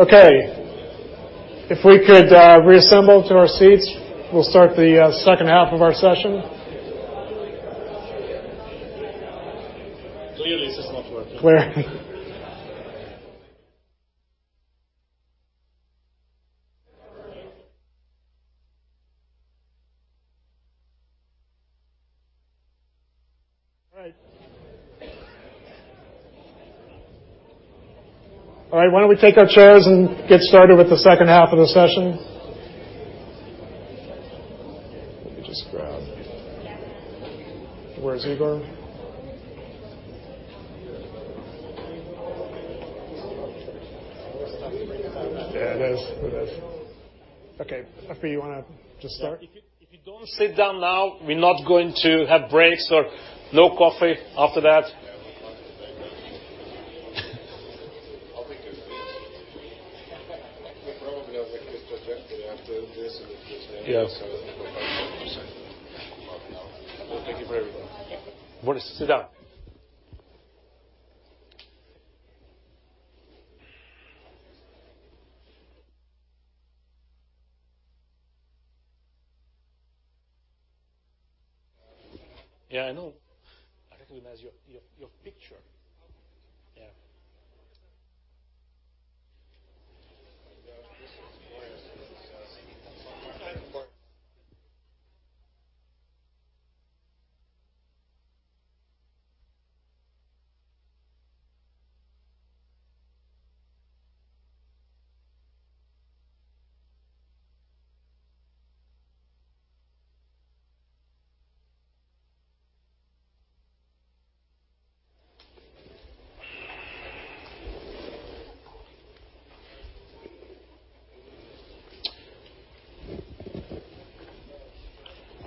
Okay. If we could reassemble to our seats, we'll start the second half of our session. Clearly, this is not working. Clearly. All right. All right, why don't we take our chairs and get started with the second half of the session? Let me just grab Where's Igor? Yeah, it is. It is. Okay. [Efri], you want to just start? If you don't sit down now, we're not going to have breaks or no coffee after that. Thank you for everyone. Want to sit down.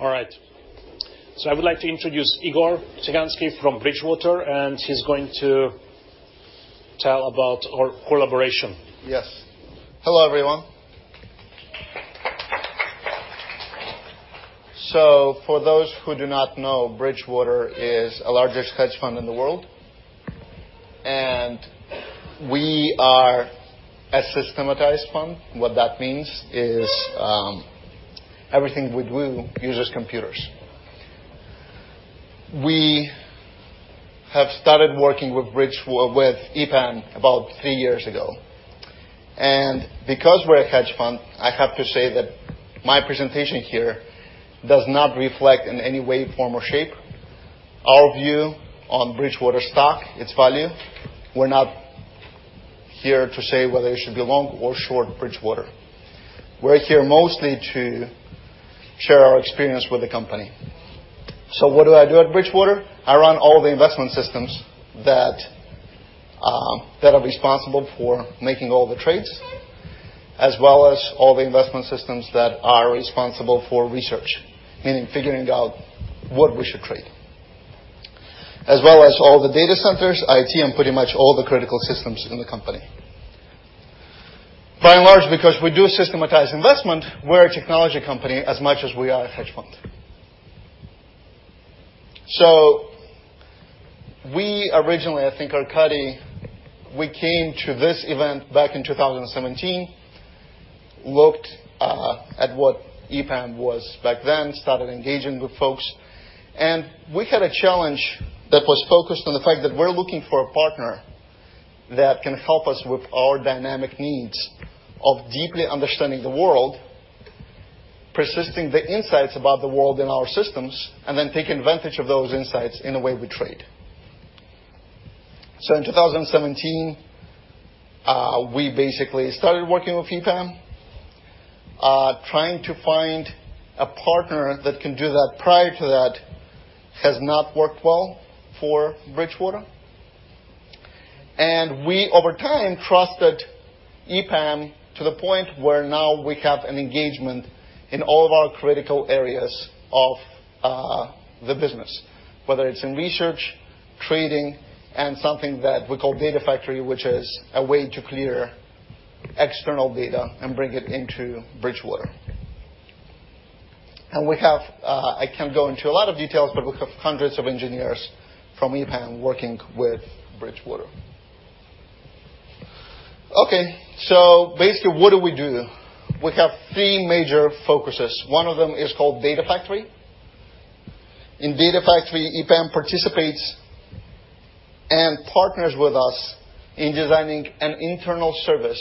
Yeah, I know. I recognize your picture. Yeah. All right. I would like to introduce Igor Tsyganskiy from Bridgewater, and he's going to tell about our collaboration. Yes. Hello, everyone. For those who do not know, Bridgewater is the largest hedge fund in the world. We are a systematized fund. What that means is, everything we do uses computers. We have started working with EPAM about three years ago. Because we're a hedge fund, I have to say that my presentation here does not reflect in any way, form, or shape our view on Bridgewater stock, its value. We're not here to say whether you should be long or short Bridgewater. We're here mostly to share our experience with the company. What do I do at Bridgewater? I run all the investment systems that are responsible for making all the trades, as well as all the investment systems that are responsible for research, meaning figuring out what we should trade. As well as all the data centers, IT, and pretty much all the critical systems in the company. By and large, because we do systematized investment, we're a technology company as much as we are a hedge fund. We originally, I think, Arkadiy, we came to this event back in 2017, looked at what EPAM was back then, started engaging with folks, and we had a challenge that was focused on the fact that we're looking for a partner that can help us with our dynamic needs of deeply understanding the world, persisting the insights about the world in our systems, and then taking advantage of those insights in the way we trade. In 2017, we basically started working with EPAM, trying to find a partner that can do that. Prior to that has not worked well for Bridgewater. We, over time, trusted EPAM to the point where now we have an engagement in all of our critical areas of the business, whether it's in research, trading, and something that we call Data Factory, which is a way to clear external data and bring it into Bridgewater. We have I can't go into a lot of details, but we have hundreds of engineers from EPAM working with Bridgewater. Okay. Basically, what do we do? We have three major focuses. One of them is called Data Factory. In Data Factory, EPAM participates and partners with us in designing an internal service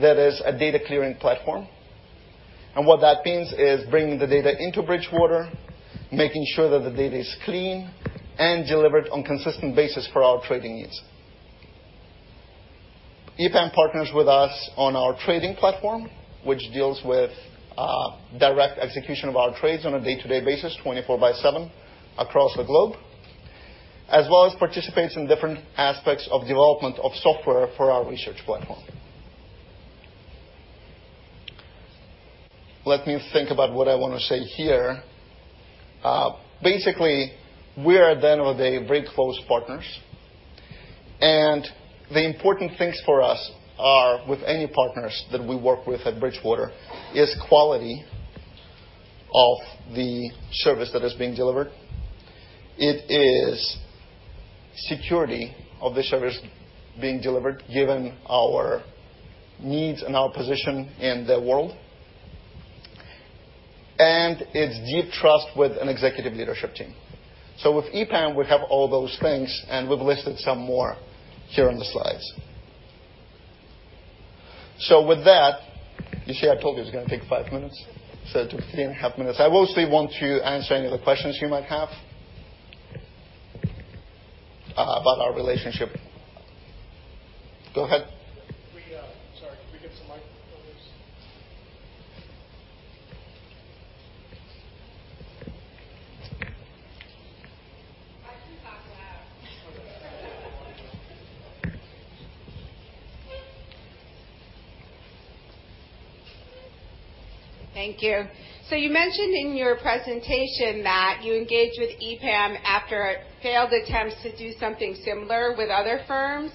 that is a data clearing platform. What that means is bringing the data into Bridgewater, making sure that the data is clean and delivered on consistent basis for our trading needs. EPAM partners with us on our trading platform, which deals with direct execution of our trades on a day-to-day basis, 24 by 7 across the globe, as well as participates in different aspects of development of software for our research platform. Let me think about what I want to say here. We are then or they very close partners. The important things for us are, with any partners that we work with at Bridgewater, is quality of the service that is being delivered. It is security of the service being delivered given our needs and our position in the world. It's deep trust with an executive leadership team. With EPAM, we have all those things, and we've listed some more here on the slides. With that, you see I told you it's going to take five minutes, so three and a half minutes. I mostly want to answer any of the questions you might have about our relationship. Go ahead. Sorry, can we get some microphones? I can talk loud. Thank you. You mentioned in your presentation that you engaged with EPAM after failed attempts to do something similar with other firms.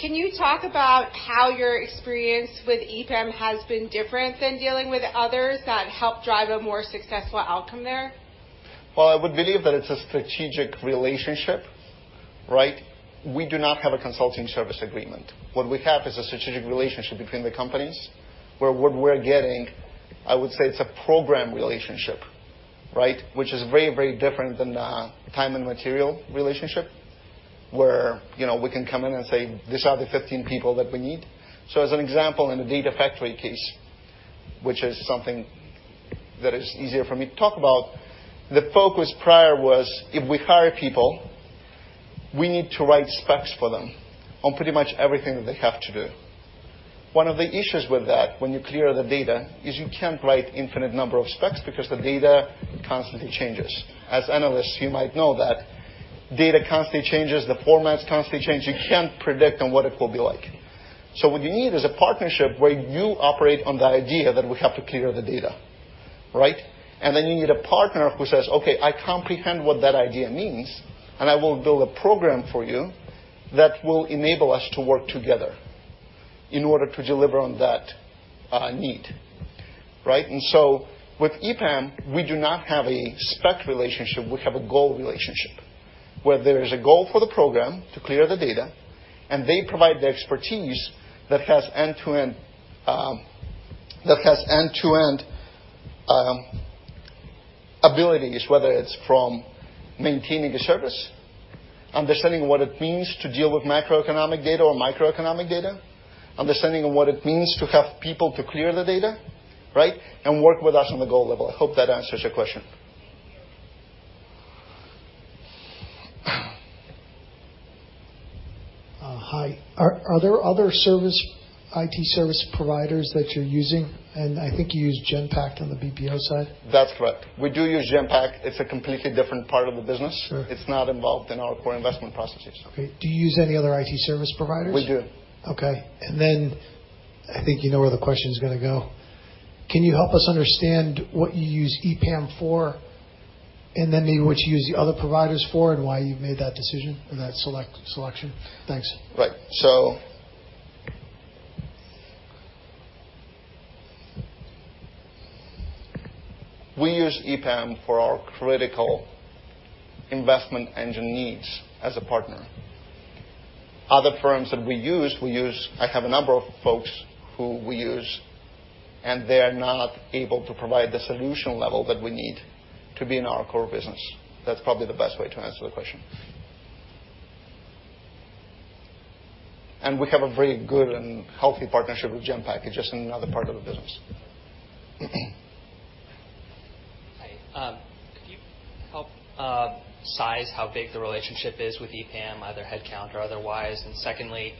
Can you talk about how your experience with EPAM has been different than dealing with others that help drive a more successful outcome there? Well, I would believe that it's a strategic relationship, right? We do not have a consulting service agreement. What we have is a strategic relationship between the companies where what we're getting, I would say it's a program relationship, right? Which is very different than a time and material relationship, where we can come in and say, "These are the 15 people that we need." As an example, in the Data Factory case, which is something that is easier for me to talk about, the focus prior was, if we hire people, we need to write specs for them on pretty much everything that they have to do. One of the issues with that when you clear the data is you can't write infinite number of specs because the data constantly changes. As analysts, you might know that data constantly changes, the formats constantly change. You can't predict on what it will be like. What you need is a partnership where you operate on the idea that we have to clear the data. Right? You need a partner who says, "Okay, I comprehend what that idea means, and I will build a program for you that will enable us to work together in order to deliver on that need." Right? With EPAM, we do not have a spec relationship. We have a goal relationship, where there is a goal for the program to clear the data, and they provide the expertise that has end-to-end abilities, whether it's from maintaining a service, understanding what it means to deal with macroeconomic data or microeconomic data, understanding what it means to have people to clear the data, right, and work with us on the goal level. I hope that answers your question. Hi. Are there other IT service providers that you're using? I think you use Genpact on the BPO side. That's correct. We do use Genpact. It's a completely different part of the business. Sure. It's not involved in our core investment processes. Okay. Do you use any other IT service providers? We do. Okay. I think you know where the question's going to go. Can you help us understand what you use EPAM for, and then maybe what you use the other providers for and why you've made that decision or that selection? Thanks. Right. We use EPAM for our critical investment engine needs as a partner. Other firms that we use, I have a number of folks who we use, and they're not able to provide the solution level that we need to be in our core business. That's probably the best way to answer the question. We have a very good and healthy partnership with Genpact. It's just another part of the business. Hi. Can you help size how big the relationship is with EPAM, either headcount or otherwise? Secondly,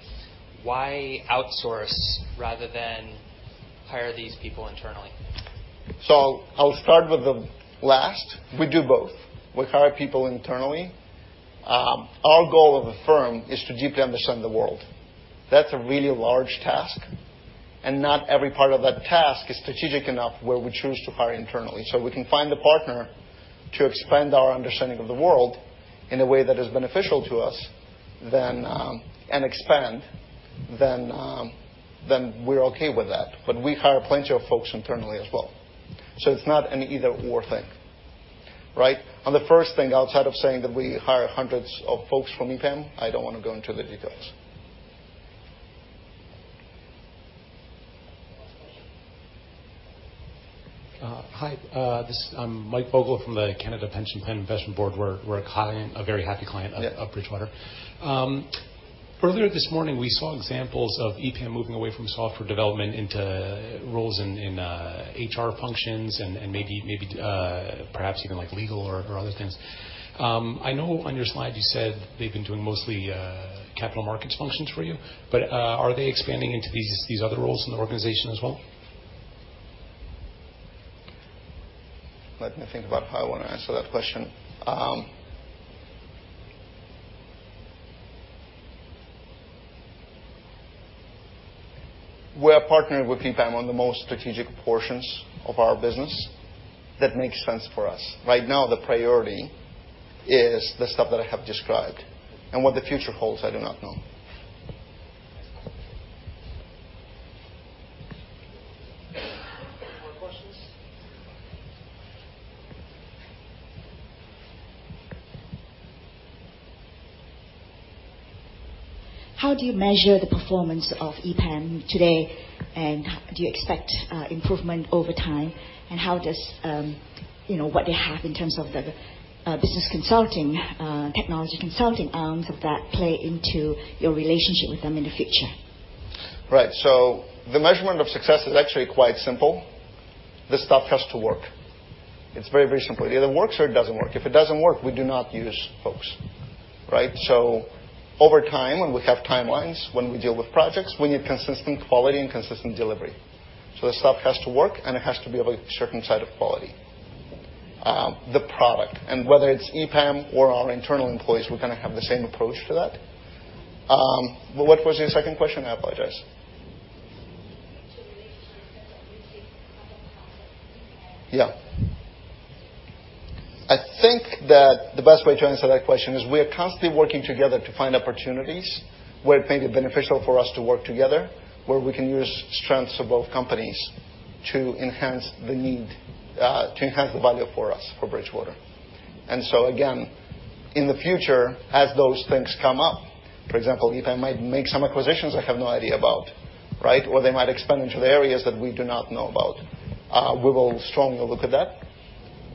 why outsource rather than hire these people internally? I'll start with the last. We do both. We hire people internally. Our goal of a firm is to deeply understand the world. That's a really large task, and not every part of that task is strategic enough where we choose to hire internally. We can find a partner to expand our understanding of the world in a way that is beneficial to us and expand, then we're okay with that. We hire plenty of folks internally as well. It's not an either/or thing. Right. On the first thing, outside of saying that we hire hundreds of folks from EPAM, I don't want to go into the details. Last question. Hi. I'm Mike Vogel from the Canada Pension Plan Investment Board. We're a very happy client of Bridgewater. Yeah. Earlier this morning, we saw examples of EPAM moving away from software development into roles in HR functions and maybe perhaps even legal or other things. I know on your slide you said they've been doing mostly capital markets functions for you, but are they expanding into these other roles in the organization as well? Let me think about how I want to answer that question. We're partnered with EPAM on the most strategic portions of our business that make sense for us. Right now, the priority is the stuff that I have described. What the future holds, I do not know. Any more questions? How do you measure the performance of EPAM today, and do you expect improvement over time? How does what they have in terms of the business consulting, technology consulting arms of that play into your relationship with them in the future? Right. The measurement of success is actually quite simple. The stuff has to work. It's very, very simple. It either works or it doesn't work. If it doesn't work, we do not use folks. Right? Over time, when we have timelines, when we deal with projects, we need consistent quality and consistent delivery. The stuff has to work, and it has to be of a certain side of quality. The product, and whether it's EPAM or our internal employees, we're going to have the same approach to that. What was your second question? I apologize. The relationship that you see as a profit with EPAM. I think that the best way to answer that question is we are constantly working together to find opportunities where it may be beneficial for us to work together, where we can use strengths of both companies to enhance the value for us, for Bridgewater. Again, in the future, as those things come up, for example, EPAM might make some acquisitions I have no idea about, right, or they might expand into areas that we do not know about. We will strongly look at that.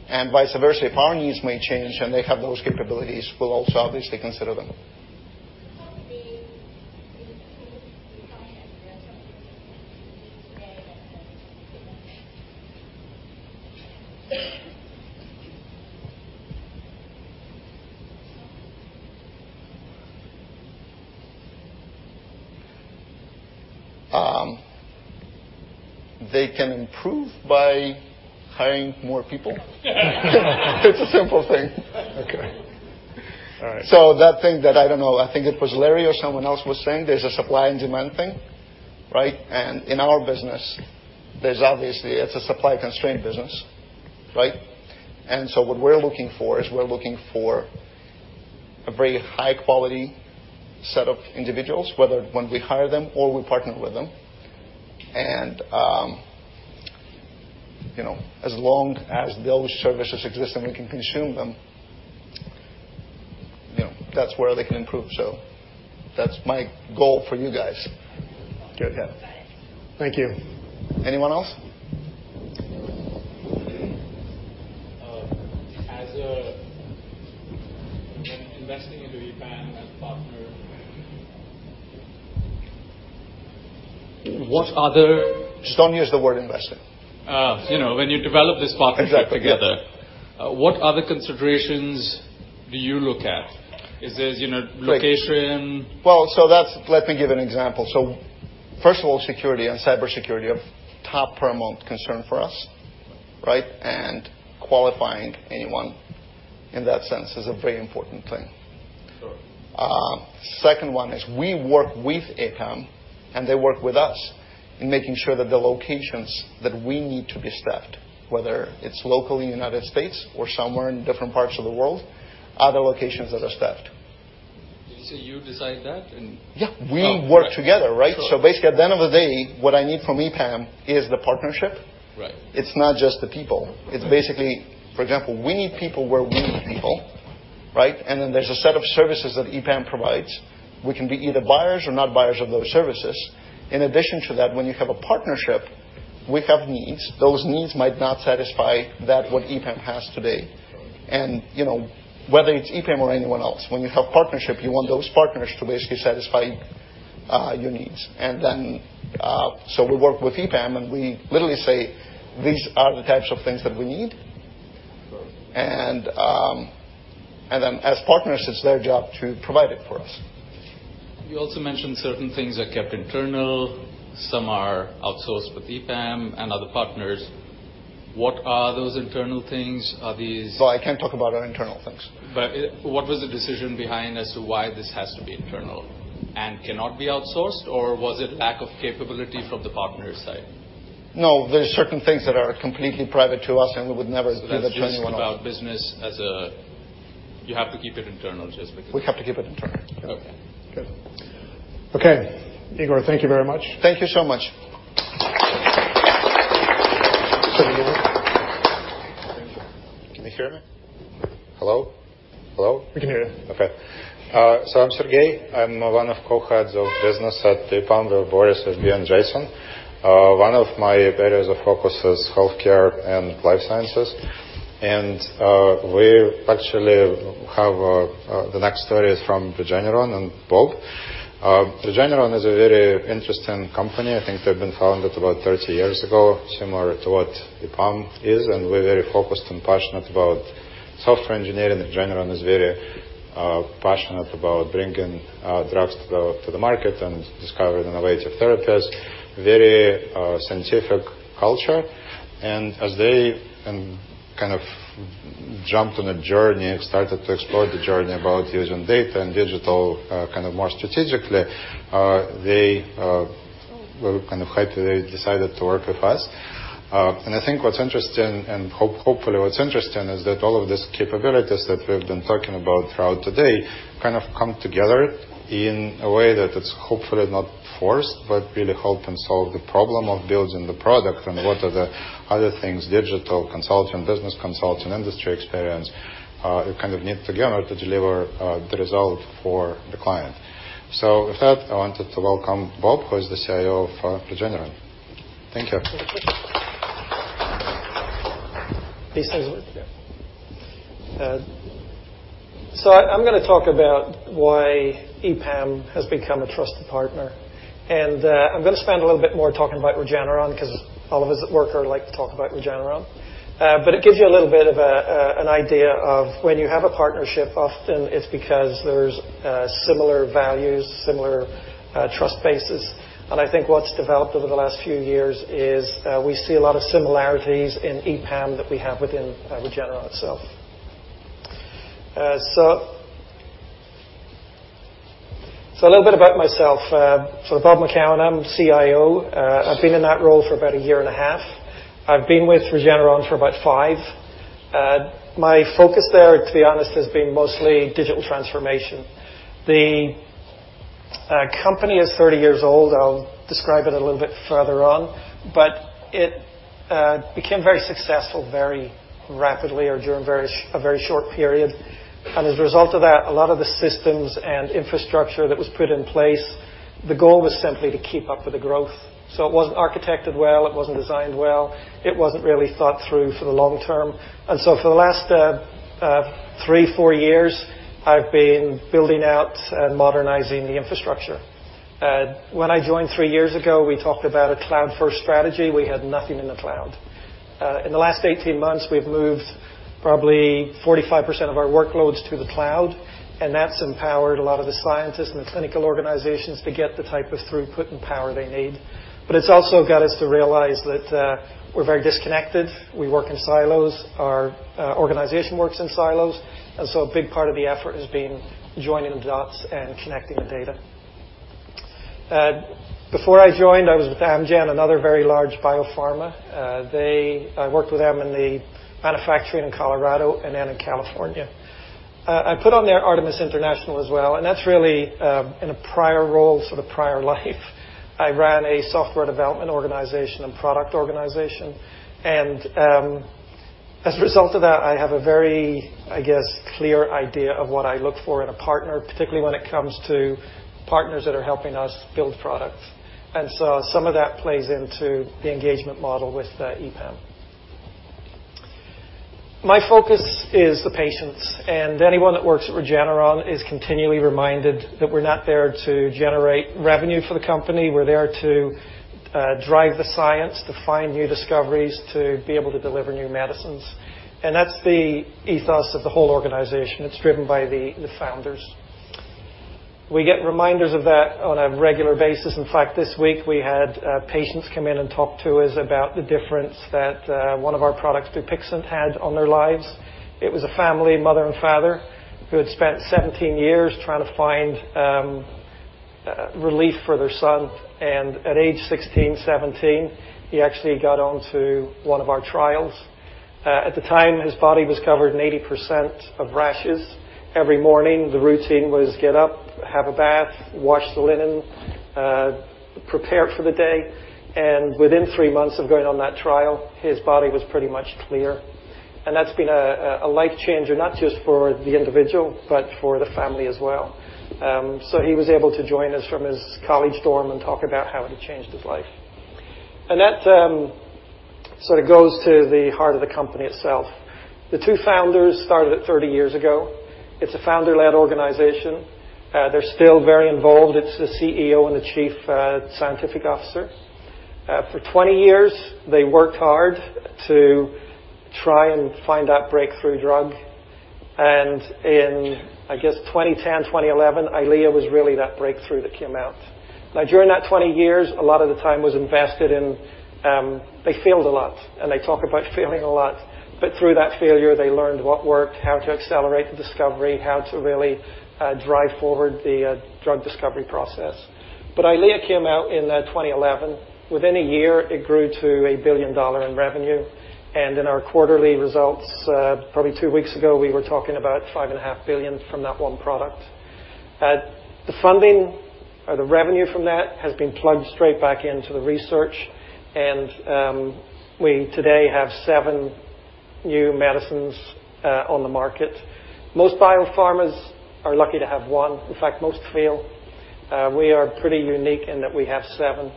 Vice versa, if our needs may change and they have those capabilities, we'll also obviously consider them. How can they improve as a company and as a vendor today and then looking to the next? They can improve by hiring more people. It's a simple thing. Okay. All right. That thing that, I don't know, I think it was Larry or someone else was saying, there's a supply and demand thing, right? In our business, there's obviously, it's a supply-constrained business, right? What we're looking for is we're looking for a very high-quality set of individuals, whether when we hire them or we partner with them. As long as those services exist and we can consume them. That's where they can improve. That's my goal for you guys. Good. Yeah. Thank you. Anyone else? As when investing into EPAM as a partner. Just don't use the word investing. When you develop this partnership together. Exactly. Yeah. What other considerations do you look at? Is it location? Well, let me give an example. First of all, security and cybersecurity are top paramount concern for us. Okay. Right? Qualifying anyone in that sense is a very important thing. Sure. Second one is we work with EPAM, and they work with us in making sure that the locations that we need to be staffed, whether it's locally in the United States or somewhere in different parts of the world, are the locations that are staffed. Did you say you decide that? Yeah. We work together, right? Sure. Basically, at the end of the day, what I need from EPAM is the partnership. Right. It's not just the people. Okay. It's basically, for example, we need people where we need people, right? There's a set of services that EPAM provides. We can be either buyers or not buyers of those services. In addition to that, when you have a partnership, we have needs. Those needs might not satisfy that what EPAM has today. Sure. Whether it's EPAM or anyone else, when you have partnership, you want those partners to basically satisfy your needs. Sure. We work with EPAM, and we literally say, "These are the types of things that we need. Sure. As partners, it's their job to provide it for us. You also mentioned certain things are kept internal, some are outsourced with EPAM and other partners. What are those internal things? I can't talk about our internal things. What was the decision behind as to why this has to be internal and cannot be outsourced? Was it lack of capability from the partner side? No, there are certain things that are completely private to us, and we would never give that to anyone else. That's just about business as you have to keep it internal just because. We have to keep it internal. Okay. Good. Okay. Igor, thank you very much. Thank you so much. Sergey. Can you hear me? Hello? Hello? We can hear you. I'm Sergey. I'm one of co-heads of business at EPAM with Boris, SB, and Jason. One of my areas of focus is healthcare and life sciences. We actually have the next story is from Regeneron and Bob. Regeneron is a very interesting company. I think they've been founded about 30 years ago, similar to what EPAM is, and we're very focused and passionate about software engineering. Regeneron is very passionate about bringing drugs to the market and discovering innovative therapies. Very scientific culture. As they kind of jumped on a journey and started to explore the journey about using data and digital kind of more strategically, they were kind of happy they decided to work with us. I think what's interesting, and hopefully what's interesting, is that all of these capabilities that we've been talking about throughout today kind of come together in a way that it's hopefully not forced, but really help and solve the problem of building the product and what are the other things, digital consulting, business consulting, industry experience, you kind of knit together to deliver the result for the client. With that, I wanted to welcome Bob, who is the CIO for Regeneron. Thank you. He says- Yeah. I'm going to talk about why EPAM has become a trusted partner, and I'm going to spend a little bit more time talking about Regeneron because all of us that work here like to talk about Regeneron. It gives you a little bit of an idea of when you have a partnership, often it's because there's similar values, similar trust bases. I think what's developed over the last few years is we see a lot of similarities in EPAM that we have within Regeneron itself. A little bit about myself. I'm Bob McCowan. I'm CIO. I've been in that role for about a year and a half. I've been with Regeneron for about five. My focus there, to be honest, has been mostly digital transformation. The company is 30 years old. I'll describe it a little bit further on. It became very successful very rapidly or during a very short period. As a result of that, a lot of the systems and infrastructure that was put in place, the goal was simply to keep up with the growth. It wasn't architected well, it wasn't designed well, it wasn't really thought through for the long term. For the last three, four years, I've been building out and modernizing the infrastructure. When I joined three years ago, we talked about a cloud-first strategy. We had nothing in the cloud. In the last 18 months, we've moved probably 45% of our workloads to the cloud, and that's empowered a lot of the scientists and the clinical organizations to get the type of throughput and power they need. It's also got us to realize that we're very disconnected. We work in silos. Our organization works in silos. A big part of the effort has been joining the dots and connecting the data. Before I joined, I was with Amgen, another very large biopharma. I worked with them in the manufacturing in Colorado and then in California. I put on there Artemis International as well, and that's really in a prior role, sort of prior life. I ran a software development organization and product organization. As a result of that, I have a very clear idea of what I look for in a partner, particularly when it comes to partners that are helping us build products. Some of that plays into the engagement model with EPAM. My focus is the patients, and anyone that works at Regeneron is continually reminded that we're not there to generate revenue for the company. We're there to drive the science, to find new discoveries, to be able to deliver new medicines. That's the ethos of the whole organization. It's driven by the founders. We get reminders of that on a regular basis. In fact, this week we had patients come in and talk to us about the difference that one of our products, DUPIXENT, had on their lives. It was a family, mother and father, who had spent 17 years trying to find relief for their son, and at age 16, 17, he actually got onto one of our trials. At the time, his body was covered in 80% of rashes. Every morning, the routine was get up, have a bath, wash the linen, prepare for the day, and within three months of going on that trial, his body was pretty much clear. That's been a life-changer, not just for the individual, but for the family as well. He was able to join us from his college dorm and talk about how it had changed his life. That sort of goes to the heart of the company itself. The two founders started it 30 years ago. It's a founder-led organization. They're still very involved. It's the CEO and the Chief Scientific Officer. For 20 years, they worked hard to try and find that breakthrough drug, and in, I guess, 2010, 2011, EYLEA was really that breakthrough that came out. During that 20 years, a lot of the time was invested in. They failed a lot, and they talk about failing a lot. Through that failure, they learned what worked, how to accelerate the discovery, how to really drive forward the drug discovery process. EYLEA came out in 2011. Within a year, it grew to a billion dollar in revenue, and in our quarterly results, probably two weeks ago, we were talking about $5.5 billion from that one product. The funding or the revenue from that has been plugged straight back into the research, and we today have seven new medicines on the market. Most biopharmas are lucky to have one. In fact, most fail. We are pretty unique in that we have seven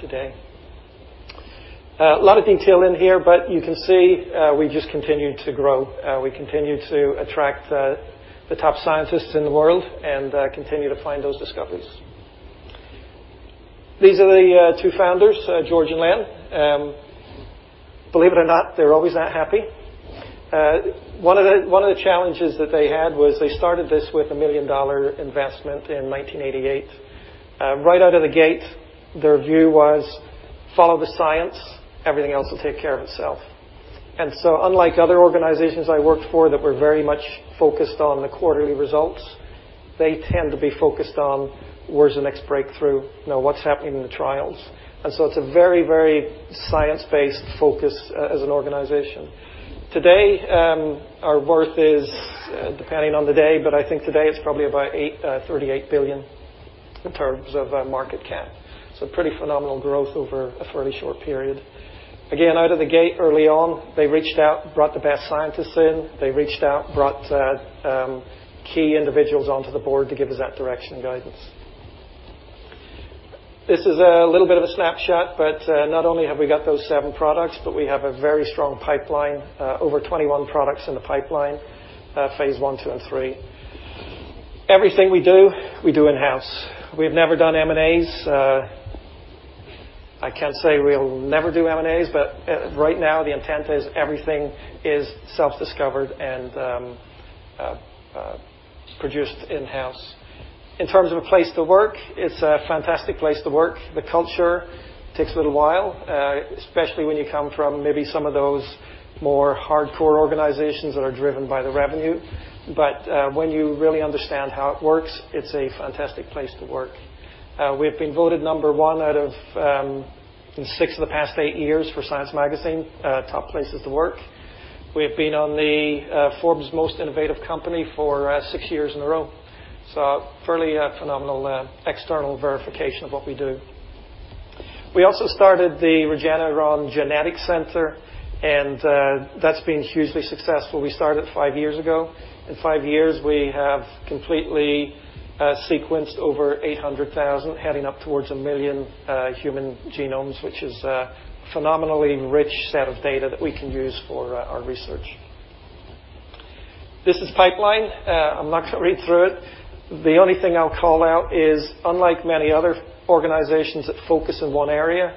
today. A lot of detail in here, you can see we just continue to grow. We continue to attract the top scientists in the world and continue to find those discoveries. These are the two founders, George and Len. Believe it or not, they're always that happy. One of the challenges that they had was they started this with a million-dollar investment in 1988. Right out of the gate, their view was follow the science, everything else will take care of itself. Unlike other organizations I worked for that were very much focused on the quarterly results, they tend to be focused on where's the next breakthrough? What's happening in the trials? It's a very science-based focus as an organization. Today, our worth is, depending on the day, but I think today it's probably about $38 billion in terms of market cap. Pretty phenomenal growth over a fairly short period. Out of the gate early on, they reached out, brought the best scientists in. They reached out, brought key individuals onto the board to give us that direction and guidance. This is a little bit of a snapshot, not only have we got those seven products, we have a very strong pipeline, over 21 products in the pipeline, phase I, II, and III. Everything we do, we do in-house. We have never done M&As. I can't say we'll never do M&As, right now the intent is everything is self-discovered and produced in-house. In terms of a place to work, it's a fantastic place to work. The culture takes a little while, especially when you come from maybe some of those more hardcore organizations that are driven by the revenue. When you really understand how it works, it's a fantastic place to work. We've been voted number one out of six of the past eight years for Science Magazine top places to work. We've been on the Forbes Most Innovative Company for six years in a row. Fairly phenomenal external verification of what we do. We also started the Regeneron Genetics Center, and that's been hugely successful. We started it five years ago. In five years, we have completely sequenced over 800,000, heading up towards a million human genomes, which is a phenomenally rich set of data that we can use for our research. This is pipeline. I'm not going to read through it. The only thing I'll call out is, unlike many other organizations that focus in one area,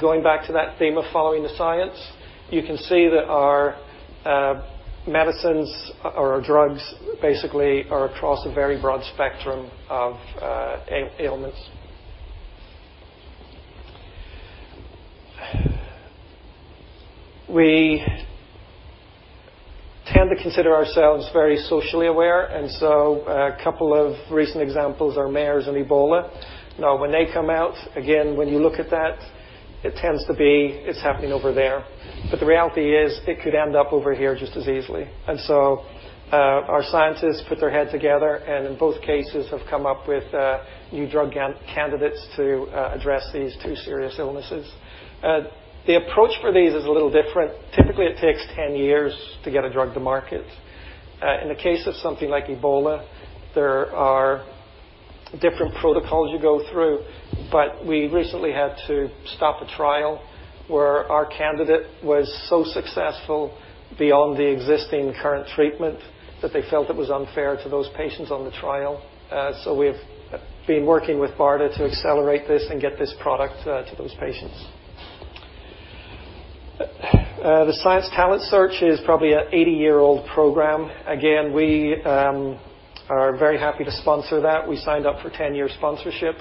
going back to that theme of following the science, you can see that our medicines or our drugs basically are across a very broad spectrum of ailments. We tend to consider ourselves very socially aware, a couple of recent examples are MERS and Ebola. When they come out, again, when you look at that, it tends to be it's happening over there. The reality is it could end up over here just as easily. Our scientists put their heads together, and in both cases have come up with new drug candidates to address these two serious illnesses. The approach for these is a little different. Typically, it takes 10 years to get a drug to market. In the case of something like Ebola, there are different protocols you go through. We recently had to stop a trial where our candidate was so successful beyond the existing current treatment that they felt it was unfair to those patients on the trial. We've been working with BARDA to accelerate this and get this product to those patients. The Science Talent Search is probably an 80-year-old program. Again, we are very happy to sponsor that. We signed up for 10-year sponsorship.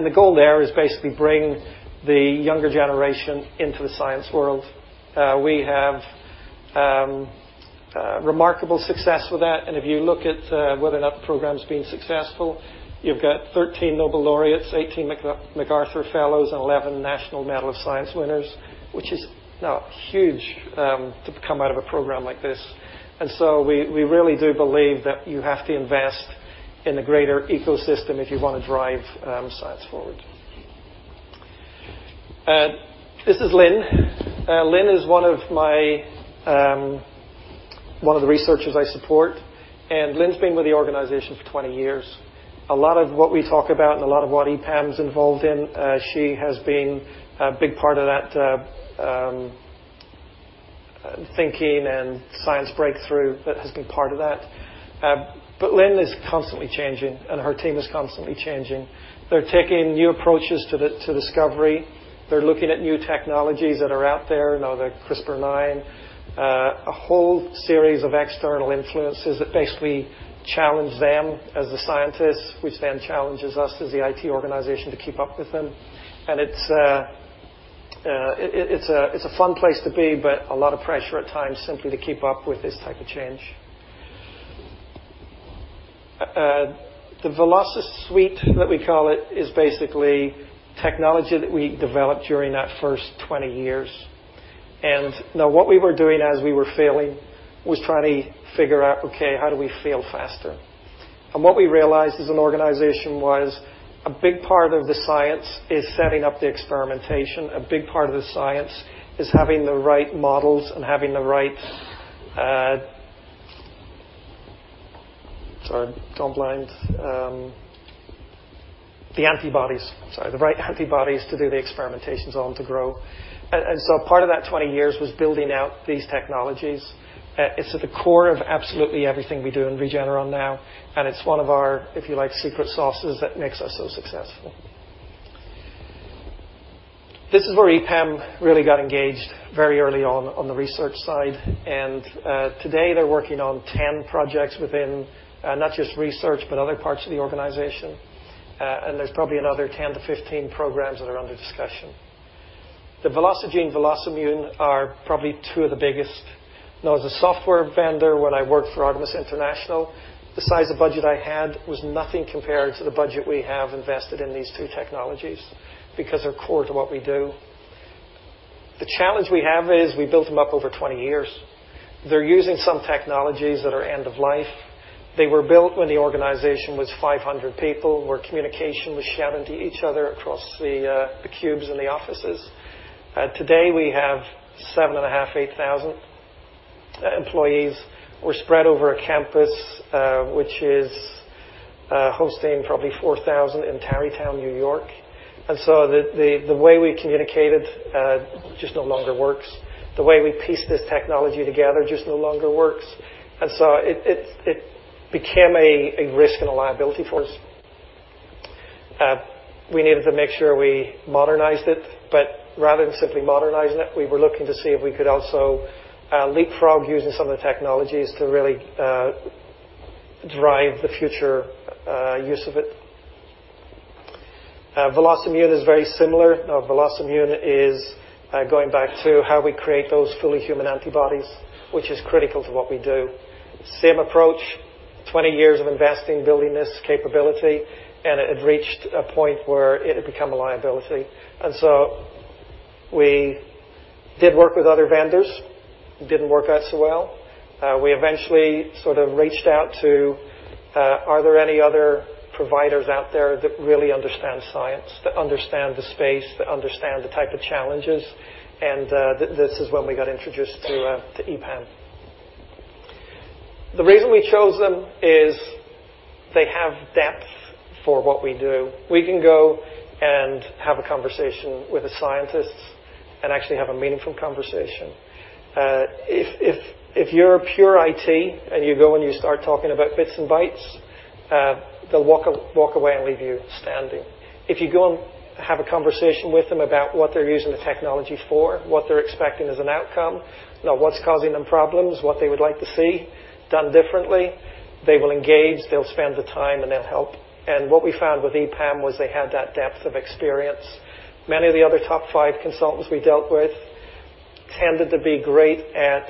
The goal there is basically bring the younger generation into the science world. We have remarkable success with that. If you look at whether or not the program's been successful, you've got 13 Nobel laureates, 18 MacArthur fellows, and 11 National Medal of Science winners, which is now huge to come out of a program like this. We really do believe that you have to invest in the greater ecosystem if you want to drive science forward. This is Lynn. Lynn is one of the researchers I support. Lynn's been with the organization for 20 years. A lot of what we talk about and a lot of what EPAM's involved in, she has been a big part of that thinking and science breakthrough that has been part of that. Lynn is constantly changing, and her team is constantly changing. They're taking new approaches to discovery. They're looking at new technologies that are out there. The CRISPR-Cas9, a whole series of external influences that basically challenge them as the scientists, which then challenges us as the IT organization to keep up with them. It's a fun place to be, but a lot of pressure at times simply to keep up with this type of change. The VelociSuite that we call it is basically technology that we developed during that first 20 years. Now, what we were doing as we were failing was trying to figure out, okay, how do we fail faster? What we realized as an organization was a big part of the science is setting up the experimentation. A big part of the science is having the right models and having the right -- sorry, gone blind. The antibodies. Sorry, the right antibodies to do the experimentations on to grow. Part of that 20 years was building out these technologies. It's at the core of absolutely everything we do in Regeneron now, and it's one of our, if you like, secret sauces that makes us so successful. This is where EPAM really got engaged very early on the research side. Today they're working on 10 projects within not just research, but other parts of the organization. There's probably another 10-15 programs that are under discussion. The VelociGene, VelociImmune are probably two of the biggest. Now, as a software vendor, when I worked for Artemis International, the size of budget I had was nothing compared to the budget we have invested in these two technologies because they're core to what we do. The challenge we have is we built them up over 20 years. They're using some technologies that are end of life. They were built when the organization was 500 people, where communication was shouting to each other across the cubes in the offices. Today we have 7,500, 8,000 employees. We're spread over a campus, which is hosting probably 4,000 in Tarrytown, N.Y. The way we communicated just no longer works. The way we piece this technology together just no longer works. It became a risk and a liability for us. We needed to make sure we modernized it, rather than simply modernizing it, we were looking to see if we could also leapfrog using some of the technologies to really drive the future use of it. VelocImmune is very similar. VelocImmune is going back to how we create those fully human antibodies, which is critical to what we do. Same approach, 20 years of investing, building this capability, it had reached a point where it had become a liability. We did work with other vendors. It didn't work out so well. We eventually sort of reached out to, "Are there any other providers out there that really understand science, that understand the space, that understand the type of challenges?" This is when we got introduced to EPAM. The reason we chose them is they have depth for what we do. We can go and have a conversation with the scientists and actually have a meaningful conversation. If you're a pure IT and you go and you start talking about bits and bytes, they'll walk away and leave you standing. If you go and have a conversation with them about what they're using the technology for, what they're expecting as an outcome, what's causing them problems, what they would like to see done differently, they will engage, they'll spend the time, and they'll help. What we found with EPAM was they had that depth of experience. Many of the other top 5 consultants we dealt with tended to be great at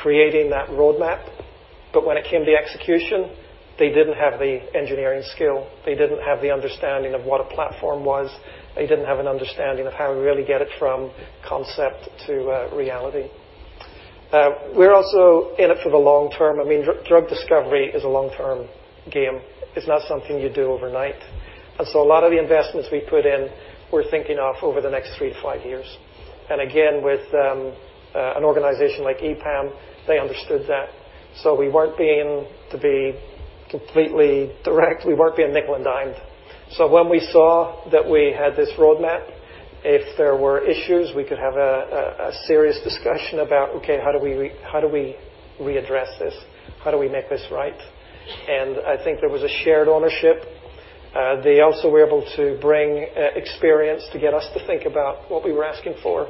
creating that roadmap, but when it came to execution, they didn't have the engineering skill. They didn't have the understanding of what a platform was. They didn't have an understanding of how to really get it from concept to reality. We're also in it for the long term. I mean, drug discovery is a long-term game. It's not something you do overnight. A lot of the investments we put in, we're thinking of over the next three to five years. Again, with an organization like EPAM, they understood that. To be completely direct, we weren't being nickel and dimed. When we saw that we had this roadmap, if there were issues, we could have a serious discussion about, okay, how do we readdress this? How do we make this right? I think there was a shared ownership. They also were able to bring experience to get us to think about what we were asking for.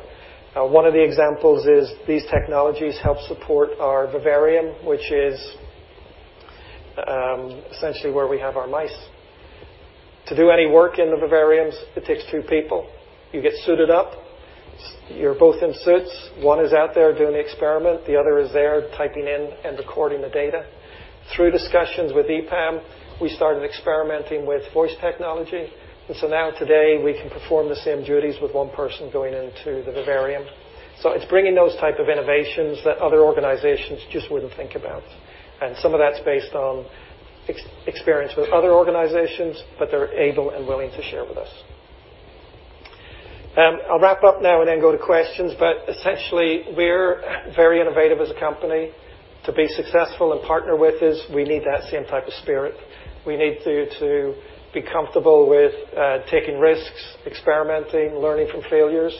One of the examples is these technologies help support our vivarium, which is essentially where we have our mice. To do any work in the vivarium, it takes two people. You get suited up. You're both in suits. One is out there doing the experiment. The other is there typing in and recording the data. Through discussions with EPAM, we started experimenting with voice technology. Now today, we can perform the same duties with one person going into the vivarium. It's bringing those type of innovations that other organizations just wouldn't think about. Some of that's based on experience with other organizations, but they're able and willing to share with us. I'll wrap up now and then go to questions, essentially, we're very innovative as a company. To be successful and partner with us, we need that same type of spirit. We need you to be comfortable with taking risks, experimenting, learning from failures.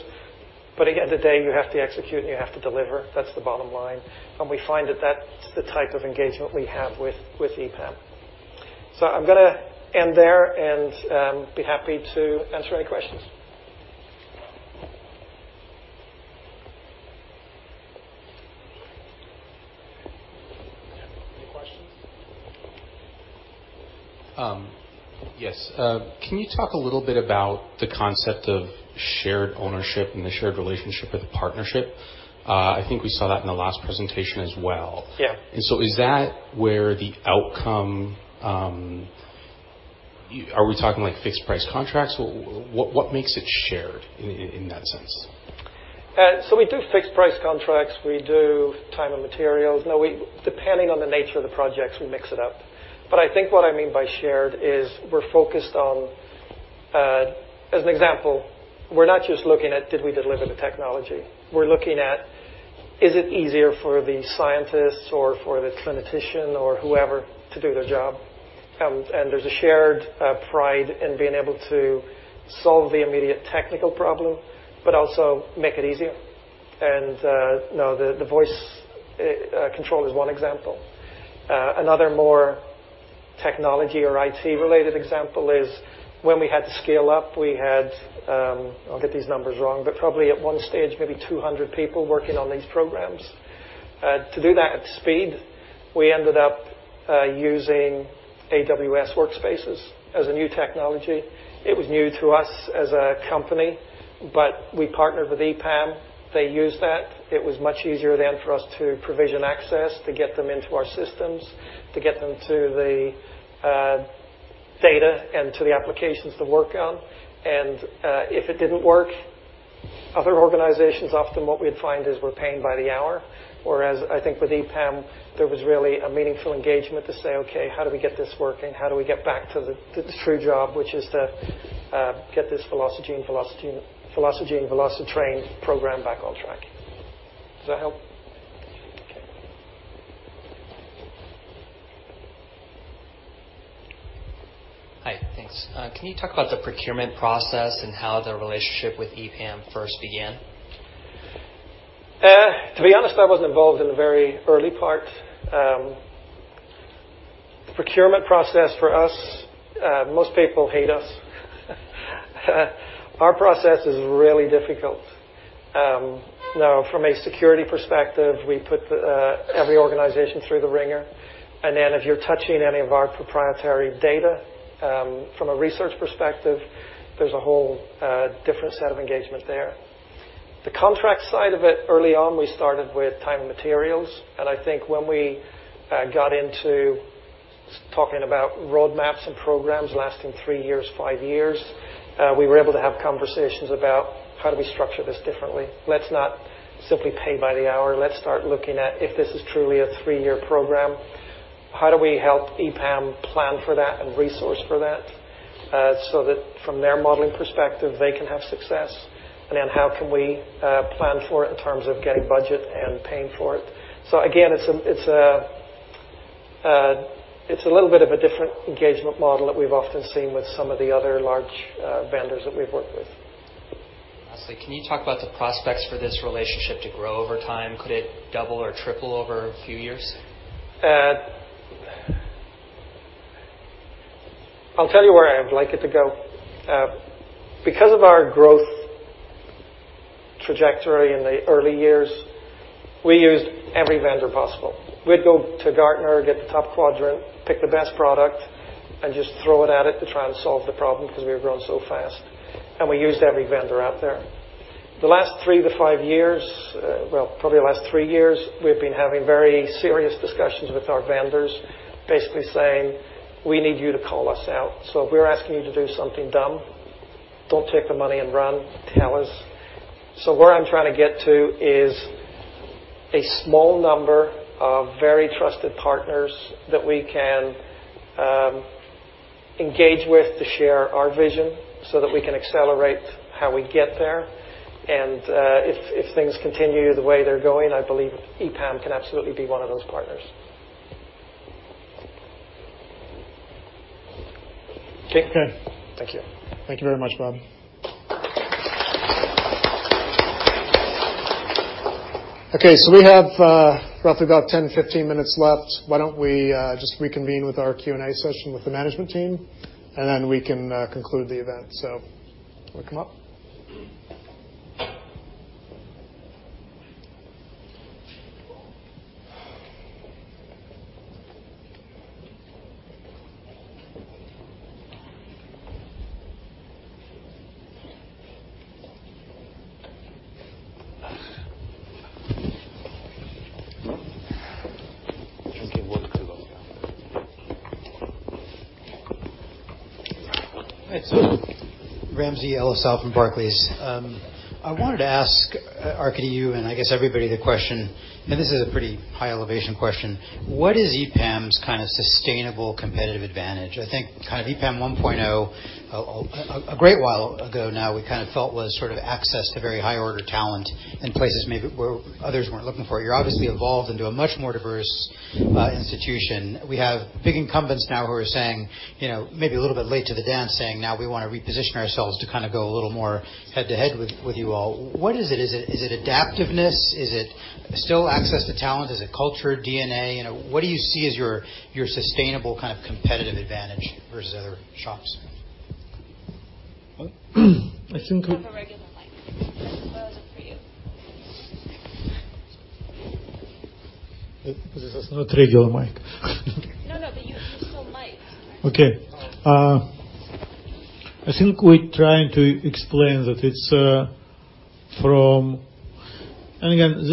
At the end of the day, you have to execute and you have to deliver. That's the bottom line. We find that that's the type of engagement we have with EPAM. I'm going to end there and be happy to answer any questions. Any questions? Yes. Can you talk a little bit about the concept of shared ownership and the shared relationship with the partnership? I think we saw that in the last presentation as well. Yeah. Is that where the outcome, are we talking fixed price contracts? What makes it shared in that sense? We do fixed price contracts. We do time and materials. Depending on the nature of the projects, we mix it up. I think what I mean by shared is we're focused on. As an example, we're not just looking at did we deliver the technology. We're looking at, is it easier for the scientists or for the clinician or whoever to do their job? There's a shared pride in being able to solve the immediate technical problem, but also make it easier. The voice control is one example. Another more technology or IT related example is when we had to scale up, we had, I'll get these numbers wrong, but probably at one stage, maybe 200 people working on these programs. To do that at speed, we ended up using Amazon WorkSpaces as a new technology. It was new to us as a company. We partnered with EPAM. They used that. It was much easier then for us to provision access to get them into our systems, to get them to the data and to the applications to work on. If it didn't work, other organizations, often what we'd find is we're paying by the hour. Whereas I think with EPAM, there was really a meaningful engagement to say, "Okay, how do we get this working? How do we get back to the true job, which is to get this VelociGene and VelociTrain program back on track?" Does that help? Okay. Hi, thanks. Can you talk about the procurement process and how the relationship with EPAM first began? To be honest, I wasn't involved in the very early part. The procurement process for us, most people hate us. Our process is really difficult. From a security perspective, we put every organization through the wringer. Then if you're touching any of our proprietary data, from a research perspective, there's a whole different set of engagement there. The contract side of it, early on, we started with time and materials. I think when we got into talking about roadmaps and programs lasting three years, five years, we were able to have conversations about how do we structure this differently. Let's not simply pay by the hour. Let's start looking at if this is truly a three-year program, how do we help EPAM plan for that and resource for that, so that from their modeling perspective, they can have success? How can we plan for it in terms of getting budget and paying for it? Again, it's a little bit of a different engagement model that we've often seen with some of the other large vendors that we've worked with. Can you talk about the prospects for this relationship to grow over time? Could it double or triple over a few years? I'll tell you where I would like it to go. Because of our growth trajectory in the early years, we used every vendor possible. We'd go to Gartner, get the top quadrant, pick the best product, and just throw it at it to try and solve the problem because we were growing so fast. We used every vendor out there. The last 3 to 5 years, well, probably the last 3 years, we've been having very serious discussions with our vendors, basically saying, "We need you to call us out. If we're asking you to do something dumb, don't take the money and run. Tell us." Where I'm trying to get to is a small number of very trusted partners that we can engage with to share our vision so that we can accelerate how we get there. If things continue the way they're going, I believe EPAM can absolutely be one of those partners. Okay. Thank you. Thank you very much, Bob. Okay, we have roughly about 10, 15 minutes left. Why don't we just reconvene with our Q&A session with the management team, and then we can conclude the event. Want to come up? Drinking water. Right. Ramsey El-Assal from Barclays. I wanted to ask Arkady you and I guess everybody the question. This is a pretty high elevation question. What is EPAM's sustainable competitive advantage? I think kind of EPAM 1.0, a great while ago now, we felt was sort of access to very high order talent in places maybe where others weren't looking for. You're obviously evolved into a much more diverse institution. We have big incumbents now who are maybe a little bit late to the dance, saying, "Now we want to reposition ourselves to go a little more head-to-head with you all." What is it? Is it adaptiveness? Is it still access to talent? Is it culture, DNA? What do you see as your sustainable competitive advantage versus other shops? I think- We have a regular mic. That was for you. This is not regular mic. No, you're still mic-ed. Okay. I think we're trying to explain that it's from again,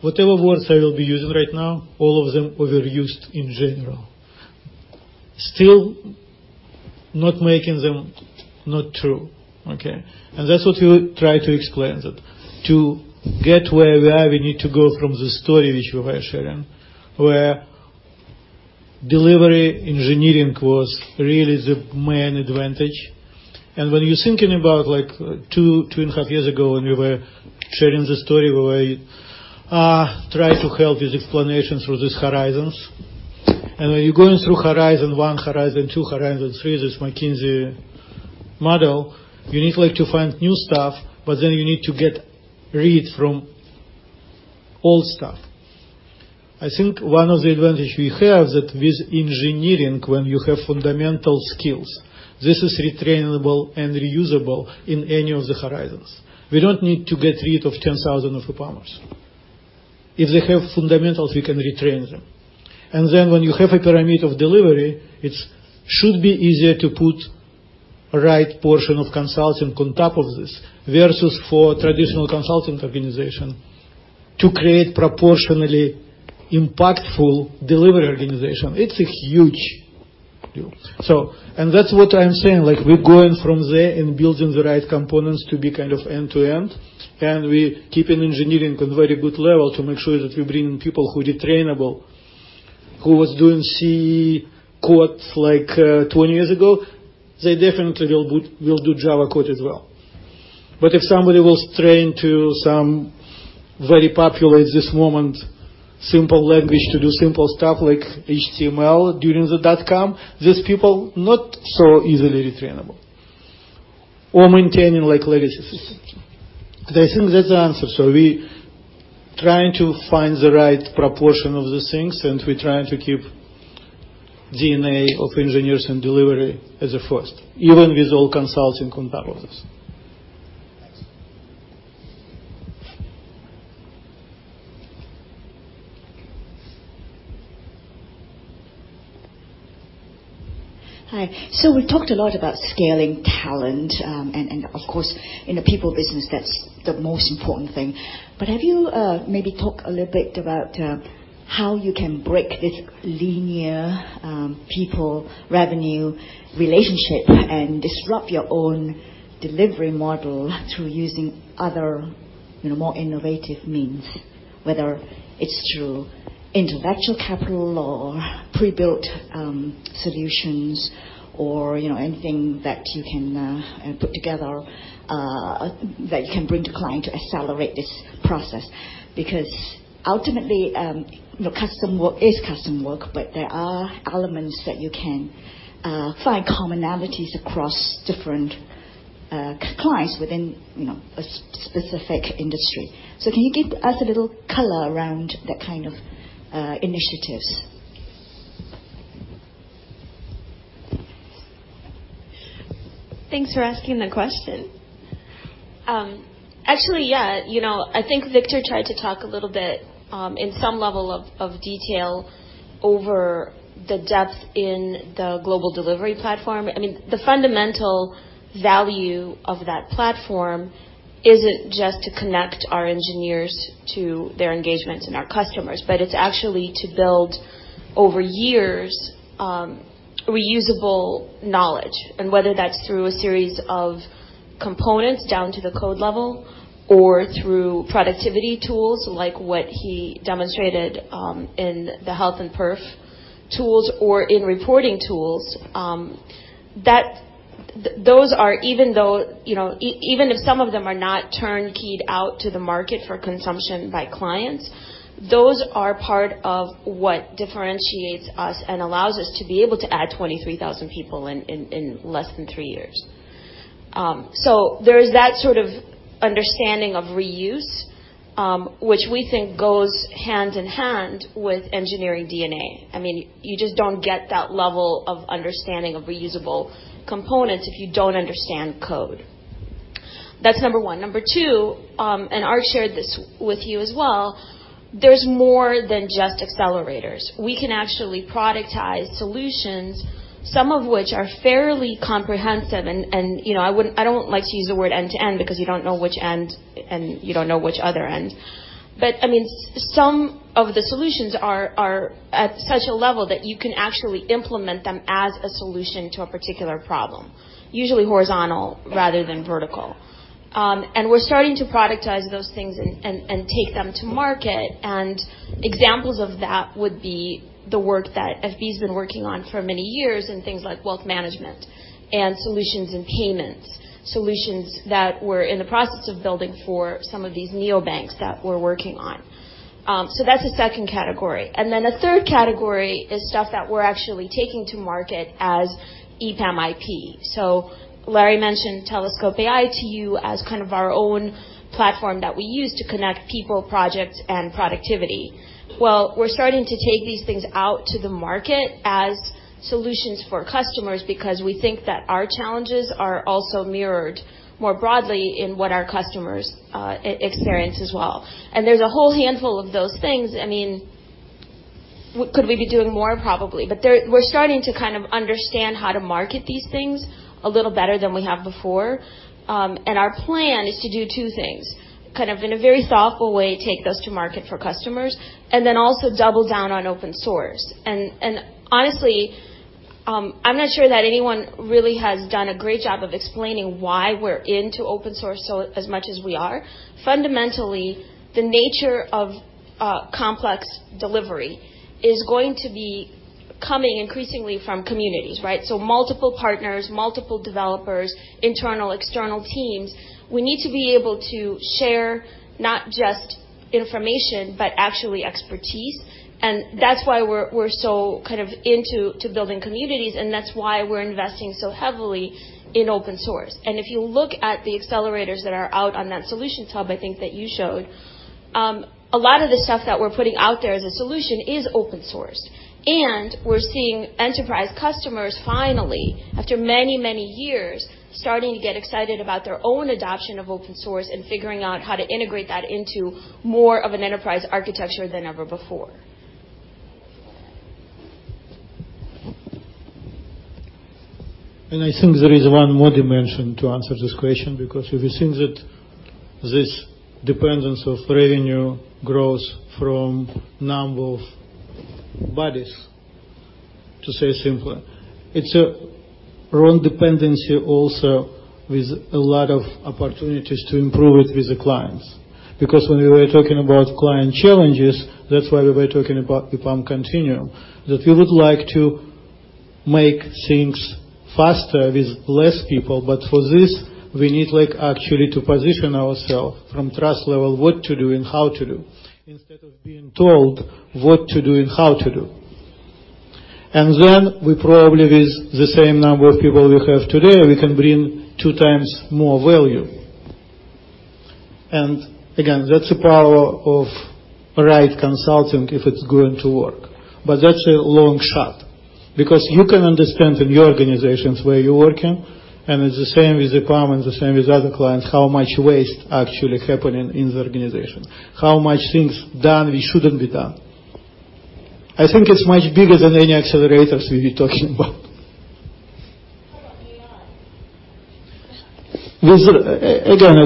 whatever words I will be using right now, all of them overused in general. Still not making them not true. Okay. That's what we try to explain, that to get where we are, we need to go from the story which we were sharing, where delivery engineering was really the main advantage. When you're thinking about two and a half years ago, when we were sharing the story where I try to help with explanation through these horizons. When you're going through horizon 1, horizon 2, horizon 3, this McKinsey model, you need to find new stuff, but then you need to get rid from old stuff. I think one of the advantage we have that with engineering, when you have fundamental skills, this is retrainable and reusable in any of the horizons. We don't need to get rid of 10,000 of EPAMers. If they have fundamentals, we can retrain them. When you have a pyramid of delivery, it should be easier to put right portion of consulting on top of this, versus for traditional consulting organization to create proportionally impactful delivery organization. It's a huge deal. That's what I'm saying, we're going from there and building the right components to be end-to-end. We keeping engineering on very good level to make sure that we bring people who are retrainable, who was doing C code like 20 years ago, they definitely will do Java code as well. If somebody was trained to some very popular at this moment, simple language to do simple stuff like HTML during the dot-com, these people, not so easily retrainable. Maintaining legacy systems. I think that's the answer. We trying to find the right proportion of these things, and we're trying to keep DNA of engineers and delivery as a first, even with all consulting on top of this. Thanks. Hi. We talked a lot about scaling talent. Of course in the people business, that's the most important thing. Have you maybe talked a little bit about how you can break this linear people-revenue relationship and disrupt your own delivery model through using other, more innovative means, whether it's through intellectual capital or pre-built solutions or anything that you can put together, that you can bring to client to accelerate this process? Ultimately, custom work is custom work, but there are elements that you can find commonalities across different clients within a specific industry. Can you give us a little color around that kind of initiatives? Thanks for asking that question. Actually, yeah. I think Victor tried to talk a little bit, in some level of detail over the depth in the global delivery platform. The fundamental value of that platform isn't just to connect our engineers to their engagements and our customers, but it's actually to build over years, reusable knowledge. Whether that's through a series of components down to the code level or through productivity tools like what he demonstrated, in the health and perf tools or in reporting tools, Those are, even if some of them are not turn-keyed out to the market for consumption by clients, those are part of what differentiates us and allows us to be able to add 23,000 people in less than three years. There's that sort of understanding of reuse, which we think goes hand-in-hand with engineering DNA. You just don't get that level of understanding of reusable components if you don't understand code. That's number one. Number two, Art shared this with you as well, there's more than just accelerators. We can actually productize solutions, some of which are fairly comprehensive, and I don't like to use the word end-to-end because you don't know which end, and you don't know which other end. Some of the solutions are at such a level that you can actually implement them as a solution to a particular problem, usually horizontal rather than vertical. We're starting to productize those things and take them to market, and examples of that would be the work that FB's been working on for many years and things like wealth management and solutions in payments. Solutions that we're in the process of building for some of these neo banks that we're working on. That's the second category. A third category is stuff that we're actually taking to market as EPAM IP. Larry mentioned Telescope AI to you as kind of our own platform that we use to connect people, projects, and productivity. We're starting to take these things out to the market as solutions for customers because we think that our challenges are also mirrored more broadly in what our customers experience as well. There's a whole handful of those things. Could we be doing more? Probably. We're starting to kind of understand how to market these things a little better than we have before. Our plan is to do two things. In a very thoughtful way, take those to market for customers, and then also double down on open source. Honestly, I'm not sure that anyone really has done a great job of explaining why we're into open source so as much as we are. Fundamentally, the nature of complex delivery is going to be coming increasingly from communities, right? Multiple partners, multiple developers, internal, external teams. We need to be able to share not just information, but actually expertise, and that's why we're so into building communities, and that's why we're investing so heavily in open source. If you look at the accelerators that are out on that SolutionsHub I think that you showed, a lot of the stuff that we're putting out there as a solution is open source. We're seeing enterprise customers finally, after many, many years, starting to get excited about their own adoption of open source and figuring out how to integrate that into more of an enterprise architecture than ever before. I think there is one more dimension to answer this question, because if you think that this dependence of revenue growth from number of bodies, to say simpler, it's a wrong dependency also with a lot of opportunities to improve it with the clients. When we were talking about client challenges, that's why we were talking about EPAM Continuum, that we would like to make things faster with less people. For this, we need like actually to position ourself from trust level what to do and how to do instead of being told what to do and how to do. Then we probably with the same number of people we have today, we can bring two times more value. Again, that's the power of right consulting if it's going to work. That's a long shot. You can understand in your organizations where you're working, and it's the same with EPAM and the same with other clients, how much waste actually happening in the organization. How much things done we shouldn't be done. I think it's much bigger than any accelerators we've been talking about. How about AI? Again,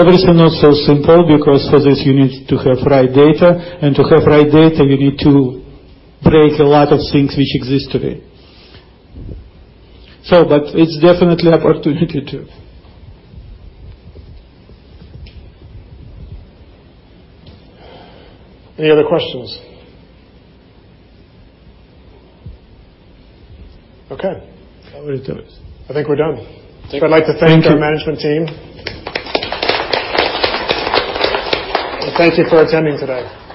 everything not so simple because for this you need to have right data, and to have right data, we need to break a lot of things which exist today. It's definitely opportunity too. Any other questions? Okay. That will do it. I think we're done. Thank you. I'd like to thank our management team. Thank you for attending today. Thank you.